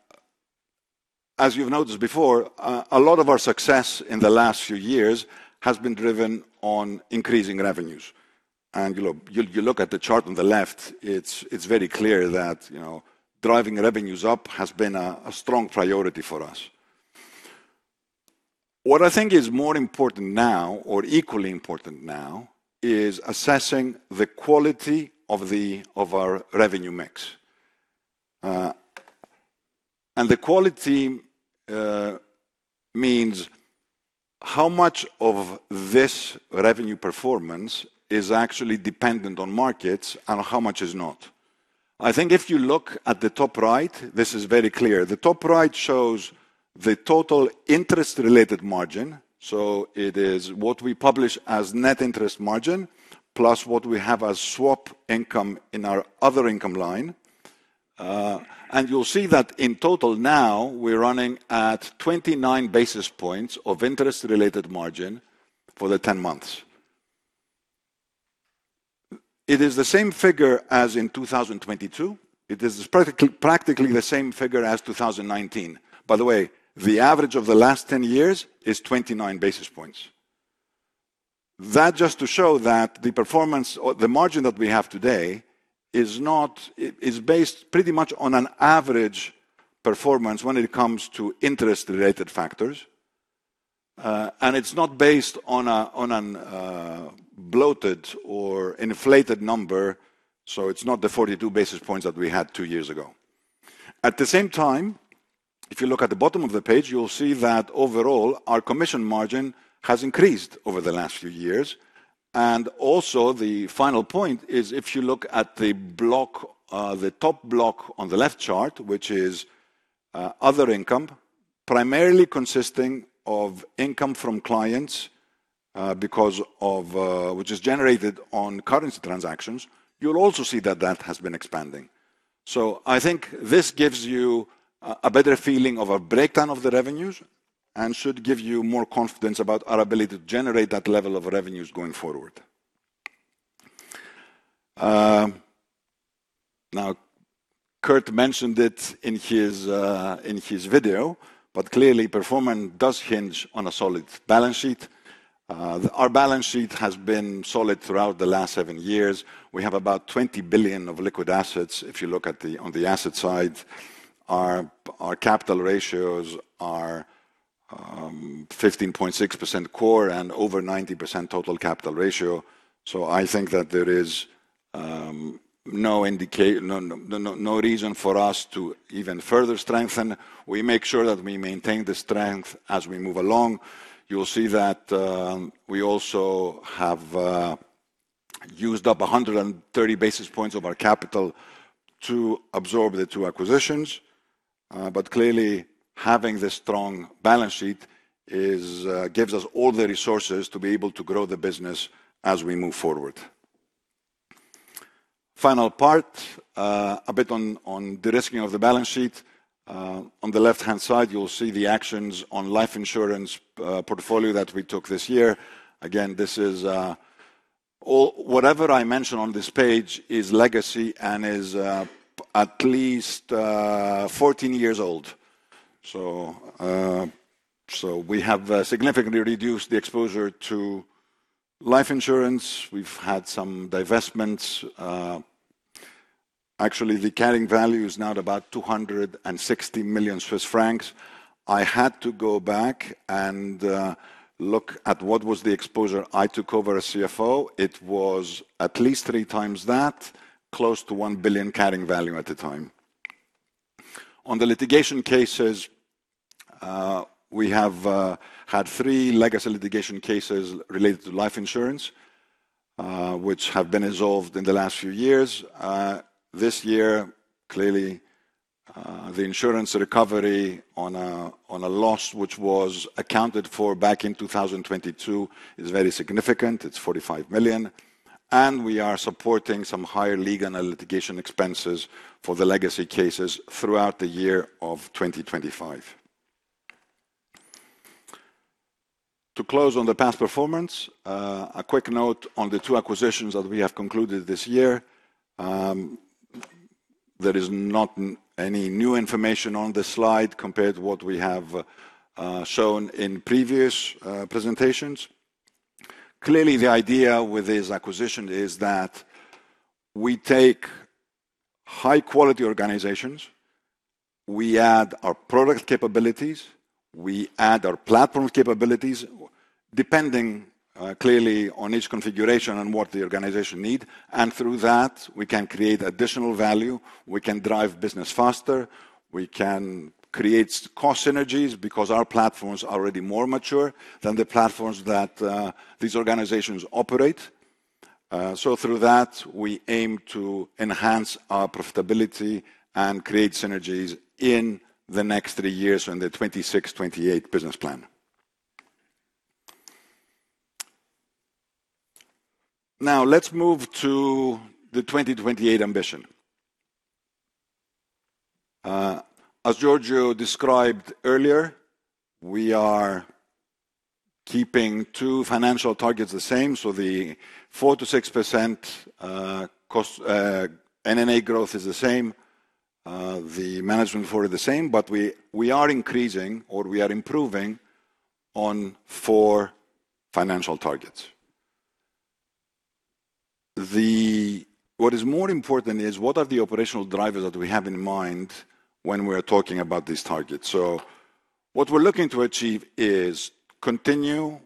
you've noticed before, a lot of our success in the last few years has been driven on increasing revenues. You look at the chart on the left, it's very clear that driving revenues up has been a strong priority for us. What I think is more important now, or equally important now, is assessing the quality of our revenue mix. The quality means how much of this revenue performance is actually dependent on markets and how much is not. I think if you look at the top right, this is very clear. The top right shows the total interest-related margin. It is what we publish as net interest margin plus what we have as swap income in our other income line. You'll see that in total now we're running at 29 basis points of interest-related margin for the 10 months. It is the same figure as in 2022. It is practically the same figure as 2019. By the way, the average of the last 10 years is 29 basis points. That just to show that the performance, the margin that we have today is based pretty much on an average performance when it comes to interest-related factors. It is not based on a bloated or inflated number. It is not the 42 basis points that we had two years ago. At the same time, if you look at the bottom of the page, you'll see that overall our commission margin has increased over the last few years. Also, the final point is if you look at the top block on the left chart, which is other income, primarily consisting of income from clients because of which is generated on currency transactions, you'll also see that that has been expanding. I think this gives you a better feeling of a breakdown of the revenues and should give you more confidence about our ability to generate that level of revenues going forward. Curt mentioned it in his video, but clearly performance does hinge on a solid balance sheet. Our balance sheet has been solid throughout the last seven years. We have about 20 billion of liquid assets. If you look at the on the asset side, our capital ratios are 15.6% core and over 90% total capital ratio. I think that there is no reason for us to even further strengthen. We make sure that we maintain the strength as we move along. You'll see that we also have used up 130 basis points of our capital to absorb the two acquisitions. Clearly, having this strong balance sheet gives us all the resources to be able to grow the business as we move forward. Final part, a bit on the risking of the balance sheet. On the left-hand side, you'll see the actions on life insurance portfolio that we took this year. Again, this is whatever I mentioned on this page is legacy and is at least 14 years old. We have significantly reduced the exposure to life insurance. We've had some divestments. Actually, the carrying value is now at about 260 million Swiss francs. I had to go back and look at what was the exposure I took over as CFO. It was at least 3x that, close to 1 billion carrying value at the time. On the litigation cases, we have had three legacy litigation cases related to life insurance, which have been resolved in the last few years. This year, clearly, the insurance recovery on a loss which was accounted for back in 2022 is very significant. It is 45 million. We are supporting some higher legal and litigation expenses for the legacy cases throughout the year of 2025. To close on the past performance, a quick note on the two acquisitions that we have concluded this year. There is not any new information on the slide compared to what we have shown in previous presentations. Clearly, the idea with this acquisition is that we take high-quality organizations, we add our product capabilities, we add our platform capabilities, depending clearly on each configuration and what the organization needs. Through that, we can create additional value. We can drive business faster. We can create cost synergies because our platforms are already more mature than the platforms that these organizations operate. Through that, we aim to enhance our profitability and create synergies in the next three years in the 2026-2028 business plan. Now, let's move to the 2028 ambition. As Giorgio described earlier, we are keeping two financial targets the same. The 4%-6% NNA growth is the same. The management for it is the same, but we are increasing or we are improving on four financial targets. What is more important is what are the operational drivers that we have in mind when we are talking about these targets. What we're looking to achieve is continue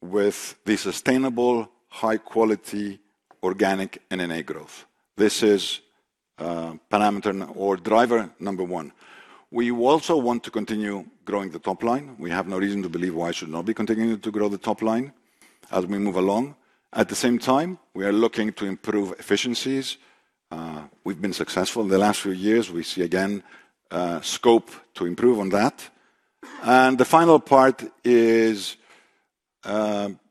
with the sustainable, high-quality, organic NNA growth. This is parameter or driver number one. We also want to continue growing the top line. We have no reason to believe why we should not be continuing to grow the top line as we move along. At the same time, we are looking to improve efficiencies. We've been successful in the last few years. We see again scope to improve on that. The final part is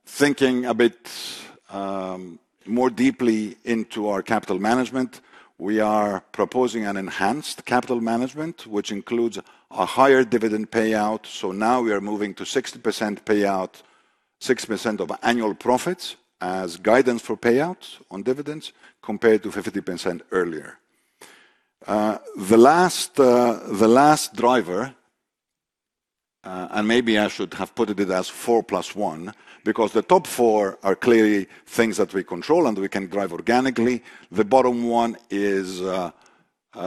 thinking a bit more deeply into our capital management. We are proposing an enhanced capital management, which includes a higher dividend payout. Now we are moving to 60% payout, 60% of annual profits as guidance for payouts on dividends compared to 50% earlier. The last driver, and maybe I should have put it as four plus one, because the top four are clearly things that we control and we can drive organically. The bottom one is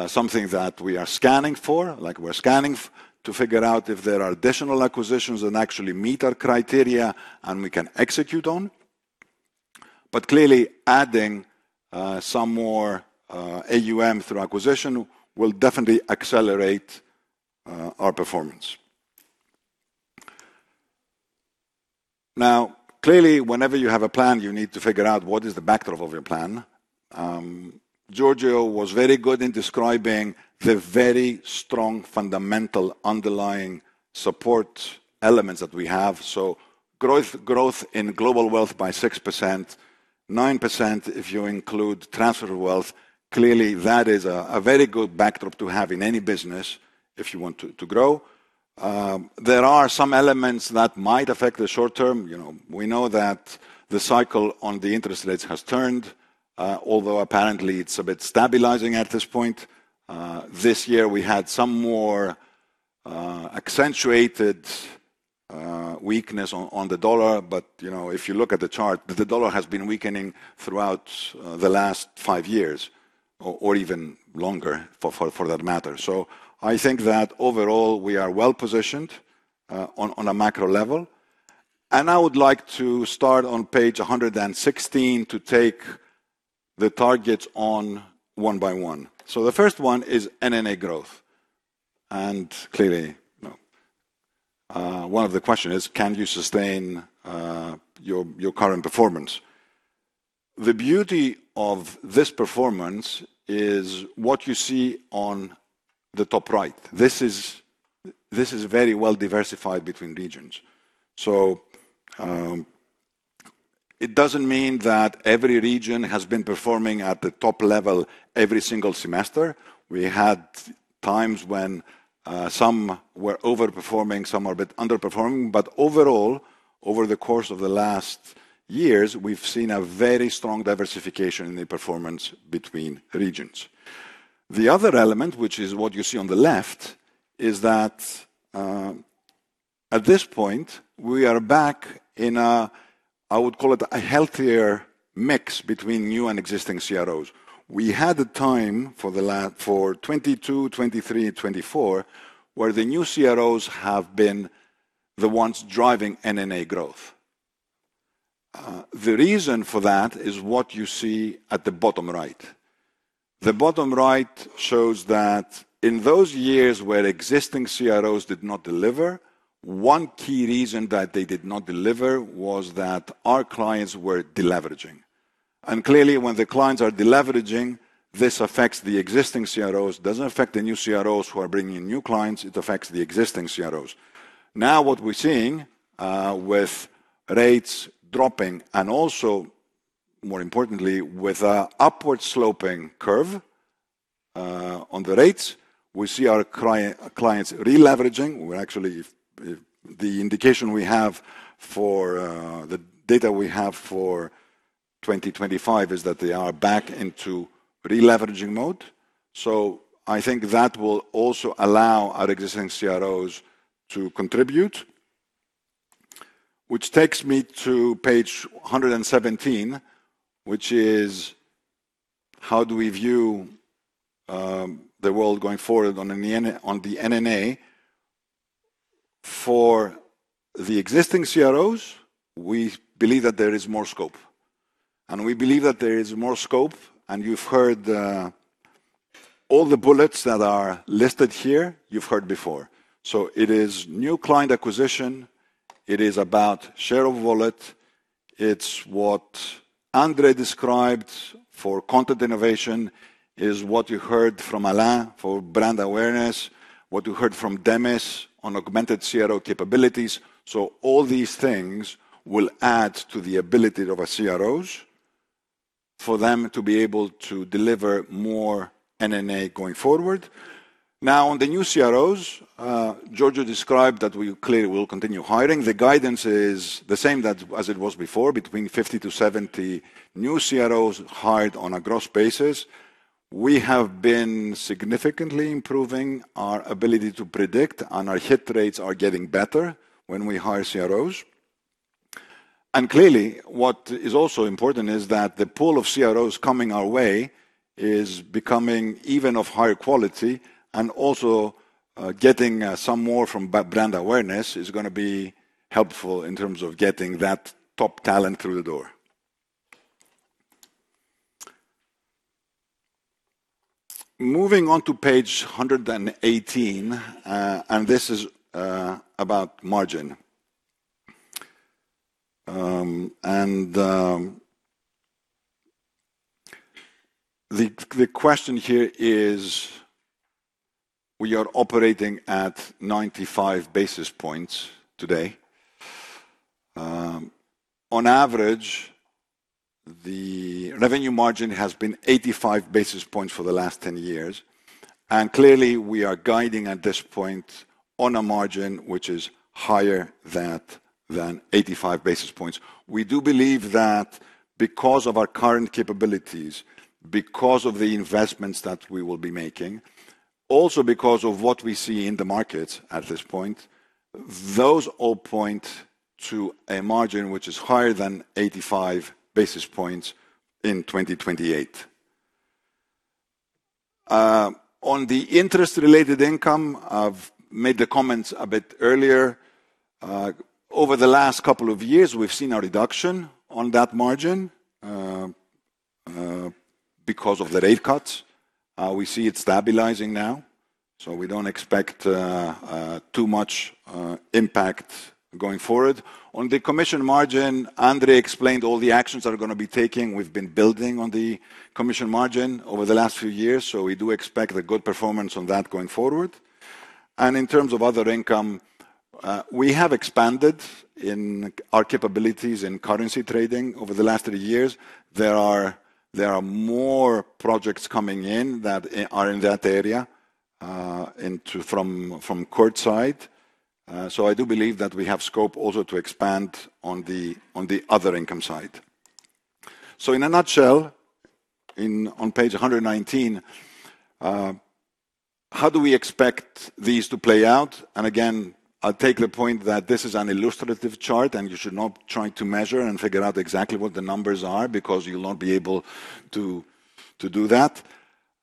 something that we are scanning for, like we're scanning to figure out if there are additional acquisitions that actually meet our criteria and we can execute on. Clearly, adding some more AUM through acquisition will definitely accelerate our performance. Now, clearly, whenever you have a plan, you need to figure out what is the backdrop of your plan. Giorgio was very good in describing the very strong fundamental underlying support elements that we have. Growth in global wealth by 6%, 9% if you include transfer wealth. Clearly, that is a very good backdrop to have in any business if you want to grow. There are some elements that might affect the short term. We know that the cycle on the interest rates has turned, although apparently it's a bit stabilizing at this point. This year, we had some more accentuated weakness on the dollar, but if you look at the chart, the dollar has been weakening throughout the last five years or even longer for that matter. I think that overall, we are well positioned on a macro level. I would like to start on page 116 to take the targets on one by one. The first one is NNA growth. Clearly, one of the questions is, can you sustain your current performance? The beauty of this performance is what you see on the top right. This is very well diversified between regions. It does not mean that every region has been performing at the top level every single semester. We had times when some were overperforming, some were a bit underperforming. Overall, over the course of the last years, we've seen a very strong diversification in the performance between regions. The other element, which is what you see on the left, is that at this point, we are back in a, I would call it a healthier mix between new and existing CROs. We had a time for 2022, 2023, 2024 where the new CROs have been the ones driving NNA growth. The reason for that is what you see at the bottom right. The bottom right shows that in those years where existing CROs did not deliver, one key reason that they did not deliver was that our clients were deleveraging. Clearly, when the clients are deleveraging, this affects the existing CROs, does not affect the new CROs who are bringing in new clients. It affects the existing CROs. Now, what we're seeing with rates dropping and also, more importantly, with an upward sloping curve on the rates, we see our clients releveraging. The indication we have for the data we have for 2025 is that they are back into releveraging mode. I think that will also allow our existing CROs to contribute, which takes me to page 117, which is how do we view the world going forward on the NNA? For the existing CROs, we believe that there is more scope. We believe that there is more scope. You've heard all the bullets that are listed here. You've heard before. It is new client acquisition. It is about share of wallet. It's what André described for content innovation, what you heard from Alain for brand awareness, what you heard from Demis on augmented CRO capabilities. All these things will add to the ability of our CROs for them to be able to deliver more NNA going forward. Now, on the new CROs, Giorgio described that we clearly will continue hiring. The guidance is the same as it was before, between 50-70 new CROs hired on a gross basis. We have been significantly improving our ability to predict, and our hit rates are getting better when we hire CROs. Clearly, what is also important is that the pool of CROs coming our way is becoming even of higher quality and also getting some more from brand awareness is going to be helpful in terms of getting that top talent through the door. Moving on to page 118, and this is about margin. The question here is, we are operating at 95 basis points today. On average, the revenue margin has been 85 basis points for the last 10 years. Clearly, we are guiding at this point on a margin which is higher than 85 basis points. We do believe that because of our current capabilities, because of the investments that we will be making, also because of what we see in the markets at this point, those all point to a margin which is higher than 85 basis points in 2028. On the interest-related income, I have made the comments a bit earlier. Over the last couple of years, we have seen a reduction on that margin because of the rate cuts. We see it stabilizing now. We do not expect too much impact going forward. On the commission margin, André explained all the actions that we are going to be taking. We have been building on the commission margin over the last few years. We do expect a good performance on that going forward. In terms of other income, we have expanded in our capabilities in currency trading over the last three years. There are more projects coming in that are in that area from court side. I do believe that we have scope also to expand on the other income side. In a nutshell, on page 119, how do we expect these to play out? Again, I'll take the point that this is an illustrative chart and you should not try to measure and figure out exactly what the numbers are because you'll not be able to do that.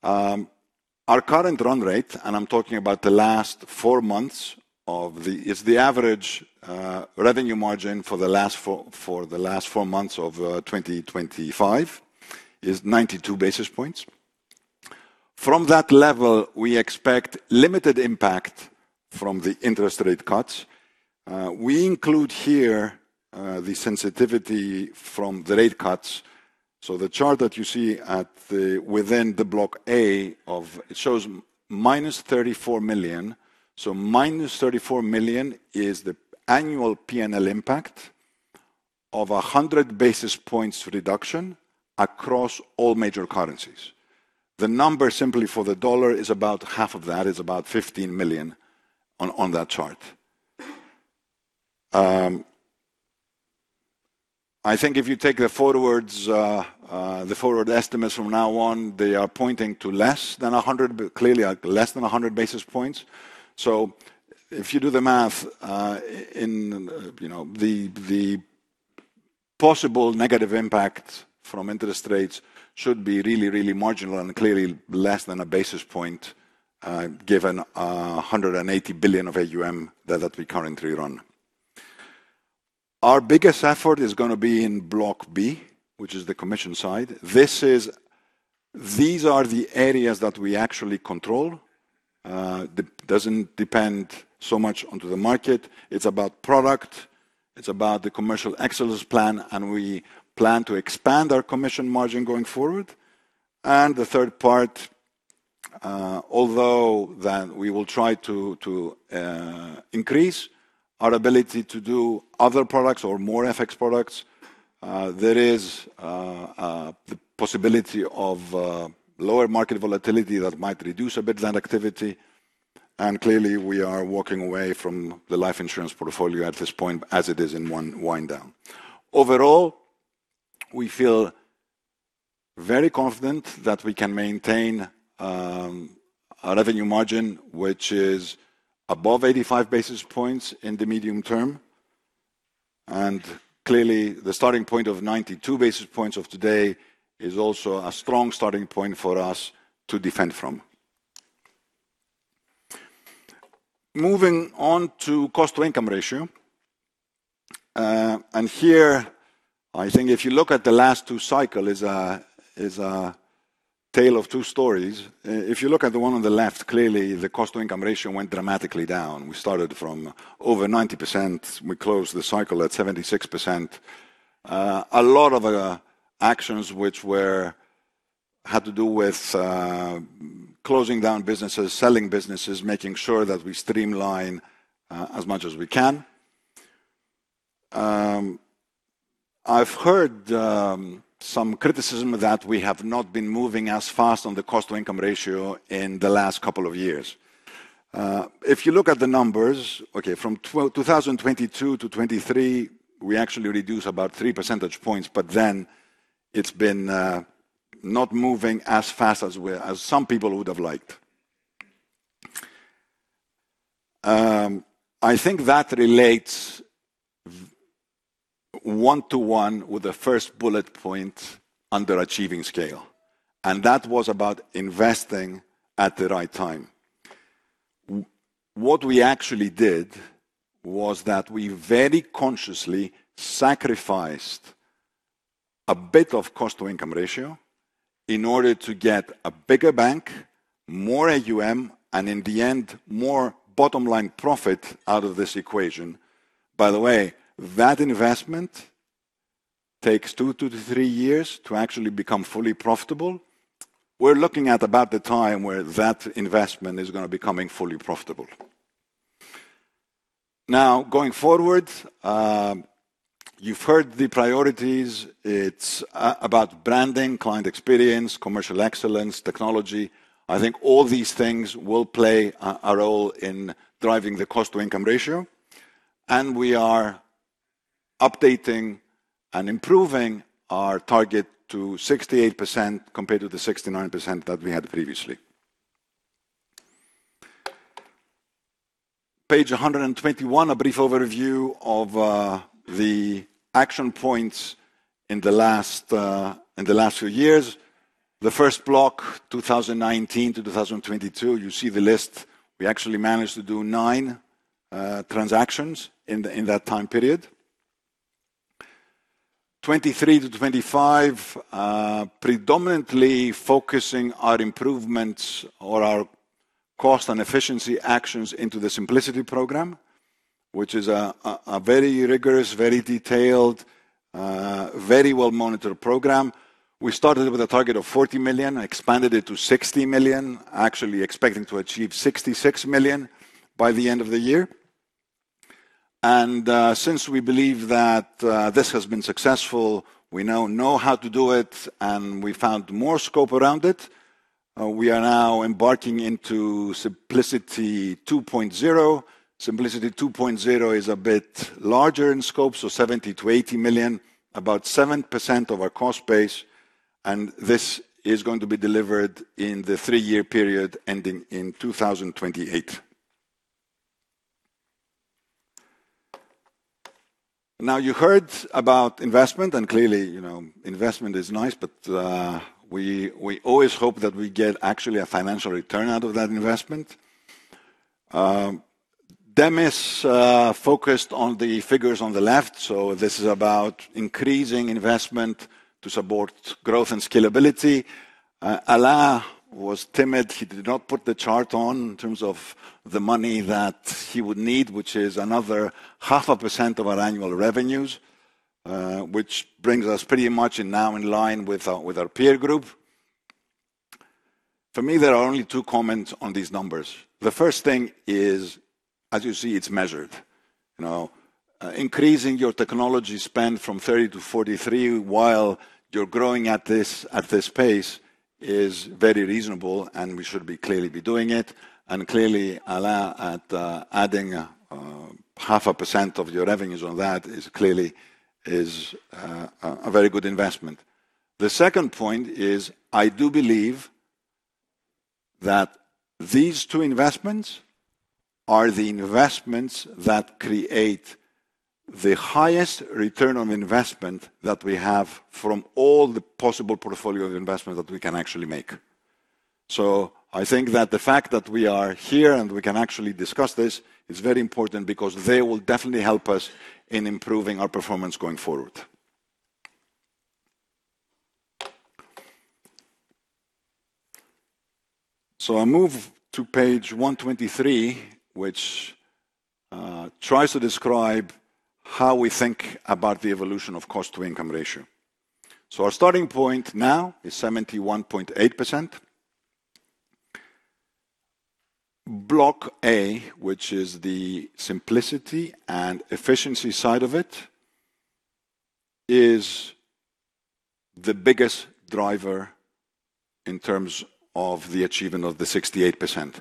Our current run rate, and I'm talking about the last four months, is the average revenue margin for the last four months of 2025 is 92 basis points. From that level, we expect limited impact from the interest rate cuts. We include here the sensitivity from the rate cuts. The chart that you see within the block A shows -34 million. -34 million is the annual P&L impact of 100 basis points reduction across all major currencies. The number simply for the dollar is about half of that. It's about $15 million on that chart. I think if you take the forward estimates from now on, they are pointing to less than 100, clearly less than 100 basis points. If you do the math, the possible negative impact from interest rates should be really, really marginal and clearly less than a basis point given 180 billion of AUM that we currently run. Our biggest effort is going to be in block B, which is the commission side. These are the areas that we actually control. It doesn't depend so much on the market. It's about product. It's about the commercial excellence plan, and we plan to expand our commission margin going forward. The third part, although we will try to increase our ability to do other products or more FX products, there is the possibility of lower market volatility that might reduce a bit that activity. Clearly, we are walking away from the life insurance portfolio at this point as it is in one wind down. Overall, we feel very confident that we can maintain a revenue margin which is above 85 basis points in the medium term. Clearly, the starting point of 92 basis points of today is also a strong starting point for us to defend from. Moving on to cost-to-income ratio. Here, I think if you look at the last two cycles, it's a tale of two stories. If you look at the one on the left, clearly, the cost-to-income ratio went dramatically down. We started from over 90%. We closed the cycle at 76%. A lot of actions which had to do with closing down businesses, selling businesses, making sure that we streamline as much as we can. I've heard some criticism that we have not been moving as fast on the cost-to-income ratio in the last couple of years. If you look at the numbers, from 2022 to 2023, we actually reduced about 3 percentage points, but then it's been not moving as fast as some people would have liked. I think that relates one to one with the first bullet point under achieving scale. That was about investing at the right time. What we actually did was that we very consciously sacrificed a bit of cost-to-income ratio in order to get a bigger bank, more AUM, and in the end, more bottom line profit out of this equation. By the way, that investment takes two to three years to actually become fully profitable. We're looking at about the time where that investment is going to be coming fully profitable. Now, going forward, you've heard the priorities. It's about branding, client experience, commercial excellence, technology. I think all these things will play a role in driving the cost-to-income ratio. We are updating and improving our target to 68% compared to the 69% that we had previously. Page 121, a brief overview of the action points in the last few years. The first block, 2019 to 2022, you see the list. We actually managed to do nine transactions in that time period. 2023 to 2025, predominantly focusing our improvements or our cost and efficiency actions into the simplicity program, which is a very rigorous, very detailed, very well-monitored program. We started with a target of 40 million, expanded it to 60 million, actually expecting to achieve 66 million by the end of the year. Since we believe that this has been successful, we now know how to do it, and we found more scope around it. We are now embarking into simplicity 2.0. Simplicity 2.0 is a bit larger in scope, so 70- 80 million, about 7% of our cost base. This is going to be delivered in the three-year period ending in 2028. You heard about investment, and clearly, investment is nice, but we always hope that we get actually a financial return out of that investment. Demis focused on the figures on the left, so this is about increasing investment to support growth and scalability. Alain was timid. He did not put the chart on in terms of the money that he would need, which is another 0.5% of our annual revenues, which brings us pretty much now in line with our peer group. For me, there are only two comments on these numbers. The first thing is, as you see, it's measured. Increasing your technology spend from 30 to 43 while you're growing at this pace is very reasonable, and we should clearly be doing it. Clearly, Alain at adding 0.5% of your revenues on that is clearly a very good investment. The second point is, I do believe that these two investments are the investments that create the highest return on investment that we have from all the possible portfolio of investment that we can actually make. I think that the fact that we are here and we can actually discuss this is very important because they will definitely help us in improving our performance going forward. I'll move to page 123, which tries to describe how we think about the evolution of cost-to-income ratio. Our starting point now is 71.8%. Block A, which is the simplicity and efficiency side of it, is the biggest driver in terms of the achievement of the 68%.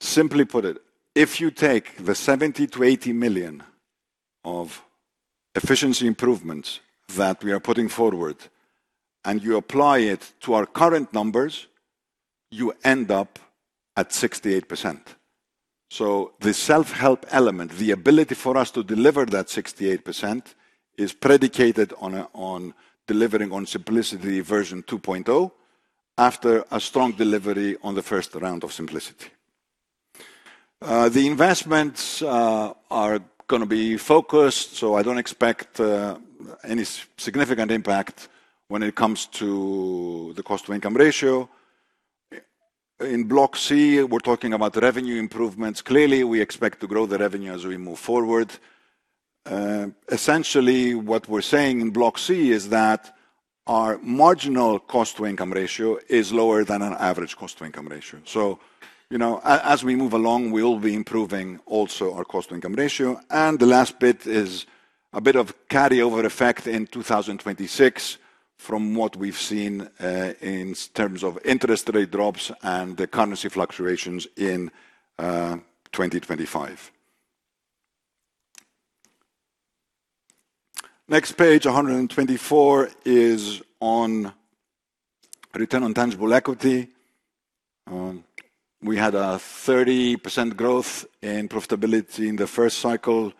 Simply put it, if you take the 70 million-80 million of efficiency improvements that we are putting forward and you apply it to our current numbers, you end up at 68%. The self-help element, the ability for us to deliver that 68% is predicated on delivering on simplicity version 2.0 after a strong delivery on the first round of simplicity. The investments are going to be focused, so I don't expect any significant impact when it comes to the cost-to-income ratio. In block C, we're talking about revenue improvements. Clearly, we expect to grow the revenue as we move forward. Essentially, what we're saying in block C is that our marginal cost-to-income ratio is lower than an average cost-to-income ratio. As we move along, we'll be improving also our cost-to-income ratio. The last bit is a bit of carryover effect in 2026 from what we've seen in terms of interest rate drops and the currency fluctuations in 2025. Next page, 124, is on return on tangible equity. We had a 30% growth in profitability in the first cycle.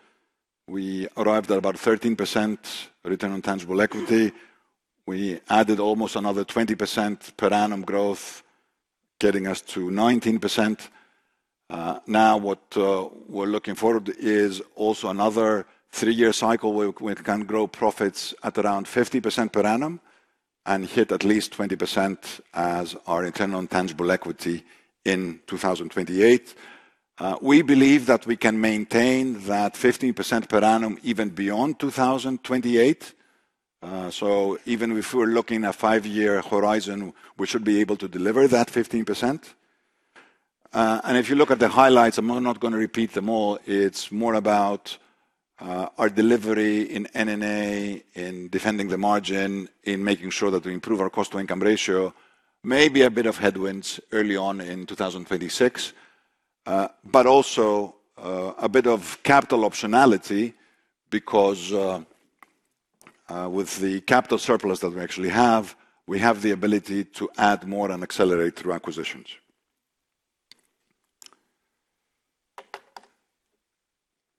We arrived at about 13% return on tangible equity. We added almost another 20% per annum growth, getting us to 19%. Now, what we're looking forward to is also another three-year cycle where we can grow profits at around 50% per annum and hit at least 20% as our return on tangible equity in 2028. We believe that we can maintain that 15% per annum even beyond 2028. Even if we're looking at a five-year horizon, we should be able to deliver that 15%. If you look at the highlights, I'm not going to repeat them all. It's more about our delivery in NNA, in defending the margin, in making sure that we improve our cost-to-income ratio, maybe a bit of headwinds early on in 2026, but also a bit of capital optionality because with the capital surplus that we actually have, we have the ability to add more and accelerate through acquisitions.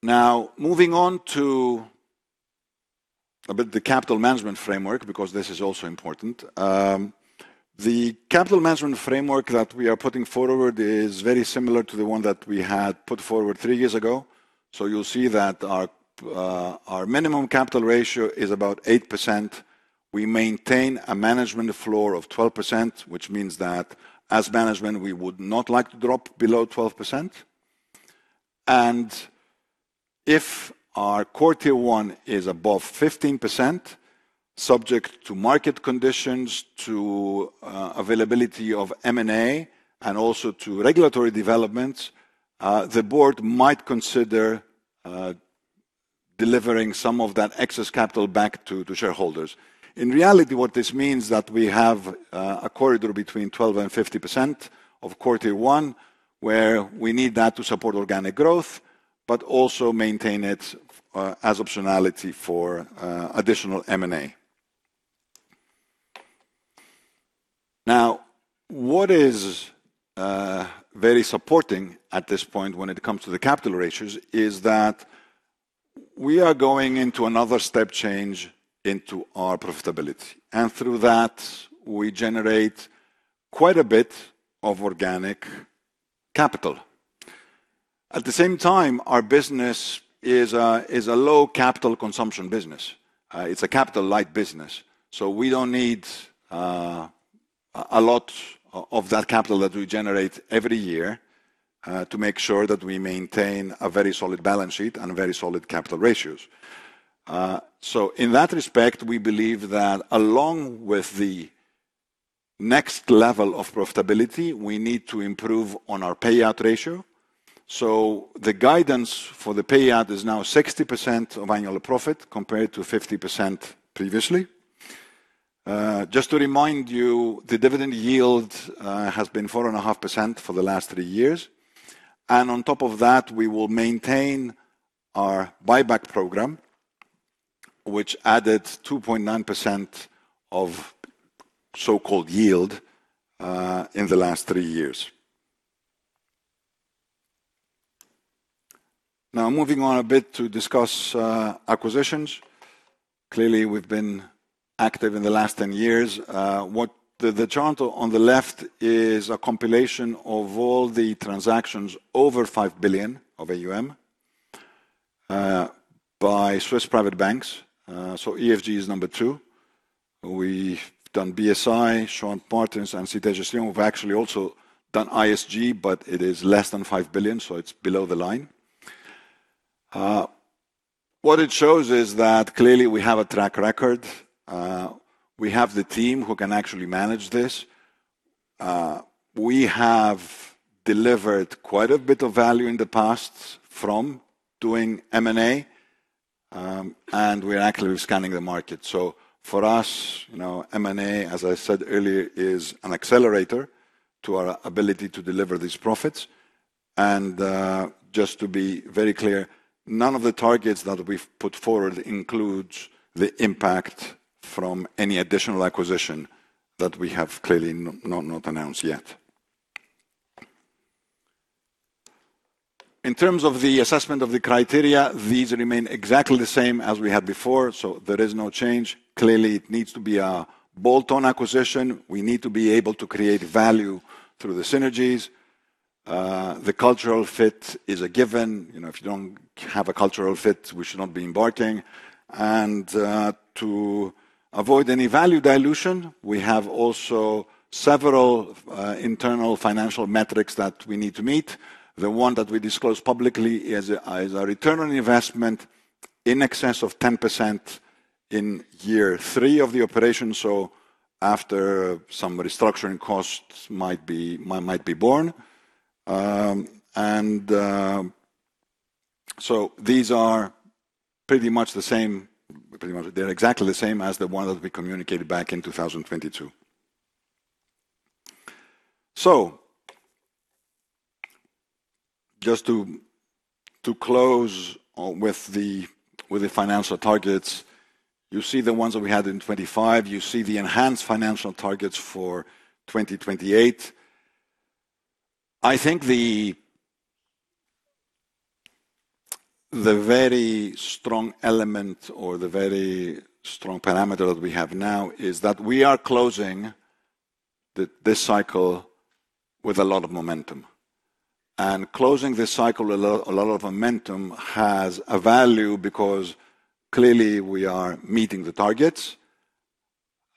Now, moving on to a bit of the capital management framework because this is also important. The capital management framework that we are putting forward is very similar to the one that we had put forward three years ago. You'll see that our minimum capital ratio is about 8%. We maintain a management floor of 12%, which means that as management, we would not like to drop below 12%. If our Q1 is above 15%, subject to market conditions, to availability of M&A, and also to regulatory developments, the Board might consider delivering some of that excess capital back to shareholders. In reality, what this means is that we have a corridor between 12%-15% of Q1, where we need that to support organic growth, but also maintain it as optionality for additional M&A. Now, what is very supporting at this point when it comes to the capital ratios is that we are going into another step change into our profitability. Through that, we generate quite a bit of organic capital. At the same time, our business is a low capital consumption business. It's a capital-light business. We do not need a lot of that capital that we generate every year to make sure that we maintain a very solid balance sheet and very solid capital ratios. In that respect, we believe that along with the next level of profitability, we need to improve on our payout ratio. The guidance for the payout is now 60% of annual profit compared to 50% previously. Just to remind you, the dividend yield has been 4.5% for the last three years. On top of that, we will maintain our buyback program, which added 2.9% of so-called yield in the last three years. Now, moving on a bit to discuss acquisitions. Clearly, we have been active in the last 10 years. The chart on the left is a compilation of all the transactions over 5 billion of AUM by Swiss private banks. EFG is number two. We've done BSI, Shaw & Partners, and Cité Gestion. We've actually also done Investment Services Group, but it is less than 5 billion, so it's below the line. What it shows is that clearly we have a track record. We have the team who can actually manage this. We have delivered quite a bit of value in the past from doing M&A, and we're actively scanning the market. For us, M&A, as I said earlier, is an accelerator to our ability to deliver these profits. Just to be very clear, none of the targets that we've put forward includes the impact from any additional acquisition that we have clearly not announced yet. In terms of the assessment of the criteria, these remain exactly the same as we had before, so there is no change. Clearly, it needs to be a bolt-on acquisition. We need to be able to create value through the synergies. The cultural fit is a given. If you do not have a cultural fit, we should not be embarking. To avoid any value dilution, we have also several internal financial metrics that we need to meet. The one that we disclose publicly is our return on investment in excess of 10% in year three of the operation, after some restructuring costs might be borne. These are pretty much the same. They are exactly the same as the one that we communicated back in 2022. Just to close with the financial targets, you see the ones that we had in 2025. You see the enhanced financial targets for 2028. I think the very strong element or the very strong parameter that we have now is that we are closing this cycle with a lot of momentum. Closing this cycle with a lot of momentum has a value because clearly we are meeting the targets.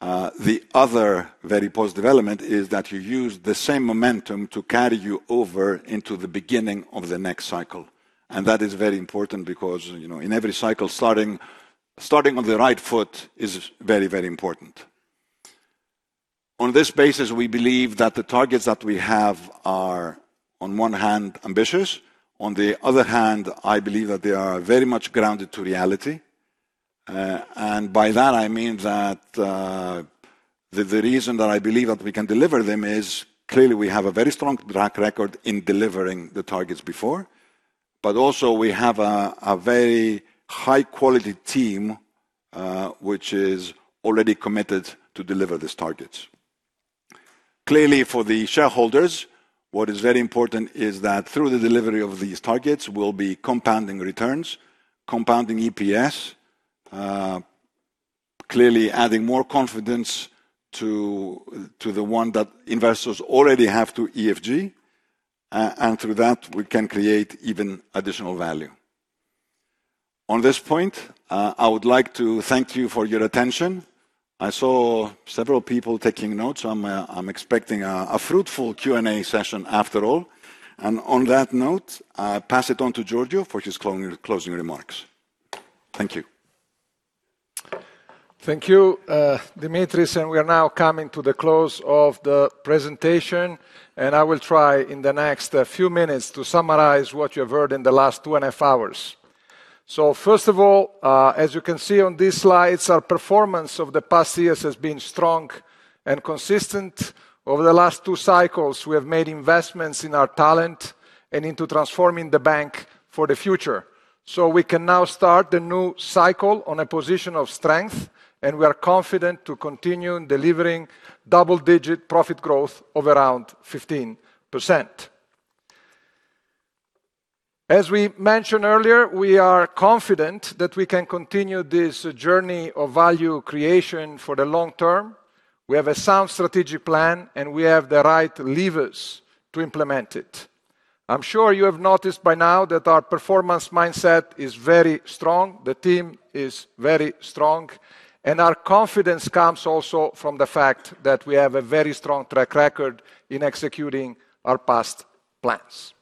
The other very positive element is that you use the same momentum to carry you over into the beginning of the next cycle. That is very important because in every cycle, starting on the right foot is very, very important. On this basis, we believe that the targets that we have are, on one hand, ambitious. On the other hand, I believe that they are very much grounded to reality. By that, I mean that the reason that I believe that we can deliver them is clearly we have a very strong track record in delivering the targets before, but also we have a very high-quality team which is already committed to deliver these targets. Clearly, for the shareholders, what is very important is that through the delivery of these targets, we will be compounding returns, compounding EPS, clearly adding more confidence to the one that investors already have to EFG. Through that, we can create even additional value. On this point, I would like to thank you for your attention. I saw several people taking notes, so I am expecting a fruitful Q&A session after all. On that note, I pass it on to Giorgio for his closing remarks. Thank you. Thank you, Dimitris. We are now coming to the close of the presentation. I will try in the next few minutes to summarize what you have heard in the last two and a half hours. First of all, as you can see on these slides, our performance of the past years has been strong and consistent. Over the last two cycles, we have made investments in our talent and into transforming the bank for the future. We can now start the new cycle on a position of strength, and we are confident to continue delivering double-digit profit growth of around 15%. As we mentioned earlier, we are confident that we can continue this journey of value creation for the long term. We have a sound strategic plan, and we have the right levers to implement it. I'm sure you have noticed by now that our performance mindset is very strong. The team is very strong. Our confidence comes also from the fact that we have a very strong track record in executing our past plans.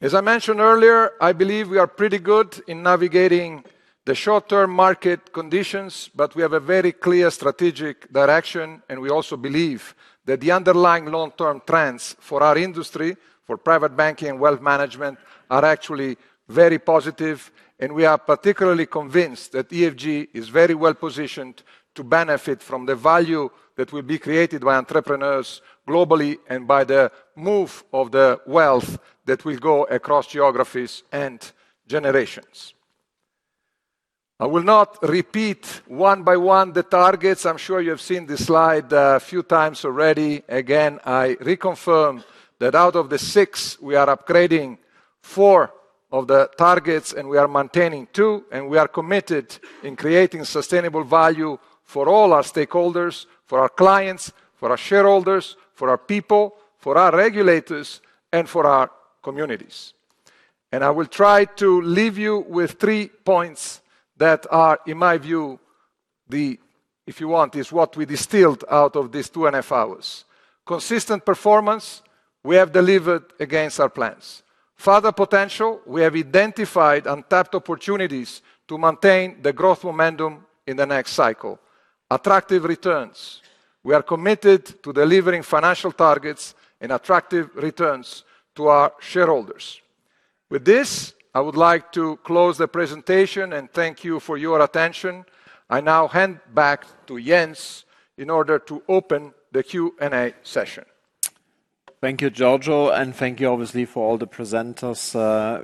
As I mentioned earlier, I believe we are pretty good in navigating the short-term market conditions, but we have a very clear strategic direction. We also believe that the underlying long-term trends for our industry, for private banking and wealth management, are actually very positive. We are particularly convinced that EFG is very well positioned to benefit from the value that will be created by entrepreneurs globally and by the move of the wealth that will go across geographies and generations. I will not repeat one by one the targets. I am sure you have seen this slide a few times already. Again, I reconfirm that out of the six, we are upgrading four of the targets, and we are maintaining two. We are committed in creating sustainable value for all our stakeholders, for our clients, for our shareholders, for our people, for our regulators, and for our communities. I will try to leave you with three points that are, in my view, if you want, what we distilled out of these two and a half hours. Consistent performance, we have delivered against our plans. Further potential, we have identified untapped opportunities to maintain the growth momentum in the next cycle. Attractive returns, we are committed to delivering financial targets and attractive returns to our shareholders. With this, I would like to close the presentation and thank you for your attention. I now hand back to Jens in order to open the Q&A session. Thank you, Giorgio. Thank you, obviously, for all the presenters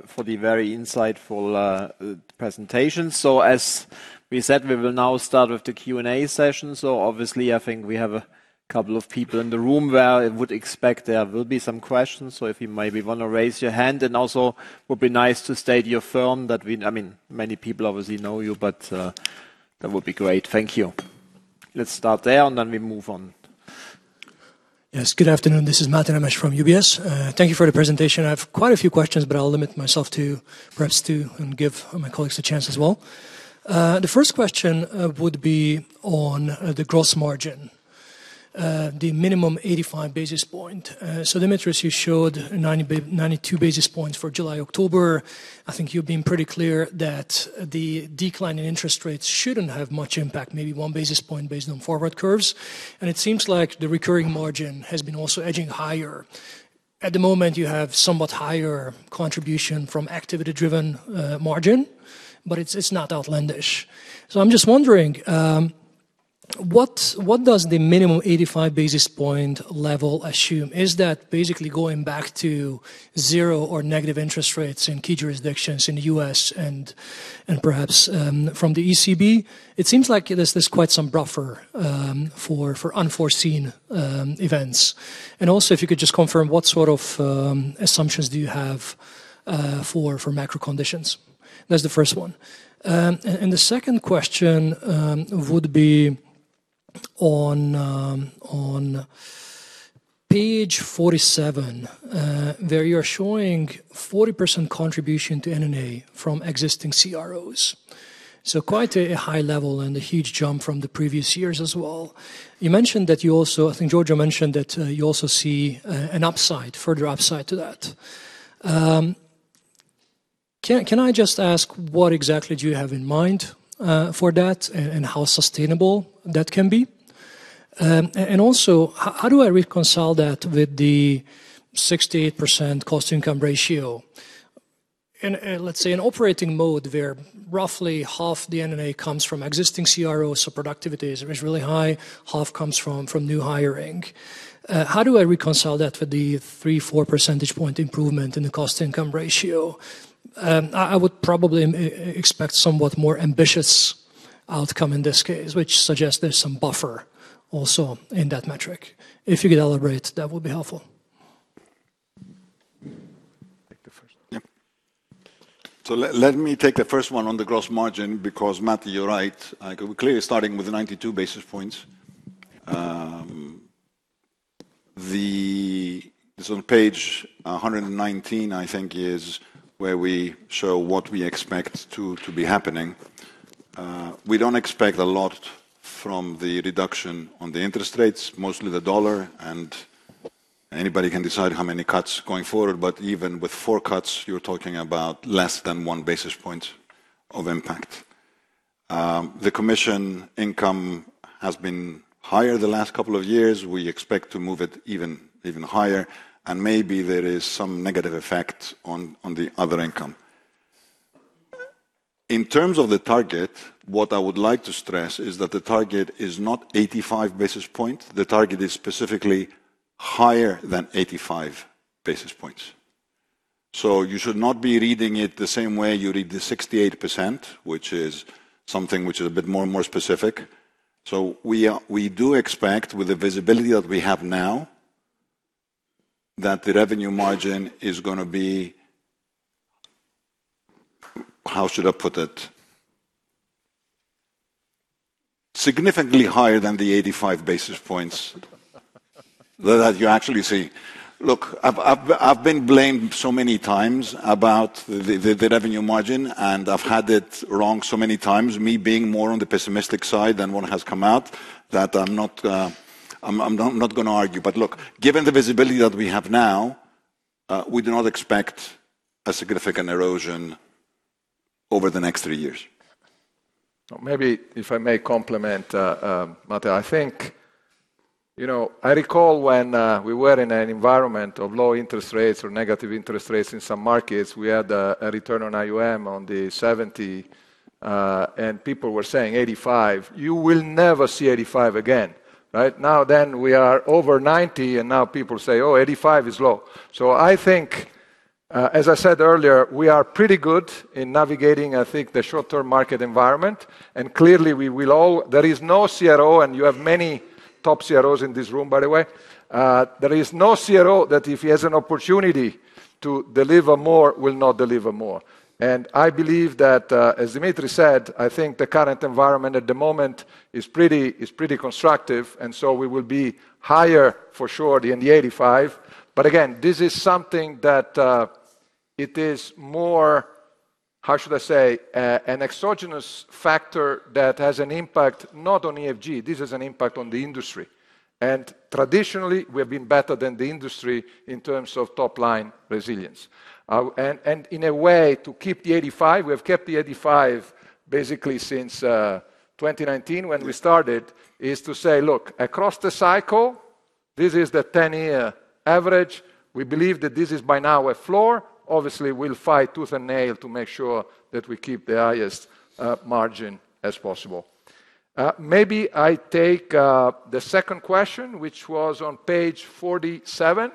for the very insightful presentations. As we said, we will now start with the Q&A session. Obviously, I think we have a couple of people in the room where I would expect there will be some questions. If you maybe want to raise your hand. Also, it would be nice to state your firm that we, I mean, many people obviously know you, but that would be great. Thank you. Let's start there, and then we move on. Yes, good afternoon. This is Matthew Mish from UBS. Thank you for the presentation. I have quite a few questions, but I'll limit myself to perhaps to give my colleagues a chance as well. The first question would be on the gross margin, the minimum 85 basis points. Dimitris, you showed 92 basis points for July-October. I think you've been pretty clear that the decline in interest rates should not have much impact, maybe one basis point based on forward curves. It seems like the recurring margin has been also edging higher. At the moment, you have somewhat higher contribution from activity-driven margin, but it's not outlandish. I'm just wondering, what does the minimum 85 basis point level assume? Is that basically going back to zero or negative interest rates in key jurisdictions in the U.S. and perhaps from the ECB? It seems like there's quite some buffer for unforeseen events. Also, if you could just confirm, what sort of assumptions do you have for macro conditions? That's the first one. The second question would be on page 47, where you're showing 40% contribution to M&A from existing CROs. Quite a high level and a huge jump from the previous years as well. You mentioned that you also, I think Giorgio mentioned that you also see an upside, further upside to that. Can I just ask, what exactly do you have in mind for that and how sustainable that can be? Also, how do I reconcile that with the 68% cost-income ratio? Let's say an operating mode where roughly half the M&A comes from existing CROs, so productivity is really high, half comes from new hiring. How do I reconcile that with the 3 percentage point-4 percentage point improvement in the cost-income ratio? I would probably expect somewhat more ambitious outcome in this case, which suggests there's some buffer also in that metric. If you could elaborate, that would be helpful. Take the first one. Let me take the first one on the gross margin because, Matthew, you're right. We're clearly starting with 92 basis points. This is on page 119, I think, is where we show what we expect to be happening. We do not expect a lot from the reduction on the interest rates, mostly the dollar. Anybody can decide how many cuts going forward. Even with four cuts, you are talking about less than one basis point of impact. The commission income has been higher the last couple of years. We expect to move it even higher. Maybe there is some negative effect on the other income. In terms of the target, what I would like to stress is that the target is not 85 basis points. The target is specifically higher than 85 basis points. You should not be reading it the same way you read the 68%, which is something which is a bit more specific. We do expect, with the visibility that we have now, that the revenue margin is going to be, how should I put it, significantly higher than the 85 basis points that you actually see. Look, I've been blamed so many times about the revenue margin, and I've had it wrong so many times, me being more on the pessimistic side than what has come out, that I'm not going to argue. Look, given the visibility that we have now, we do not expect a significant erosion over the next three years. Maybe, if I may complement, Matthew, I think I recall when we were in an environment of low interest rates or negative interest rates in some markets, we had a return on AUM on the 70, and people were saying 85. You will never see 85 again. Now, then we are over 90, and now people say, "Oh, 85 is low." I think, as I said earlier, we are pretty good in navigating, I think, the short-term market environment. Clearly, there is no CRO, and you have many top CROs in this room, by the way. There is no CRO that if he has an opportunity to deliver more, will not deliver more. I believe that, as Dimitris said, I think the current environment at the moment is pretty constructive. We will be higher for sure in the 85. Again, this is something that it is more, how should I say, an exogenous factor that has an impact not on EFG. This has an impact on the industry. Traditionally, we have been better than the industry in terms of top-line resilience. In a way, to keep the 85, we have kept the 85 basically since 2019 when we started, is to say, "Look, across the cycle, this is the 10-year average. We believe that this is by now a floor. Obviously, we'll fight tooth and nail to make sure that we keep the highest margin as possible." Maybe I take the second question, which was on page 47.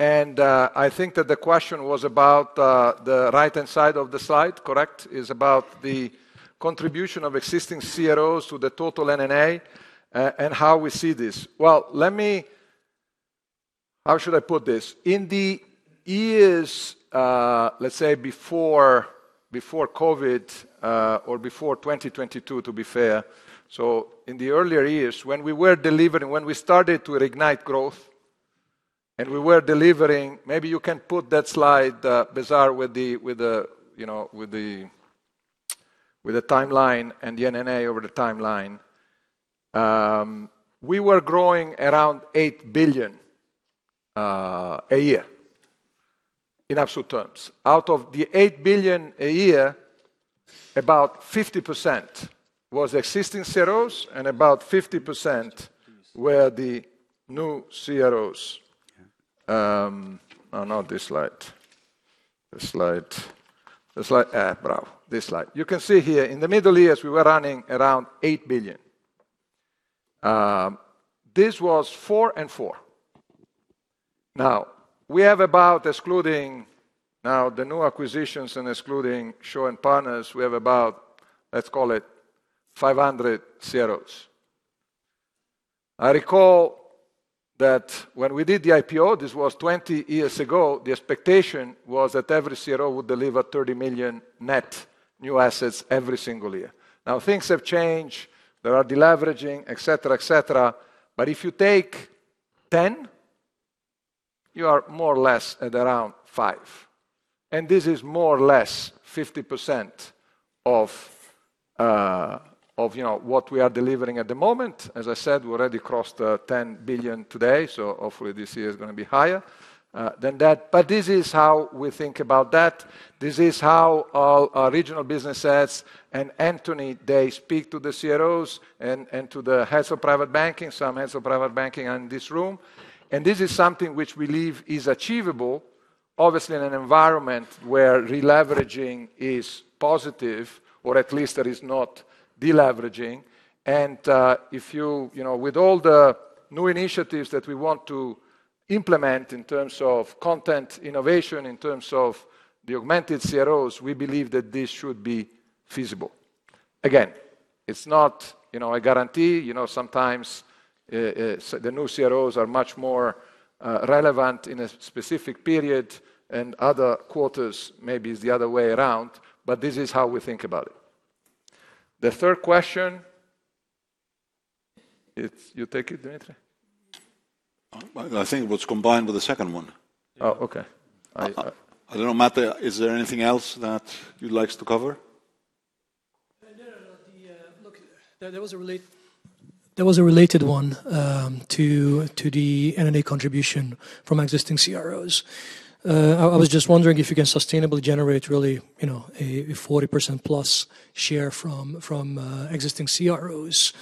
I think that the question was about the right-hand side of the slide, correct? It's about the contribution of existing CROs to the total M&A and how we see this. How should I put this? In the years, let's say, before COVID or before 2022, to be fair. In the earlier years, when we were delivering, when we started to ignite growth and we were delivering, maybe you can put that slide, Besar, with the timeline and the NNA over the timeline. We were growing around 8 billion a year in absolute terms. Out of the 8 billion a year, about 50% was existing CROs and about 50% were the new CROs. Oh, not this slide. This slide. Bravo. This slide. You can see here in the middle years, we were running around 8 billion. This was four and four. Now, we have about, excluding now the new acquisitions and excluding shareholder partners, we have about, let's call it, 500 CROs. I recall that when we did the IPO, this was 20 years ago, the expectation was that every CRO would deliver 30 million net new assets every single year. Now, things have changed. There are deleveraging, etc., etc. If you take 10, you are more or less at around five. This is more or less 50% of what we are delivering at the moment. As I said, we already crossed 10 billion today. Hopefully, this year is going to be higher than that. This is how we think about that. This is how our Regional Business Heads and Anthony, they speak to the CROs and to the heads of private banking, some heads of private banking in this room. This is something which we believe is achievable, obviously, in an environment where releveraging is positive, or at least there is not deleveraging. With all the new initiatives that we want to implement in terms of content innovation, in terms of the augmented CROs, we believe that this should be feasible. Again, it's not a guarantee. Sometimes the new CROs are much more relevant in a specific period, and other quarters maybe it's the other way around. This is how we think about it. The third question, you take it, Dimitris. I think it was combined with the second one. Oh, okay. I don't know, Matthew, is there anything else that you'd like to cover? No, no, no. Look, there was a related one to the NNA contribution from existing CROs. I was just wondering if you can sustainably generate really a 40% plus share from existing CROs.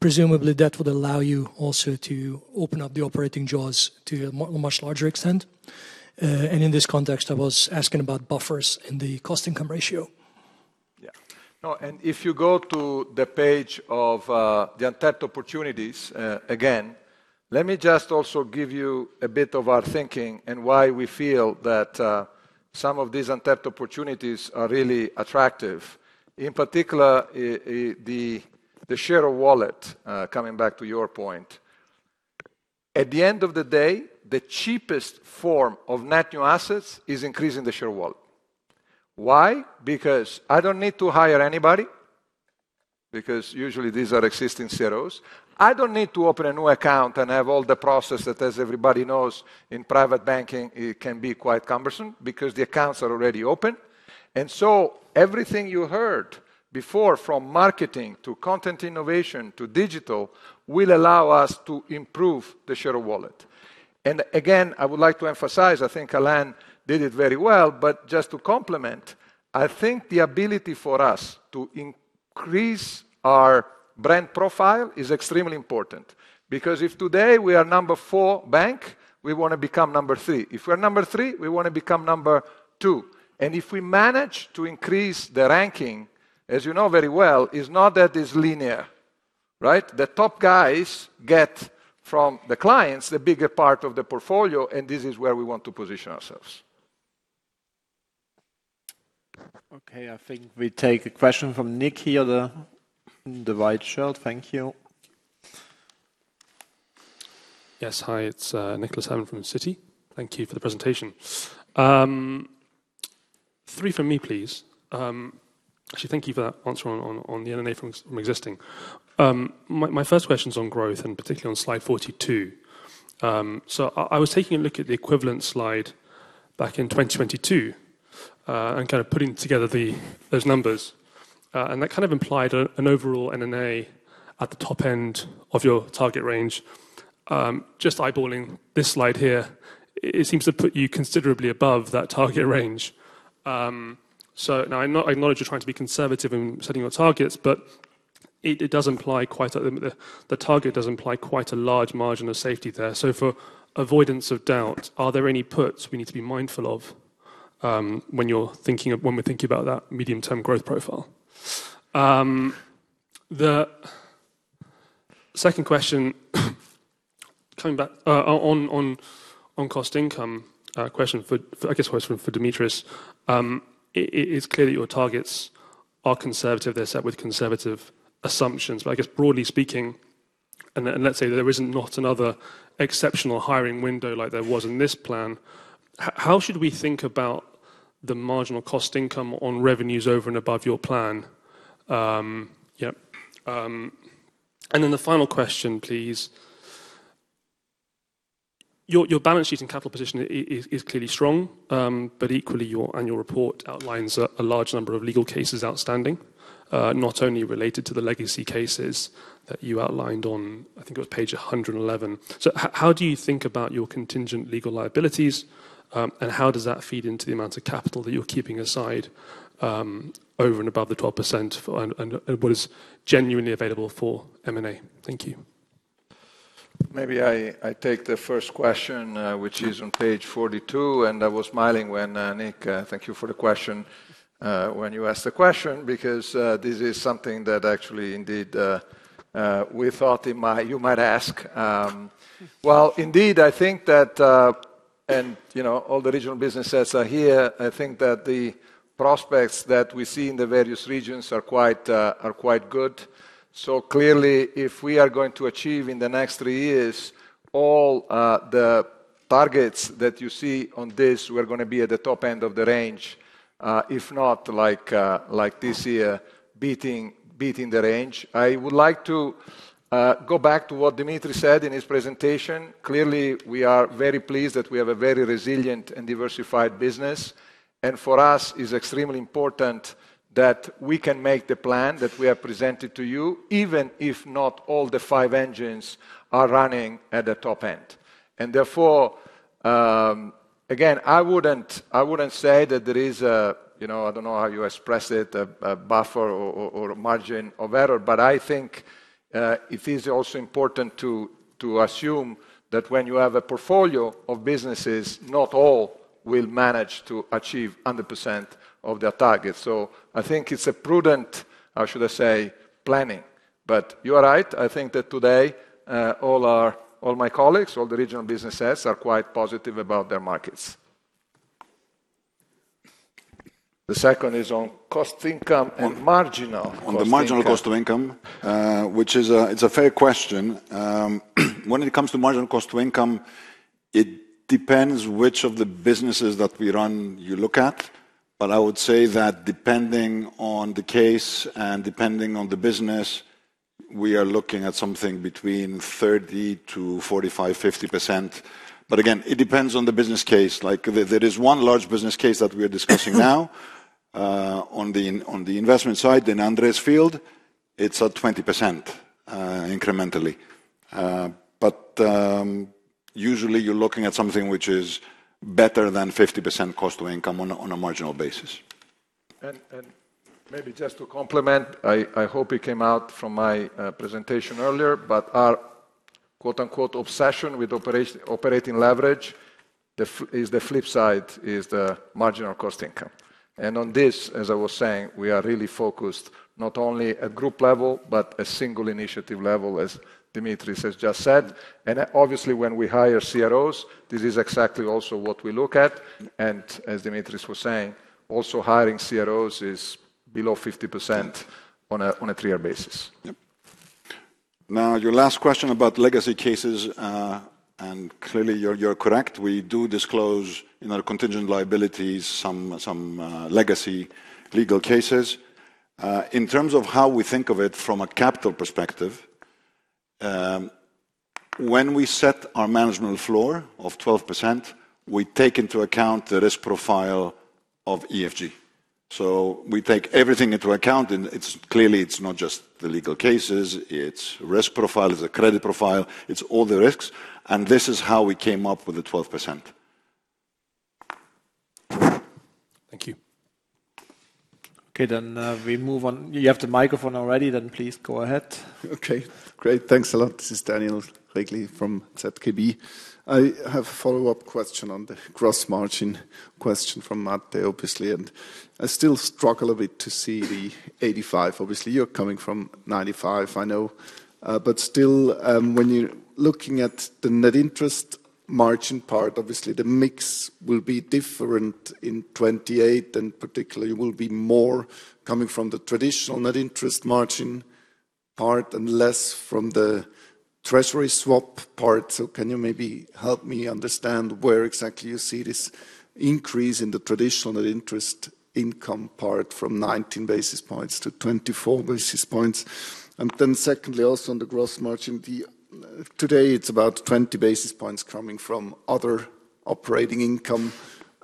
Presumably, that would allow you also to open up the operating jaws to a much larger extent. In this context, I was asking about buffers in the cost-income ratio. Yeah. If you go to the page of the untapped opportunities, let me just also give you a bit of our thinking and why we feel that some of these untapped opportunities are really attractive. In particular, the share of wallet, coming back to your point. At the end of the day, the cheapest form of net new assets is increasing the share of wallet. Why? Because I do not need to hire anybody, because usually these are existing CROs. I do not need to open a new account and have all the process that, as everybody knows, in private banking, it can be quite cumbersome because the accounts are already open. Everything you heard before from marketing to content innovation to digital will allow us to improve the share of wallet. Again, I would like to emphasize, I think Alain did it very well, but just to complement, I think the ability for us to increase our brand profile is extremely important because if today we are number four bank, we want to become number three. If we're number three, we want to become number two. If we manage to increase the ranking, as you know very well, it's not that it's linear, right? The top guys get from the clients the bigger part of the portfolio, and this is where we want to position ourselves. Okay, I think we take a question from Nick here, the white shirt. Thank you. Yes, hi, it's Nicholas Herman from Citi. Thank you for the presentation. Three for me, please. Actually, thank you for that answer on the NNA from existing. My first question is on growth and particularly on slide 42. I was taking a look at the equivalent slide back in 2022 and kind of putting together those numbers. That kind of implied an overall NNA at the top end of your target range. Just eyeballing this slide here, it seems to put you considerably above that target range. I acknowledge you're trying to be conservative in setting your targets, but it does imply quite the target does imply quite a large margin of safety there. For avoidance of doubt, are there any puts we need to be mindful of when we're thinking about that medium-term growth profile? The second question coming back on cost-income question, I guess, was from Dimitris. It's clear that your targets are conservative. They're set with conservative assumptions. I guess, broadly speaking, and let's say there is not another exceptional hiring window like there was in this plan, how should we think about the marginal cost-income on revenues over and above your plan? The final question, please. Your balance sheet and capital position is clearly strong, but equally, your annual report outlines a large number of legal cases outstanding, not only related to the legacy cases that you outlined on, I think it was page 111. How do you think about your contingent legal liabilities, and how does that feed into the amount of capital that you're keeping aside over and above the 12% and what is genuinely available for M&A? Thank you. Maybe I take the first question, which is on page 42. I was smiling when Nick, thank you for the question, when you asked the question because this is something that actually, indeed, we thought you might ask. Indeed, I think that, and all the regional business heads are here, I think that the prospects that we see in the various regions are quite good. Clearly, if we are going to achieve in the next three years all the targets that you see on this, we are going to be at the top end of the range, if not like this year, beating the range. I would like to go back to what Dimitris said in his presentation. Clearly, we are very pleased that we have a very resilient and diversified business. For us, it's extremely important that we can make the plan that we have presented to you, even if not all the five engines are running at the top end. Therefore, again, I wouldn't say that there is a, I don't know how you express it, a buffer or a margin of error, but I think it is also important to assume that when you have a portfolio of businesses, not all will manage to achieve 100% of their targets. I think it's a prudent, how should I say, planning. You are right. I think that today, all my colleagues, all the regional business heads are quite positive about their markets. The second is on cost-income and marginal cost to income. On the marginal cost to income, which is a fair question. When it comes to marginal cost to income, it depends which of the businesses that we run you look at. I would say that depending on the case and depending on the business, we are looking at something between 30%-45%, 50%. Again, it depends on the business case. There is one large business case that we are discussing now on the investment side, the Nandres field. It's at 20% incrementally. Usually, you're looking at something which is better than 50% cost to income on a marginal basis. Maybe just to complement, I hope it came out from my presentation earlier, but our "obsession" with operating leverage is the flip side is the marginal cost to income. On this, as I was saying, we are really focused not only at group level, but at single initiative level, as Dimitris has just said. Obviously, when we hire CROs, this is exactly also what we look at. As Dimitris was saying, also hiring CROs is below 50% on a three-year basis. Now, your last question about legacy cases, and clearly, you're correct. We do disclose in our contingent liabilities some legacy legal cases. In terms of how we think of it from a capital perspective, when we set our management floor of 12%, we take into account the risk profile of EFG. We take everything into account. Clearly, it's not just the legal cases. It's risk profile, it's a credit profile. It's all the risks. This is how we came up with the 12%. Thank you. Okay, we move on. You have the microphone already, then please go ahead. Okay, great. Thanks a lot. This is Daniel Regli from ZKB. I have a follow-up question on the gross margin question from Matte, obviously. I still struggle a bit to see the 85. Obviously, you're coming from 95, I know. Still, when you're looking at the net interest margin part, obviously, the mix will be different in 2028, and particularly, it will be more coming from the traditional net interest margin part and less from the treasury swap part. Can you maybe help me understand where exactly you see this increase in the traditional net interest income part from 19 basis points to 24 basis points? Secondly, also on the gross margin, today, it's about 20 basis points coming from other operating income.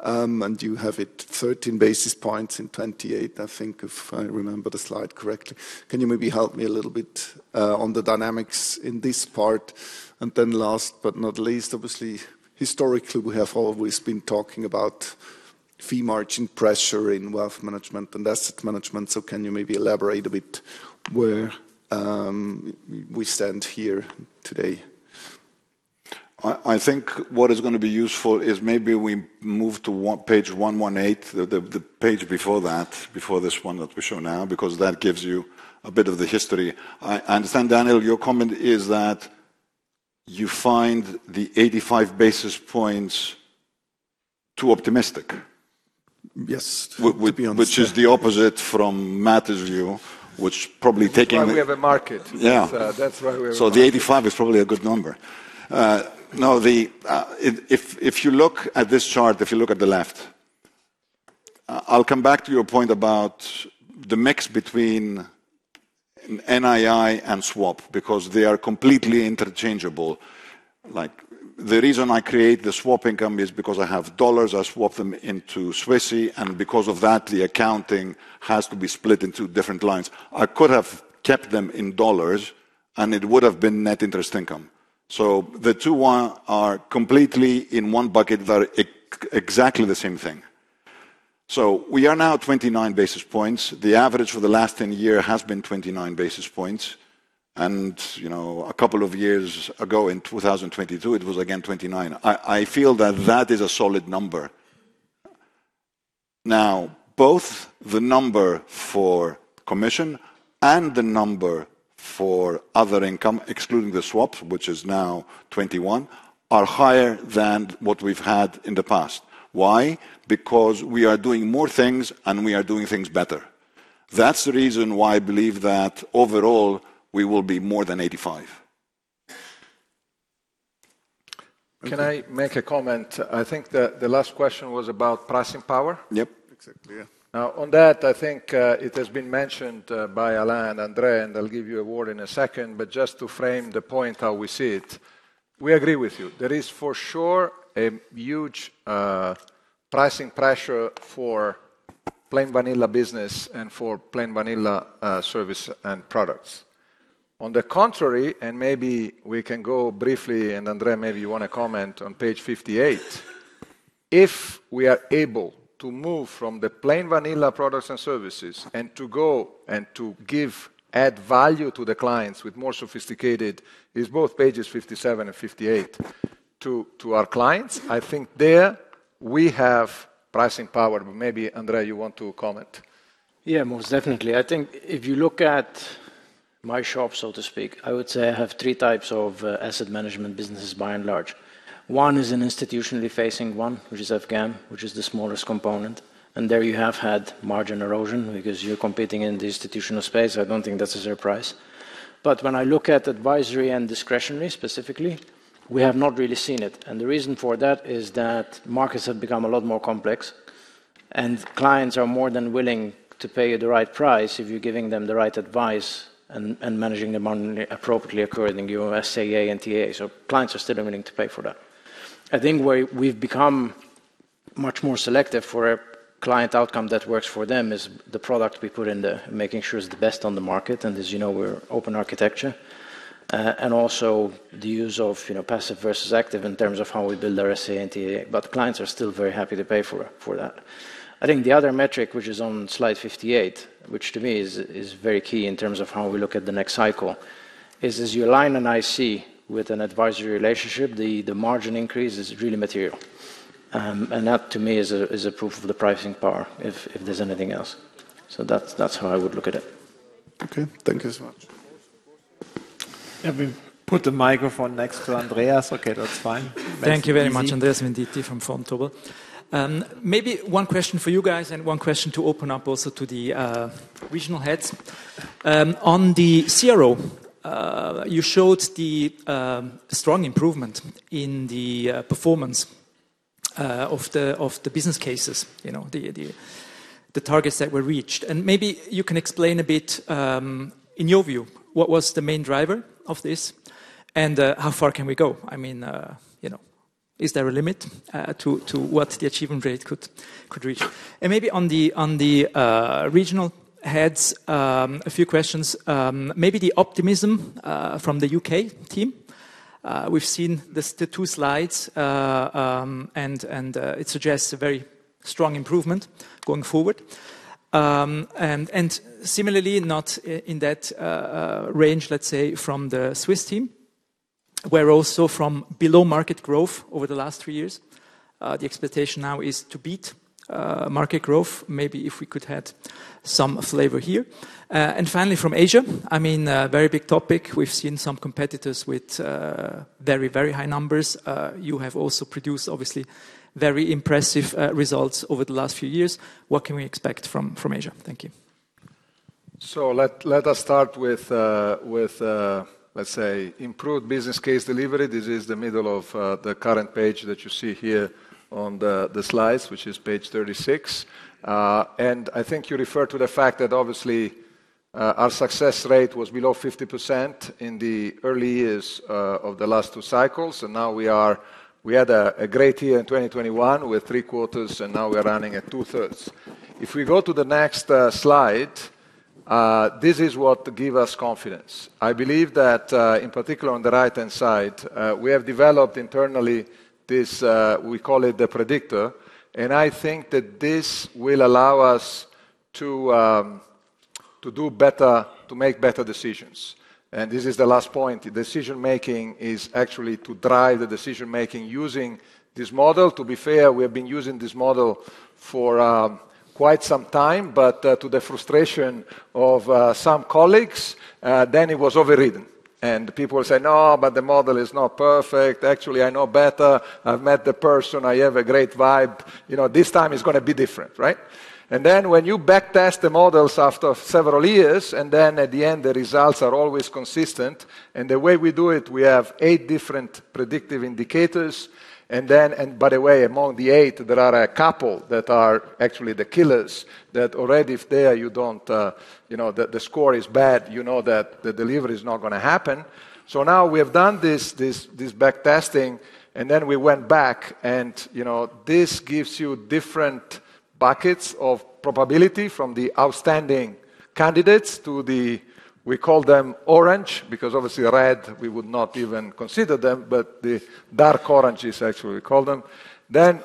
You have it 13 basis points in 2028, I think, if I remember the slide correctly. Can you maybe help me a little bit on the dynamics in this part? Last but not least, obviously, historically, we have always been talking about fee margin pressure in wealth management and asset management. Can you maybe elaborate a bit where we stand here today? I think what is going to be useful is maybe we move to page 118, the page before that, before this one that we show now, because that gives you a bit of the history. I understand, Daniel, your comment is that you find the 85 basis points too optimistic. Yes, to be honest. Which is the opposite from Matthew's view, which probably taking—we have a market. That is why we are—the 85 is probably a good number. Now, if you look at this chart, if you look at the left, I will come back to your point about the mix between NII and swap because they are completely interchangeable. The reason I create the swap income is because I have dollars, I swap them into Swissie, and because of that, the accounting has to be split into different lines. I could have kept them in dollars, and it would have been net interest income. The two are completely in one bucket that are exactly the same thing. We are now at 29 basis points. The average for the last 10 years has been 29 basis points. A couple of years ago, in 2022, it was again 29. I feel that that is a solid number. Now, both the number for commission and the number for other income, excluding the swap, which is now 21, are higher than what we have had in the past. Why? Because we are doing more things, and we are doing things better. That's the reason why I believe that overall, we will be more than 85. Can I make a comment? I think the last question was about pricing power. Yep. Exactly, yeah. Now, on that, I think it has been mentioned by Alain and André, and they'll give you a word in a second, but just to frame the point how we see it, we agree with you. There is for sure a huge pricing pressure for plain vanilla business and for plain vanilla service and products. On the contrary, and maybe we can go briefly, and André, maybe you want to comment on page 58, if we are able to move from the plain vanilla products and services and to go and to give add value to the clients with more sophisticated, is both pages 57 and 58 to our clients, I think there we have pricing power. Maybe, André, you want to comment? Yeah, most definitely. I think if you look at my shop, so to speak, I would say I have three types of asset management businesses by and large. One is an institutionally facing one, which is Afghan, which is the smallest component. There you have had margin erosion because you're competing in the institutional space. I don't think that's a surprise. When I look at advisory and discretionary specifically, we have not really seen it. The reason for that is that markets have become a lot more complex, and clients are more than willing to pay you the right price if you're giving them the right advice and managing the money appropriately according to SAA and TAA. Clients are still willing to pay for that. I think where we've become much more selective for a client outcome that works for them is the product we put in, making sure it's the best on the market. As you know, we're open architecture. Also, the use of passive versus active in terms of how we build our SAA and TAA. Clients are still very happy to pay for that. I think the other metric, which is on slide 58, which to me is very key in terms of how we look at the next cycle, is as you align an IC with an advisory relationship, the margin increase is really material. That to me is a proof of the pricing power, if there's anything else. That's how I would look at it. Okay, thank you so much. Have you put the microphone next to Andreas? Okay, that's fine. Thank you very much, Andreas Venditti from Vontobel. Maybe one question for you guys and one question to open up also to the regional heads. On the CRO, you showed the strong improvement in the performance of the business cases, the targets that were reached. Maybe you can explain a bit, in your view, what was the main driver of this and how far can we go? I mean, is there a limit to what the achievement rate could reach? Maybe on the regional heads, a few questions. Maybe the optimism from the U.K. team. We've seen the two slides, and it suggests a very strong improvement going forward. Similarly, not in that range, let's say, from the Swiss team, where also from below market growth over the last three years, the expectation now is to beat market growth. Maybe if we could add some flavor here. Finally, from Asia, I mean, very big topic. We've seen some competitors with very, very high numbers. You have also produced, obviously, very impressive results over the last few years. What can we expect from Asia? Thank you. Let us start with, let's say, improved business case delivery. This is the middle of the current page that you see here on the slides, which is page 36. I think you refer to the fact that obviously our success rate was below 50% in the early years of the last two cycles. We had a great year in 2021 with three quarters, and now we're running at 2/3. If we go to the next slide, this is what gives us confidence. I believe that, in particular, on the right-hand side, we have developed internally this, we call it the predictor. I think that this will allow us to do better, to make better decisions. This is the last point. Decision-making is actually to drive the decision-making using this model. To be fair, we have been using this model for quite some time, but to the frustration of some colleagues, then it was overridden. People were saying, "No, but the model is not perfect. Actually, I know better. I've met the person. I have a great vibe. This time it's going to be different, right? When you backtest the models after several years, at the end, the results are always consistent. The way we do it, we have eight different predictive indicators. By the way, among the eight, there are a couple that are actually the killers that already, if there, you don't, the score is bad, you know that the delivery is not going to happen. We have done this backtesting, and we went back, and this gives you different buckets of probability from the outstanding candidates to the, we call them orange, because obviously red, we would not even consider them, but the dark oranges actually we call them.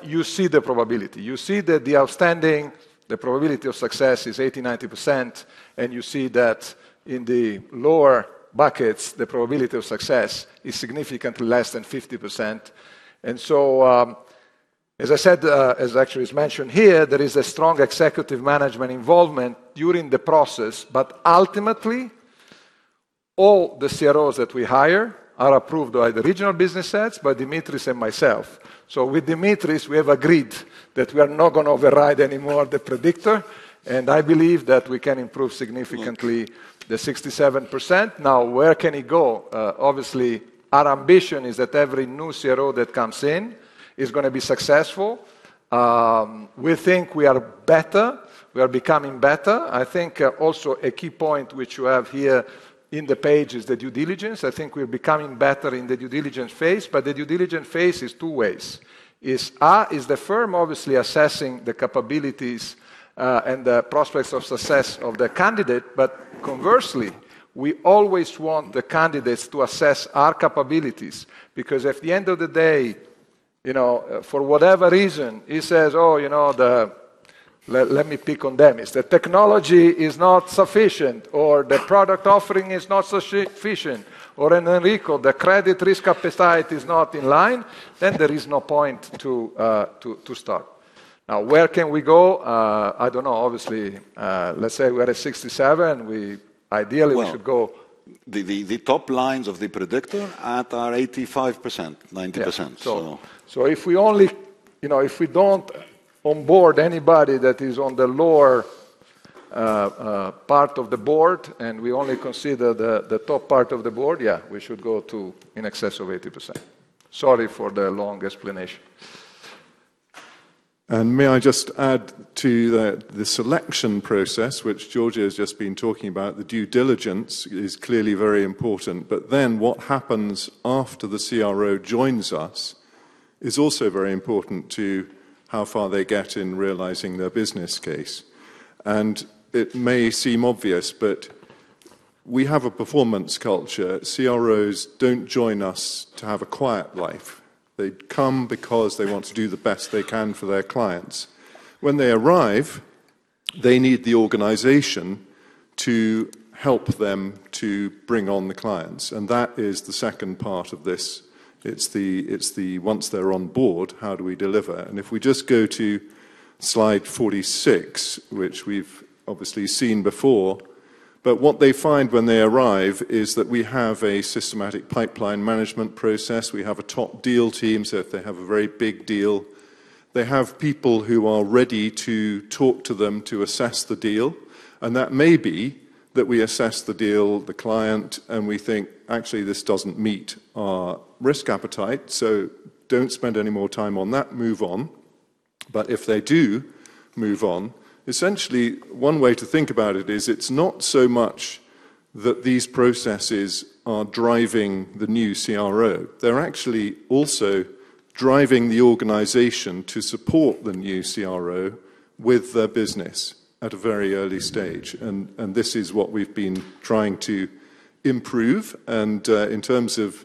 You see the probability. You see that the outstanding, the probability of success is 80%-90%, and you see that in the lower buckets, the probability of success is significantly less than 50%. As I said, as actually is mentioned here, there is a strong executive management involvement during the process, but ultimately, all the CROs that we hire are approved by the regional business heads, by Dimitris and myself. With Dimitris, we have agreed that we are not going to override anymore the predictor, and I believe that we can improve significantly the 67%. Now, where can it go? Obviously, our ambition is that every new CRO that comes in is going to be successful. We think we are better. We are becoming better. I think also a key point which you have here in the page is the due diligence. I think we're becoming better in the due diligence phase, but the due diligence phase is two ways. A is the firm, obviously, assessing the capabilities and the prospects of success of the candidate, but conversely, we always want the candidates to assess our capabilities because at the end of the day, for whatever reason, he says, "Oh, let me pick on them." If the technology is not sufficient or the product offering is not sufficient or, in Enrico, the credit risk appetite is not in line, then there is no point to start. Now, where can we go? I don't know. Obviously, let's say we are at 67. Ideally, we should go. The top lines of the predictor are at 85%, 90%. If we only, if we do not onboard anybody that is on the lower part of the board and we only consider the top part of the board, yeah, we should go to in excess of 80%. Sorry for the long explanation. May I just add to the selection process, which Giorgio has just been talking about, the due diligence is clearly very important, but then what happens after the CRO joins us is also very important to how far they get in realizing their business case. It may seem obvious, but we have a performance culture. CROs do not join us to have a quiet life. They come because they want to do the best they can for their clients. When they arrive, they need the organization to help them to bring on the clients. That is the second part of this. It's the, once they're on board, how do we deliver? If we just go to slide 46, which we've obviously seen before, what they find when they arrive is that we have a systematic pipeline management process. We have a top deal team. If they have a very big deal, they have people who are ready to talk to them to assess the deal. That may be that we assess the deal, the client, and we think, actually, this doesn't meet our risk appetite. Don't spend any more time on that. Move on. If they do move on, essentially, one way to think about it is it's not so much that these processes are driving the new CRO. They're actually also driving the organization to support the new CRO with their business at a very early stage. This is what we've been trying to improve. In terms of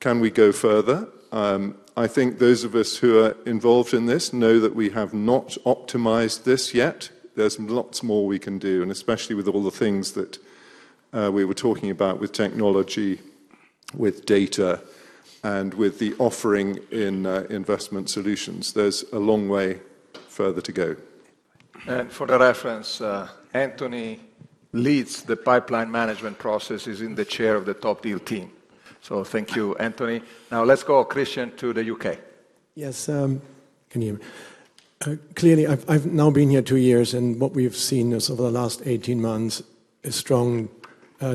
can we go further, I think those of us who are involved in this know that we have not optimized this yet. There's lots more we can do, especially with all the things that we were talking about with technology, with data, and with the offering in investment solutions. There's a long way further to go. For the reference, Anthony leads the pipeline management process. He's in the chair of the top deal team. Thank you, Anthony. Now let's go, Christian, to the U.K. Yes. Can you hear me? Clearly, I've now been here two years, and what we've seen over the last 18 months is a strong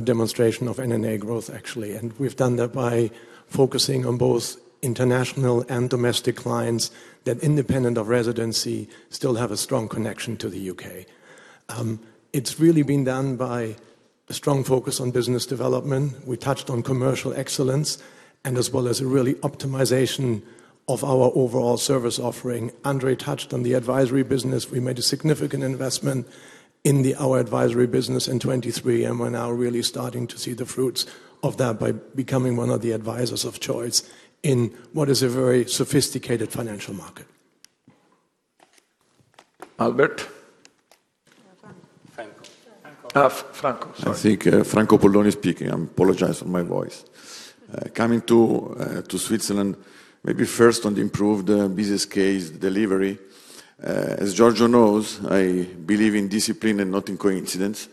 demonstration of NNA growth, actually. We have done that by focusing on both international and domestic clients that, independent of residency, still have a strong connection to the U.K. It has really been done by a strong focus on business development. We touched on commercial excellence as well as a real optimization of our overall service offering. André touched on the advisory business. We made a significant investment in our advisory business in 2023, and we are now really starting to see the fruits of that by becoming one of the advisors of choice in what is a very sophisticated financial market. Albert. Franco. I think Franco Polloni is speaking. I apologize for my voice. Coming to Switzerland, maybe first on the improved business case delivery. As Giorgio knows, I believe in discipline and not in coincidence.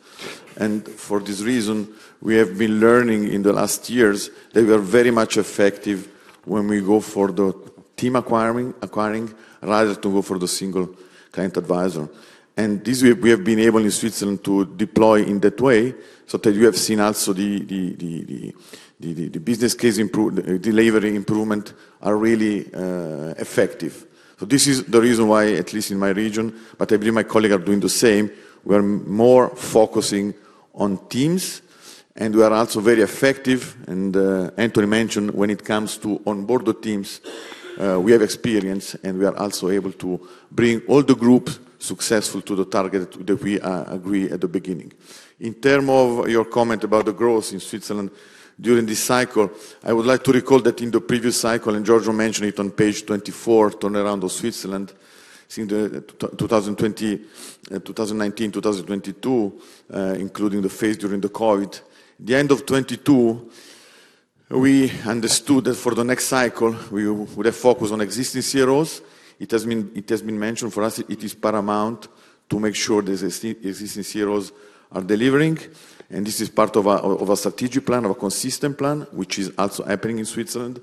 For this reason, we have been learning in the last years that we are very much effective when we go for the team acquiring rather than to go for the single client advisor. We have been able in Switzerland to deploy in that way so that you have seen also the business case delivery improvement are really effective. This is the reason why, at least in my region, but I believe my colleagues are doing the same. We are more focusing on teams, and we are also very effective. Anthony mentioned when it comes to onboard the teams, we have experience, and we are also able to bring all the groups successful to the target that we agree at the beginning. In terms of your comment about the growth in Switzerland during this cycle, I would like to recall that in the previous cycle, and Giorgio mentioned it on page 24, turnaround of Switzerland in 2019, 2022, including the phase during the COVID. At the end of 2022, we understood that for the next cycle, we would have focused on existing CROs. It has been mentioned for us, it is paramount to make sure the existing CROs are delivering. This is part of a strategic plan, of a consistent plan, which is also happening in Switzerland.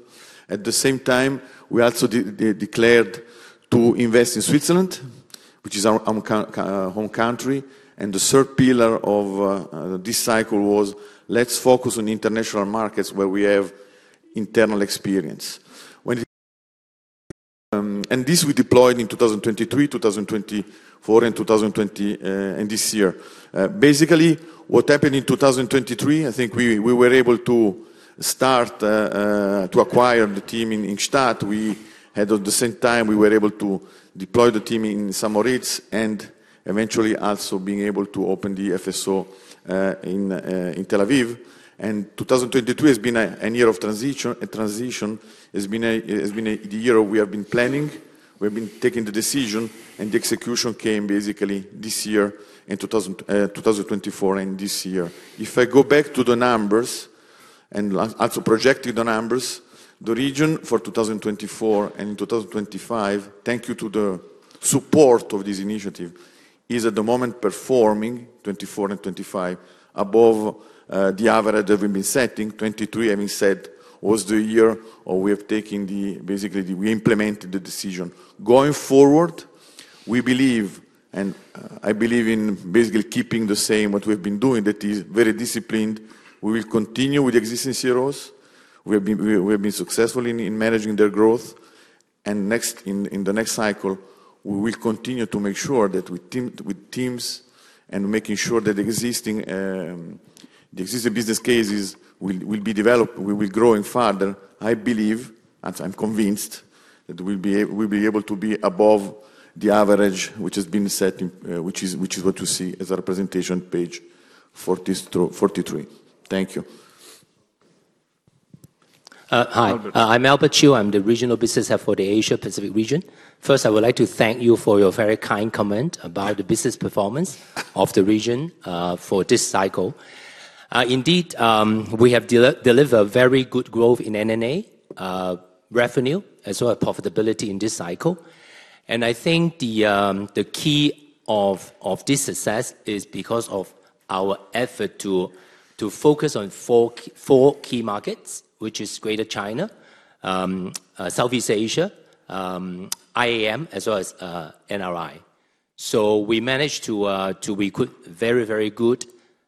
At the same time, we also declared to invest in Switzerland, which is our home country. The third pillar of this cycle was, let's focus on international markets where we have internal experience. This we deployed in 2023, 2024, and this year. Basically, what happened in 2023, I think we were able to start to acquire the team in Gstaad. At the same time, we were able to deploy the team in St. Moritz and eventually also being able to open the FSO in Tel Aviv. 2022 has been a year of transition. It has been the year we have been planning. We have been taking the decision, and the execution came basically this year in 2024 and this year. If I go back to the numbers and also projecting the numbers, the region for 2024 and in 2025, thank you to the support of this initiative, is at the moment performing 2024 and 2025 above the average that we've been setting. 2023, having said, was the year we have taken the, basically, we implemented the decision. Going forward, we believe, and I believe in basically keeping the same what we've been doing, that is very disciplined. We will continue with the existing CROs. We have been successful in managing their growth. In the next cycle, we will continue to make sure that with teams and making sure that the existing business cases will be developed, we will grow in farther. I believe, I'm convinced that we'll be able to be above the average, which has been set, which is what you see as a representation page 43. Thank you. Hi. I'm Albert Chiu. I'm the Regional Business Head for the Asia-Pacific region. First, I would like to thank you for your very kind comment about the business performance of the region for this cycle. Indeed, we have delivered very good growth in NNA revenue as well as profitability in this cycle. I think the key of this success is because of our effort to focus on four key markets, which is Greater China, Southeast Asia, IAM, as well as NRI. We managed to equip very, very good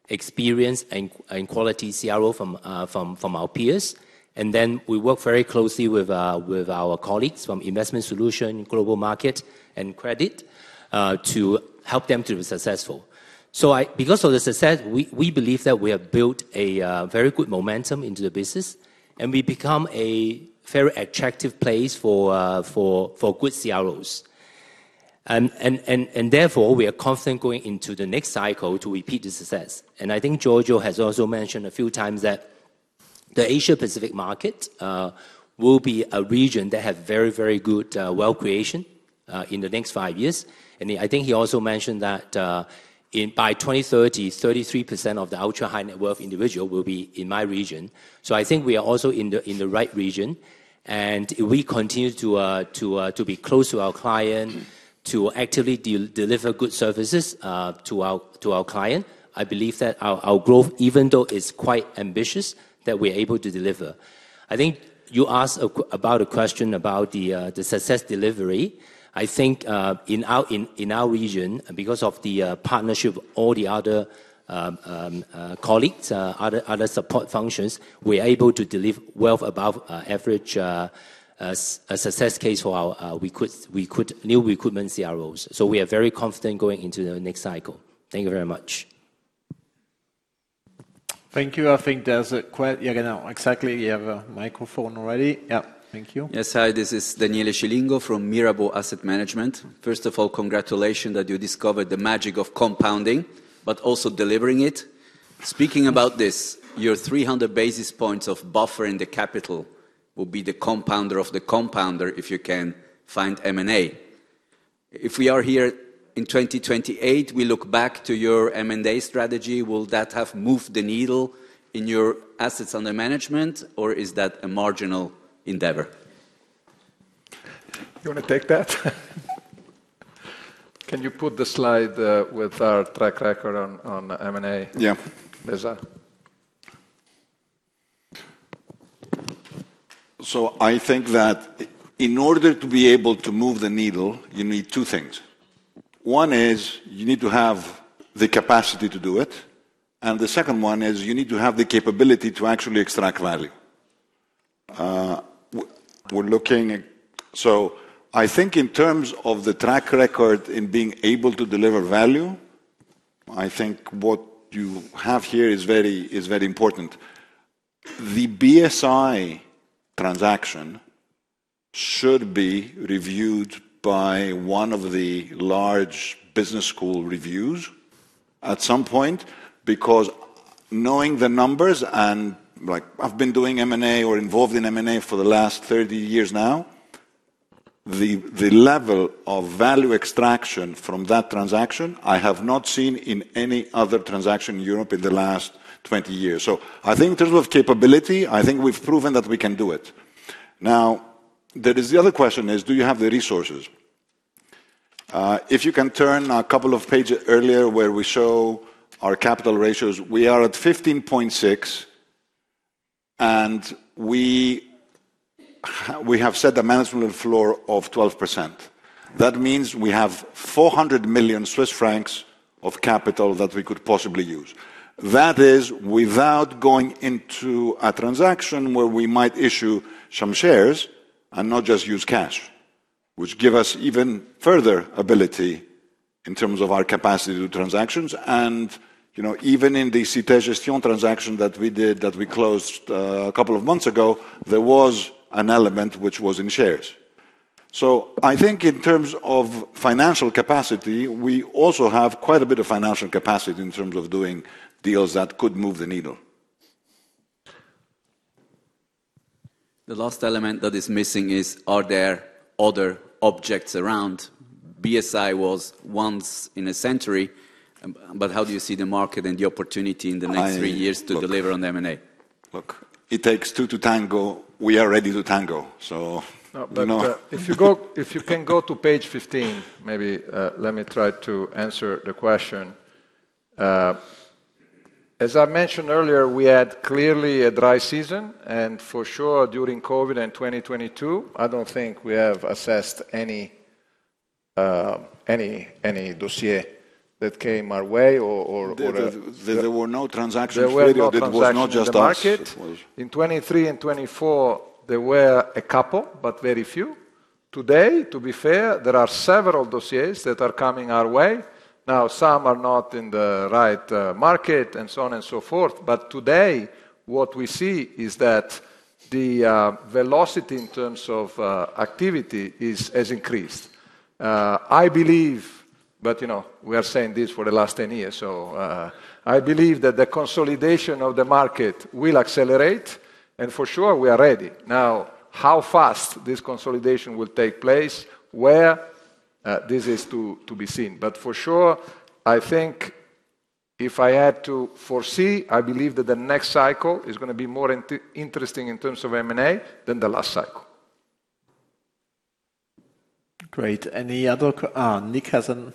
experience and quality CRO from our peers. We work very closely with our colleagues from Investment Solution, Global Market, and Credit to help them to be successful. Because of the success, we believe that we have built a very good momentum into the business, and we become a very attractive place for good CROs. Therefore, we are constantly going into the next cycle to repeat the success. I think Giorgio has also mentioned a few times that the Asia-Pacific market will be a region that has very, very good wealth creation in the next five years. I think he also mentioned that by 2030, 33% of the ultra-high net worth individual will be in my region. I think we are also in the right region. If we continue to be close to our client, to actively deliver good services to our client, I believe that our growth, even though it's quite ambitious, that we're able to deliver. I think you asked about a question about the success delivery. I think in our region, because of the partnership, all the other colleagues, other support functions, we are able to deliver wealth above average success case for our new recruitment CROs. We are very confident going into the next cycle. Thank you very much. Thank you. I think there's a question. Yeah, exactly. You have a microphone already. Yeah. Thank you. Yes, hi. This is Daniele Scilingo from Mirabaud Asset Management. First of all, congratulations that you discovered the magic of compounding, but also delivering it. Speaking about this, your 300 basis points of buffer in the capital will be the compounder of the compounder if you can find M&A. If we are here in 2028, we look back to your M&A strategy, will that have moved the needle in your assets under management, or is that a marginal endeavor? You want to take that? Can you put the slide with our track record on M&A? Yeah. I think that in order to be able to move the needle, you need two things. One is you need to have the capacity to do it. The second one is you need to have the capability to actually extract value. I think in terms of the track record in being able to deliver value, I think what you have here is very important. The BSI transaction should be reviewed by one of the large business school reviews at some point because knowing the numbers and I've been doing M&A or involved in M&A for the last 30 years now, the level of value extraction from that transaction, I have not seen in any other transaction in Europe in the last 20 years. I think in terms of capability, I think we've proven that we can do it. Now, the other question is, do you have the resources? If you can turn a couple of pages earlier where we show our capital ratios, we are at 15.6%, and we have set the management floor of 12%. That means we have 400 million Swiss francs of capital that we could possibly use. That is without going into a transaction where we might issue some shares and not just use cash, which gives us even further ability in terms of our capacity to do transactions. Even in the Cité Gestion transaction that we did, that we closed a couple of months ago, there was an element which was in shares. I think in terms of financial capacity, we also have quite a bit of financial capacity in terms of doing deals that could move the needle. The last element that is missing is, are there other objects around? BSI was once in a century, but how do you see the market and the opportunity in the next three years to deliver on M&A? Look, it takes two to tango. We are ready to tango. If you can go to page 15, maybe let me try to answer the question. As I mentioned earlier, we had clearly a dry season. For sure, during COVID and 2022, I do not think we have assessed any dossier that came our way or there were no transactions that were not just us. In 2023 and 2024, there were a couple, but very few. Today, to be fair, there are several dossiers that are coming our way. Some are not in the right market and so on and so forth. Today, what we see is that the velocity in terms of activity has increased. I believe, but we are saying this for the last 10 years, I believe that the consolidation of the market will accelerate. For sure, we are ready. Now, how fast this consolidation will take place, where this is to be seen. For sure, I think if I had to foresee, I believe that the next cycle is going to be more interesting in terms of M&A than the last cycle. Great. Any other? Nick hasn't.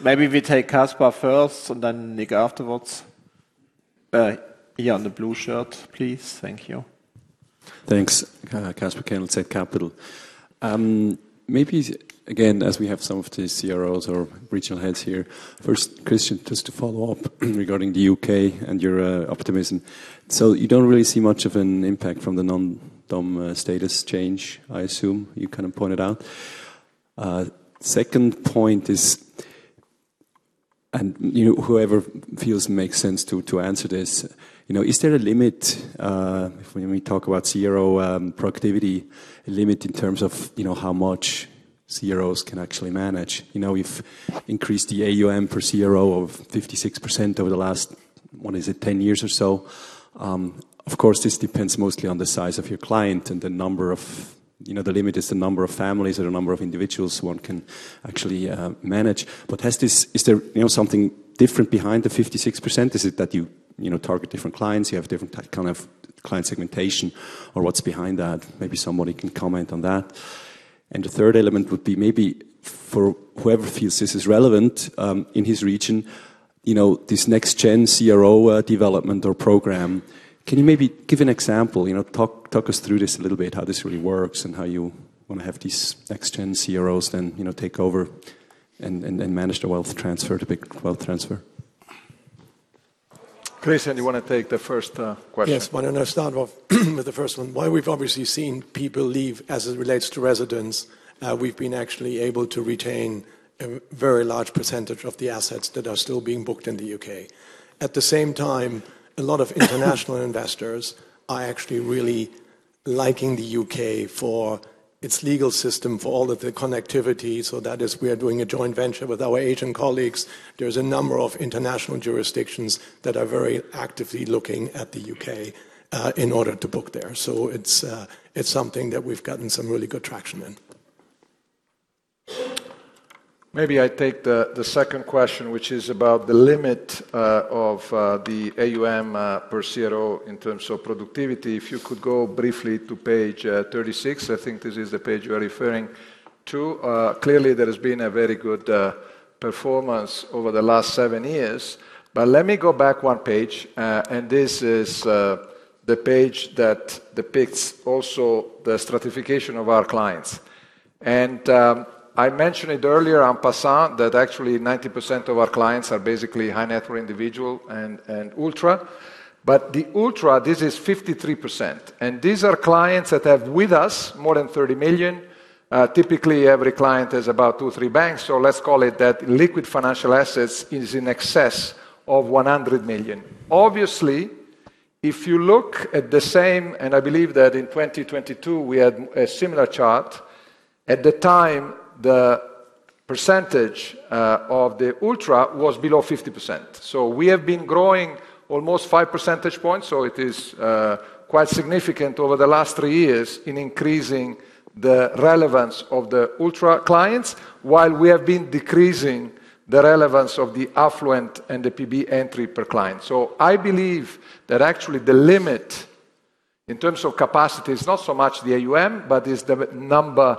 Maybe we take Caspar first and then Nick afterwards. Here on the blue shirt, please. Thank you. Thanks. Caspar Kendall, Capital. Maybe again, as we have some of the CROs or regional heads here, first, Christian, just to follow up regarding the U.K. and your optimism. You don't really see much of an impact from the non-dom status change, I assume you kind of pointed out. Second point is, and whoever feels makes sense to answer this, is there a limit when we talk about CRO productivity, a limit in terms of how much CROs can actually manage? We've increased the AUM per CRO of 56% over the last, what is it, 10 years or so. Of course, this depends mostly on the size of your client and the number of the limit is the number of families or the number of individuals one can actually manage. Is there something different behind the 56%? Is it that you target different clients? You have different kind of client segmentation or what's behind that? Maybe somebody can comment on that. The third element would be maybe for whoever feels this is relevant in his region, this next-gen CRO development or program, can you maybe give an example, talk us through this a little bit, how this really works and how you want to have these next-gen CROs then take over and manage the wealth transfer, the big wealth transfer? Christian, you want to take the first question? Yes, I want to start with the first one. While we've obviously seen people leave as it relates to residents, we've been actually able to retain a very large percentage of the assets that are still being booked in the U.K. At the same time, a lot of international investors are actually really liking the U.K. for its legal system, for all of the connectivity. That is, we are doing a joint venture with our Asian colleagues. There are a number of international jurisdictions that are very actively looking at the U.K. in order to book there. It is something that we've gotten some really good traction in. Maybe I take the second question, which is about the limit of the AUM per CRO in terms of productivity. If you could go briefly to page 36, I think this is the page you are referring to. Clearly, there has been a very good performance over the last seven years. Let me go back one page, and this is the page that depicts also the stratification of our clients. I mentioned it earlier on Passant that actually 90% of our clients are basically high net worth individual and ultra. The ultra, this is 53%. These are clients that have with us more than 30 million. Typically, every client has about two or three banks. Let's call it that liquid financial assets is in excess of 100 million. Obviously, if you look at the same, and I believe that in 2022, we had a similar chart. At the time, the percentage of the ultra was below 50%. We have been growing almost five percentage points. It is quite significant over the last three years in increasing the relevance of the ultra clients, while we have been decreasing the relevance of the affluent and the PB entry per client. I believe that actually the limit in terms of capacity is not so much the AUM, but it's the number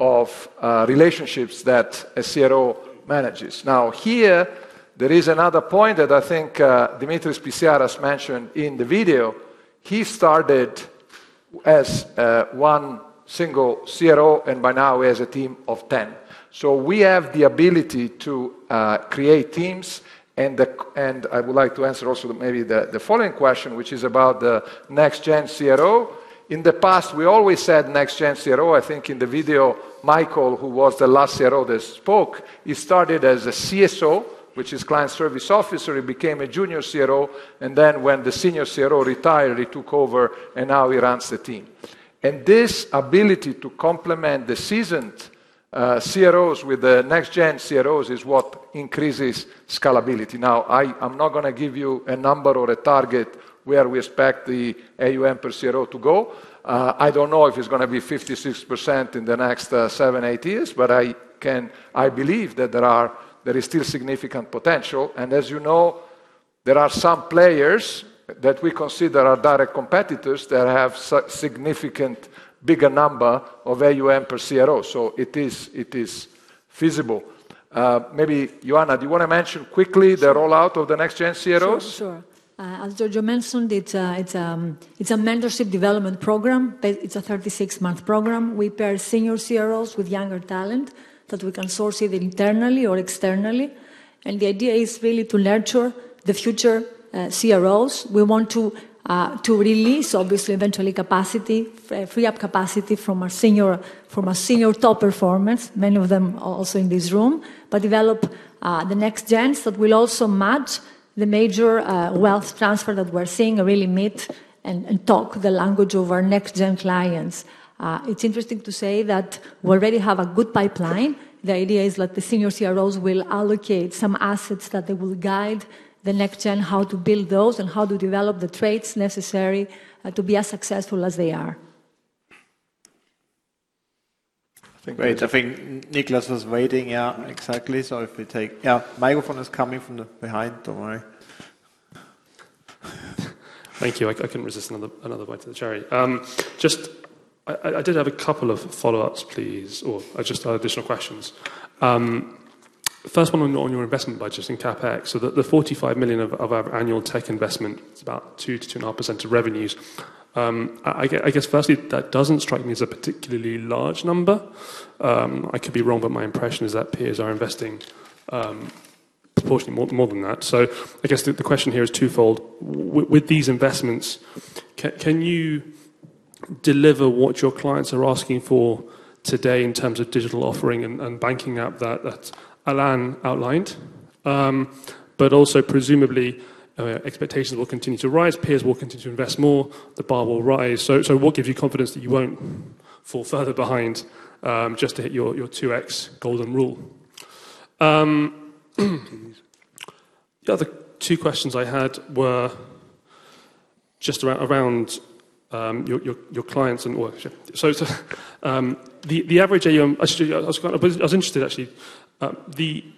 of relationships that a CRO manages. Now, here, there is another point that I think Dimitris Politis mentioned in the video. He started as one single CRO, and by now, he has a team of 10. We have the ability to create teams. I would like to answer also maybe the following question, which is about the next-gen CRO. In the past, we always said next-gen CRO. I think in the video, Michael, who was the last CRO that spoke, he started as a CSO, which is Client Service Officer. He became a junior CRO. Then when the senior CRO retired, he took over, and now he runs the team. This ability to complement the seasoned CROs with the next-gen CROs is what increases scalability. I'm not going to give you a number or a target where we expect the AUM per CRO to go. I don't know if it's going to be 56% in the next seven, eight years, but I believe that there is still significant potential. As you know, there are some players that we consider our direct competitors that have a significantly bigger number of AUM per CRO. It is feasible. Maybe Ioanna, do you want to mention quickly the rollout of the next-gen CROs? Sure. As Giorgio mentioned, it's a mentorship development program. It's a 36-month program. We pair senior CROs with younger talent that we can source either internally or externally. The idea is really to nurture the future CROs. We want to release, obviously, eventually capacity, free up capacity from our senior top performers, many of them also in this room, but develop the next gens that will also match the major wealth transfer that we're seeing, really meet and talk the language of our next-gen clients. It's interesting to say that we already have a good pipeline. The idea is that the senior CROs will allocate some assets that they will guide the next gen how to build those and how to develop the traits necessary to be as successful as they are. Great. I think Nicholas was waiting. Yeah, exactly. If we take, yeah, microphone is coming from the behind. Don't worry. Thank you. I couldn't resist another bite to the cherry. Just I did have a couple of follow-ups, please, or just additional questions. First one on your investment budget in CapEx. So the 45 million of our annual tech investment, it's about 2%-2.5% of revenues. I guess firstly, that doesn't strike me as a particularly large number. I could be wrong, but my impression is that peers are investing proportionately more than that. I guess the question here is twofold. With these investments, can you deliver what your clients are asking for today in terms of digital offering and banking app that Alain outlined? Also, presumably, expectations will continue to rise. Peers will continue to invest more. The bar will rise. What gives you confidence that you won't fall further behind just to hit your 2x golden rule? The other two questions I had were just around your clients and so the average AUM, I was interested actually,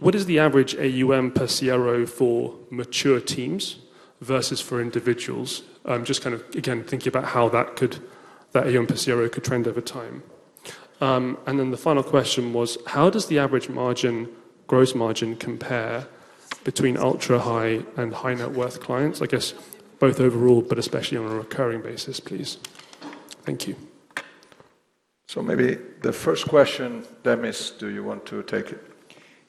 what is the average AUM per CRO for mature teams versus for individuals? Just kind of, again, thinking about how that AUM per CRO could trend over time. The final question was, how does the average gross margin compare between ultra-high and high-net-worth clients? I guess both overall, but especially on a recurring basis, please. Thank you. Maybe the first question, Demis, do you want to take it?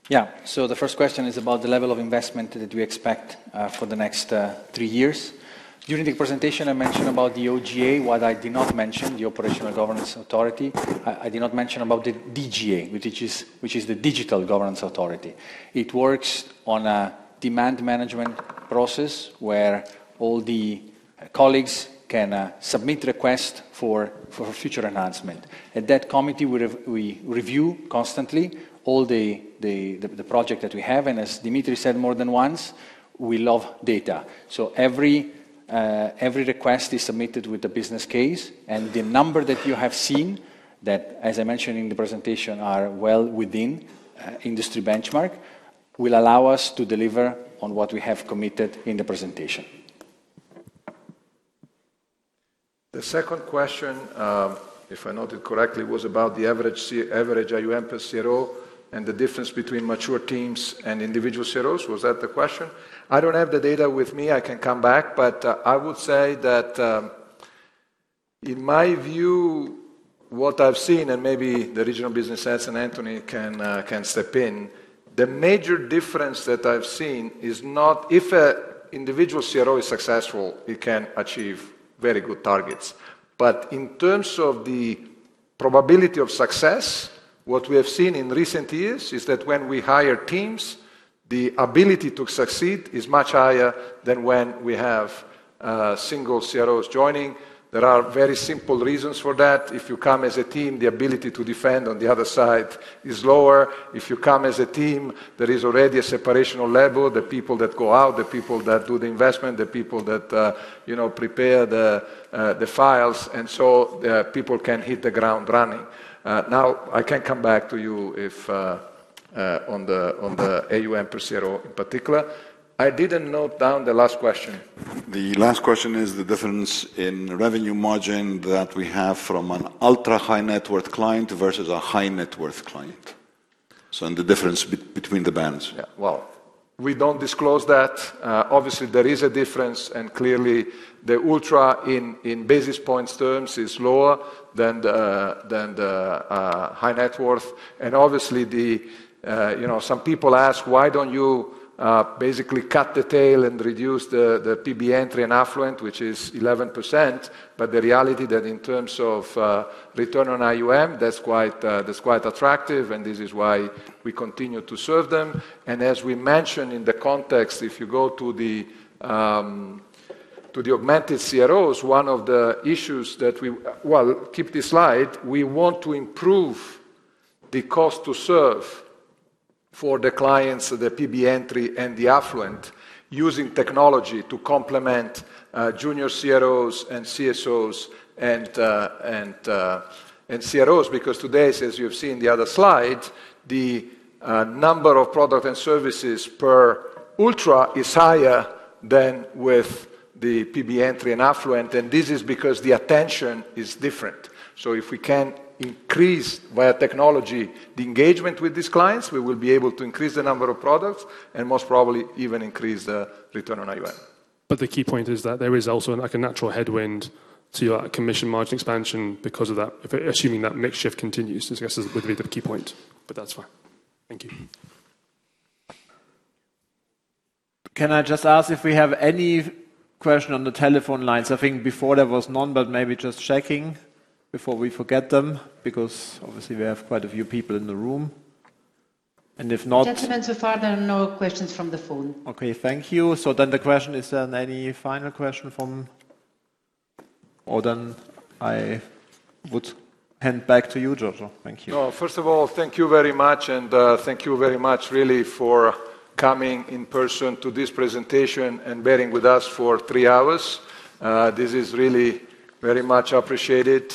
Yeah. The first question is about the level of investment that we expect for the next three years. During the presentation, I mentioned about the OGA, what I did not mention, the Operational Governance Authority. I did not mention about the DGA, which is the Digital Governance Authority. It works on a demand management process where all the colleagues can submit requests for future enhancement. At that committee, we review constantly all the projects that we have. As Dimitris said more than once, we love data. Every request is submitted with a business case. The number that you have seen that, as I mentioned in the presentation, are well within industry benchmark will allow us to deliver on what we have committed in the presentation. The second question, if I noted correctly, was about the average AUM per CRO and the difference between mature teams and individual CROs. Was that the question? I do not have the data with me. I can come back. I would say that in my view, what I've seen, and maybe the regional business heads and Anthony can step in, the major difference that I've seen is not if an individual CRO is successful, it can achieve very good targets. In terms of the probability of success, what we have seen in recent years is that when we hire teams, the ability to succeed is much higher than when we have single CROs joining. There are very simple reasons for that. If you come as a team, the ability to defend on the other side is lower. If you come as a team, there is already a separation on level, the people that go out, the people that do the investment, the people that prepare the files, and so people can hit the ground running. Now, I can come back to you on the AUM per CRO in particular. I did not note down the last question. The last question is the difference in revenue margin that we have from an ultra-high net worth client versus a high net worth client. The difference between the bands. Yeah. We do not disclose that. Obviously, there is a difference, and clearly, the ultra in basis points terms is lower than the high net worth. Obviously, some people ask, why do you basically cut the tail and reduce the PB entry and affluent, which is 11%? The reality is that in terms of return on AUM, that is quite attractive, and this is why we continue to serve them. As we mentioned in the context, if you go to the augmented CROs, one of the issues is that we will keep this slide. We want to improve the cost to serve for the clients, the PB entry, and the affluent using technology to complement junior CROs and CSOs and CROs. Because today, as you have seen in the other slide, the number of products and services per ultra is higher than with the PB entry and affluent. This is because the attention is different. If we can increase via technology the engagement with these clients, we will be able to increase the number of products and most probably even increase the return on AUM. The key point is that there is also a natural headwind to your commission margin expansion because of that, assuming that makeshift continues. This is with a bit of key point, but that's fine. Thank you. Can I just ask if we have any question on the telephone lines? I think before there was none, but maybe just checking before we forget them because obviously we have quite a few people in the room. If not. Gentlemen, so far there are no questions from the phone. Okay. Thank you. The question is, is there any final question from? Or I would hand back to you, Giorgio. Thank you. First of all, thank you very much, and thank you very much really for coming in person to this presentation and bearing with us for three hours. This is really very much appreciated.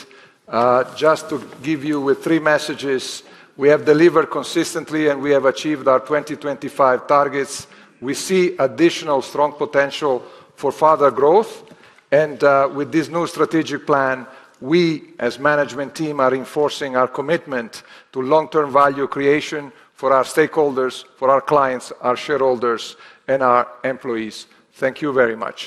Just to give you three messages, we have delivered consistently, and we have achieved our 2025 targets. We see additional strong potential for further growth. With this new strategic plan, we as management team are enforcing our commitment to long-term value creation for our stakeholders, for our clients, our shareholders, and our employees. Thank you very much.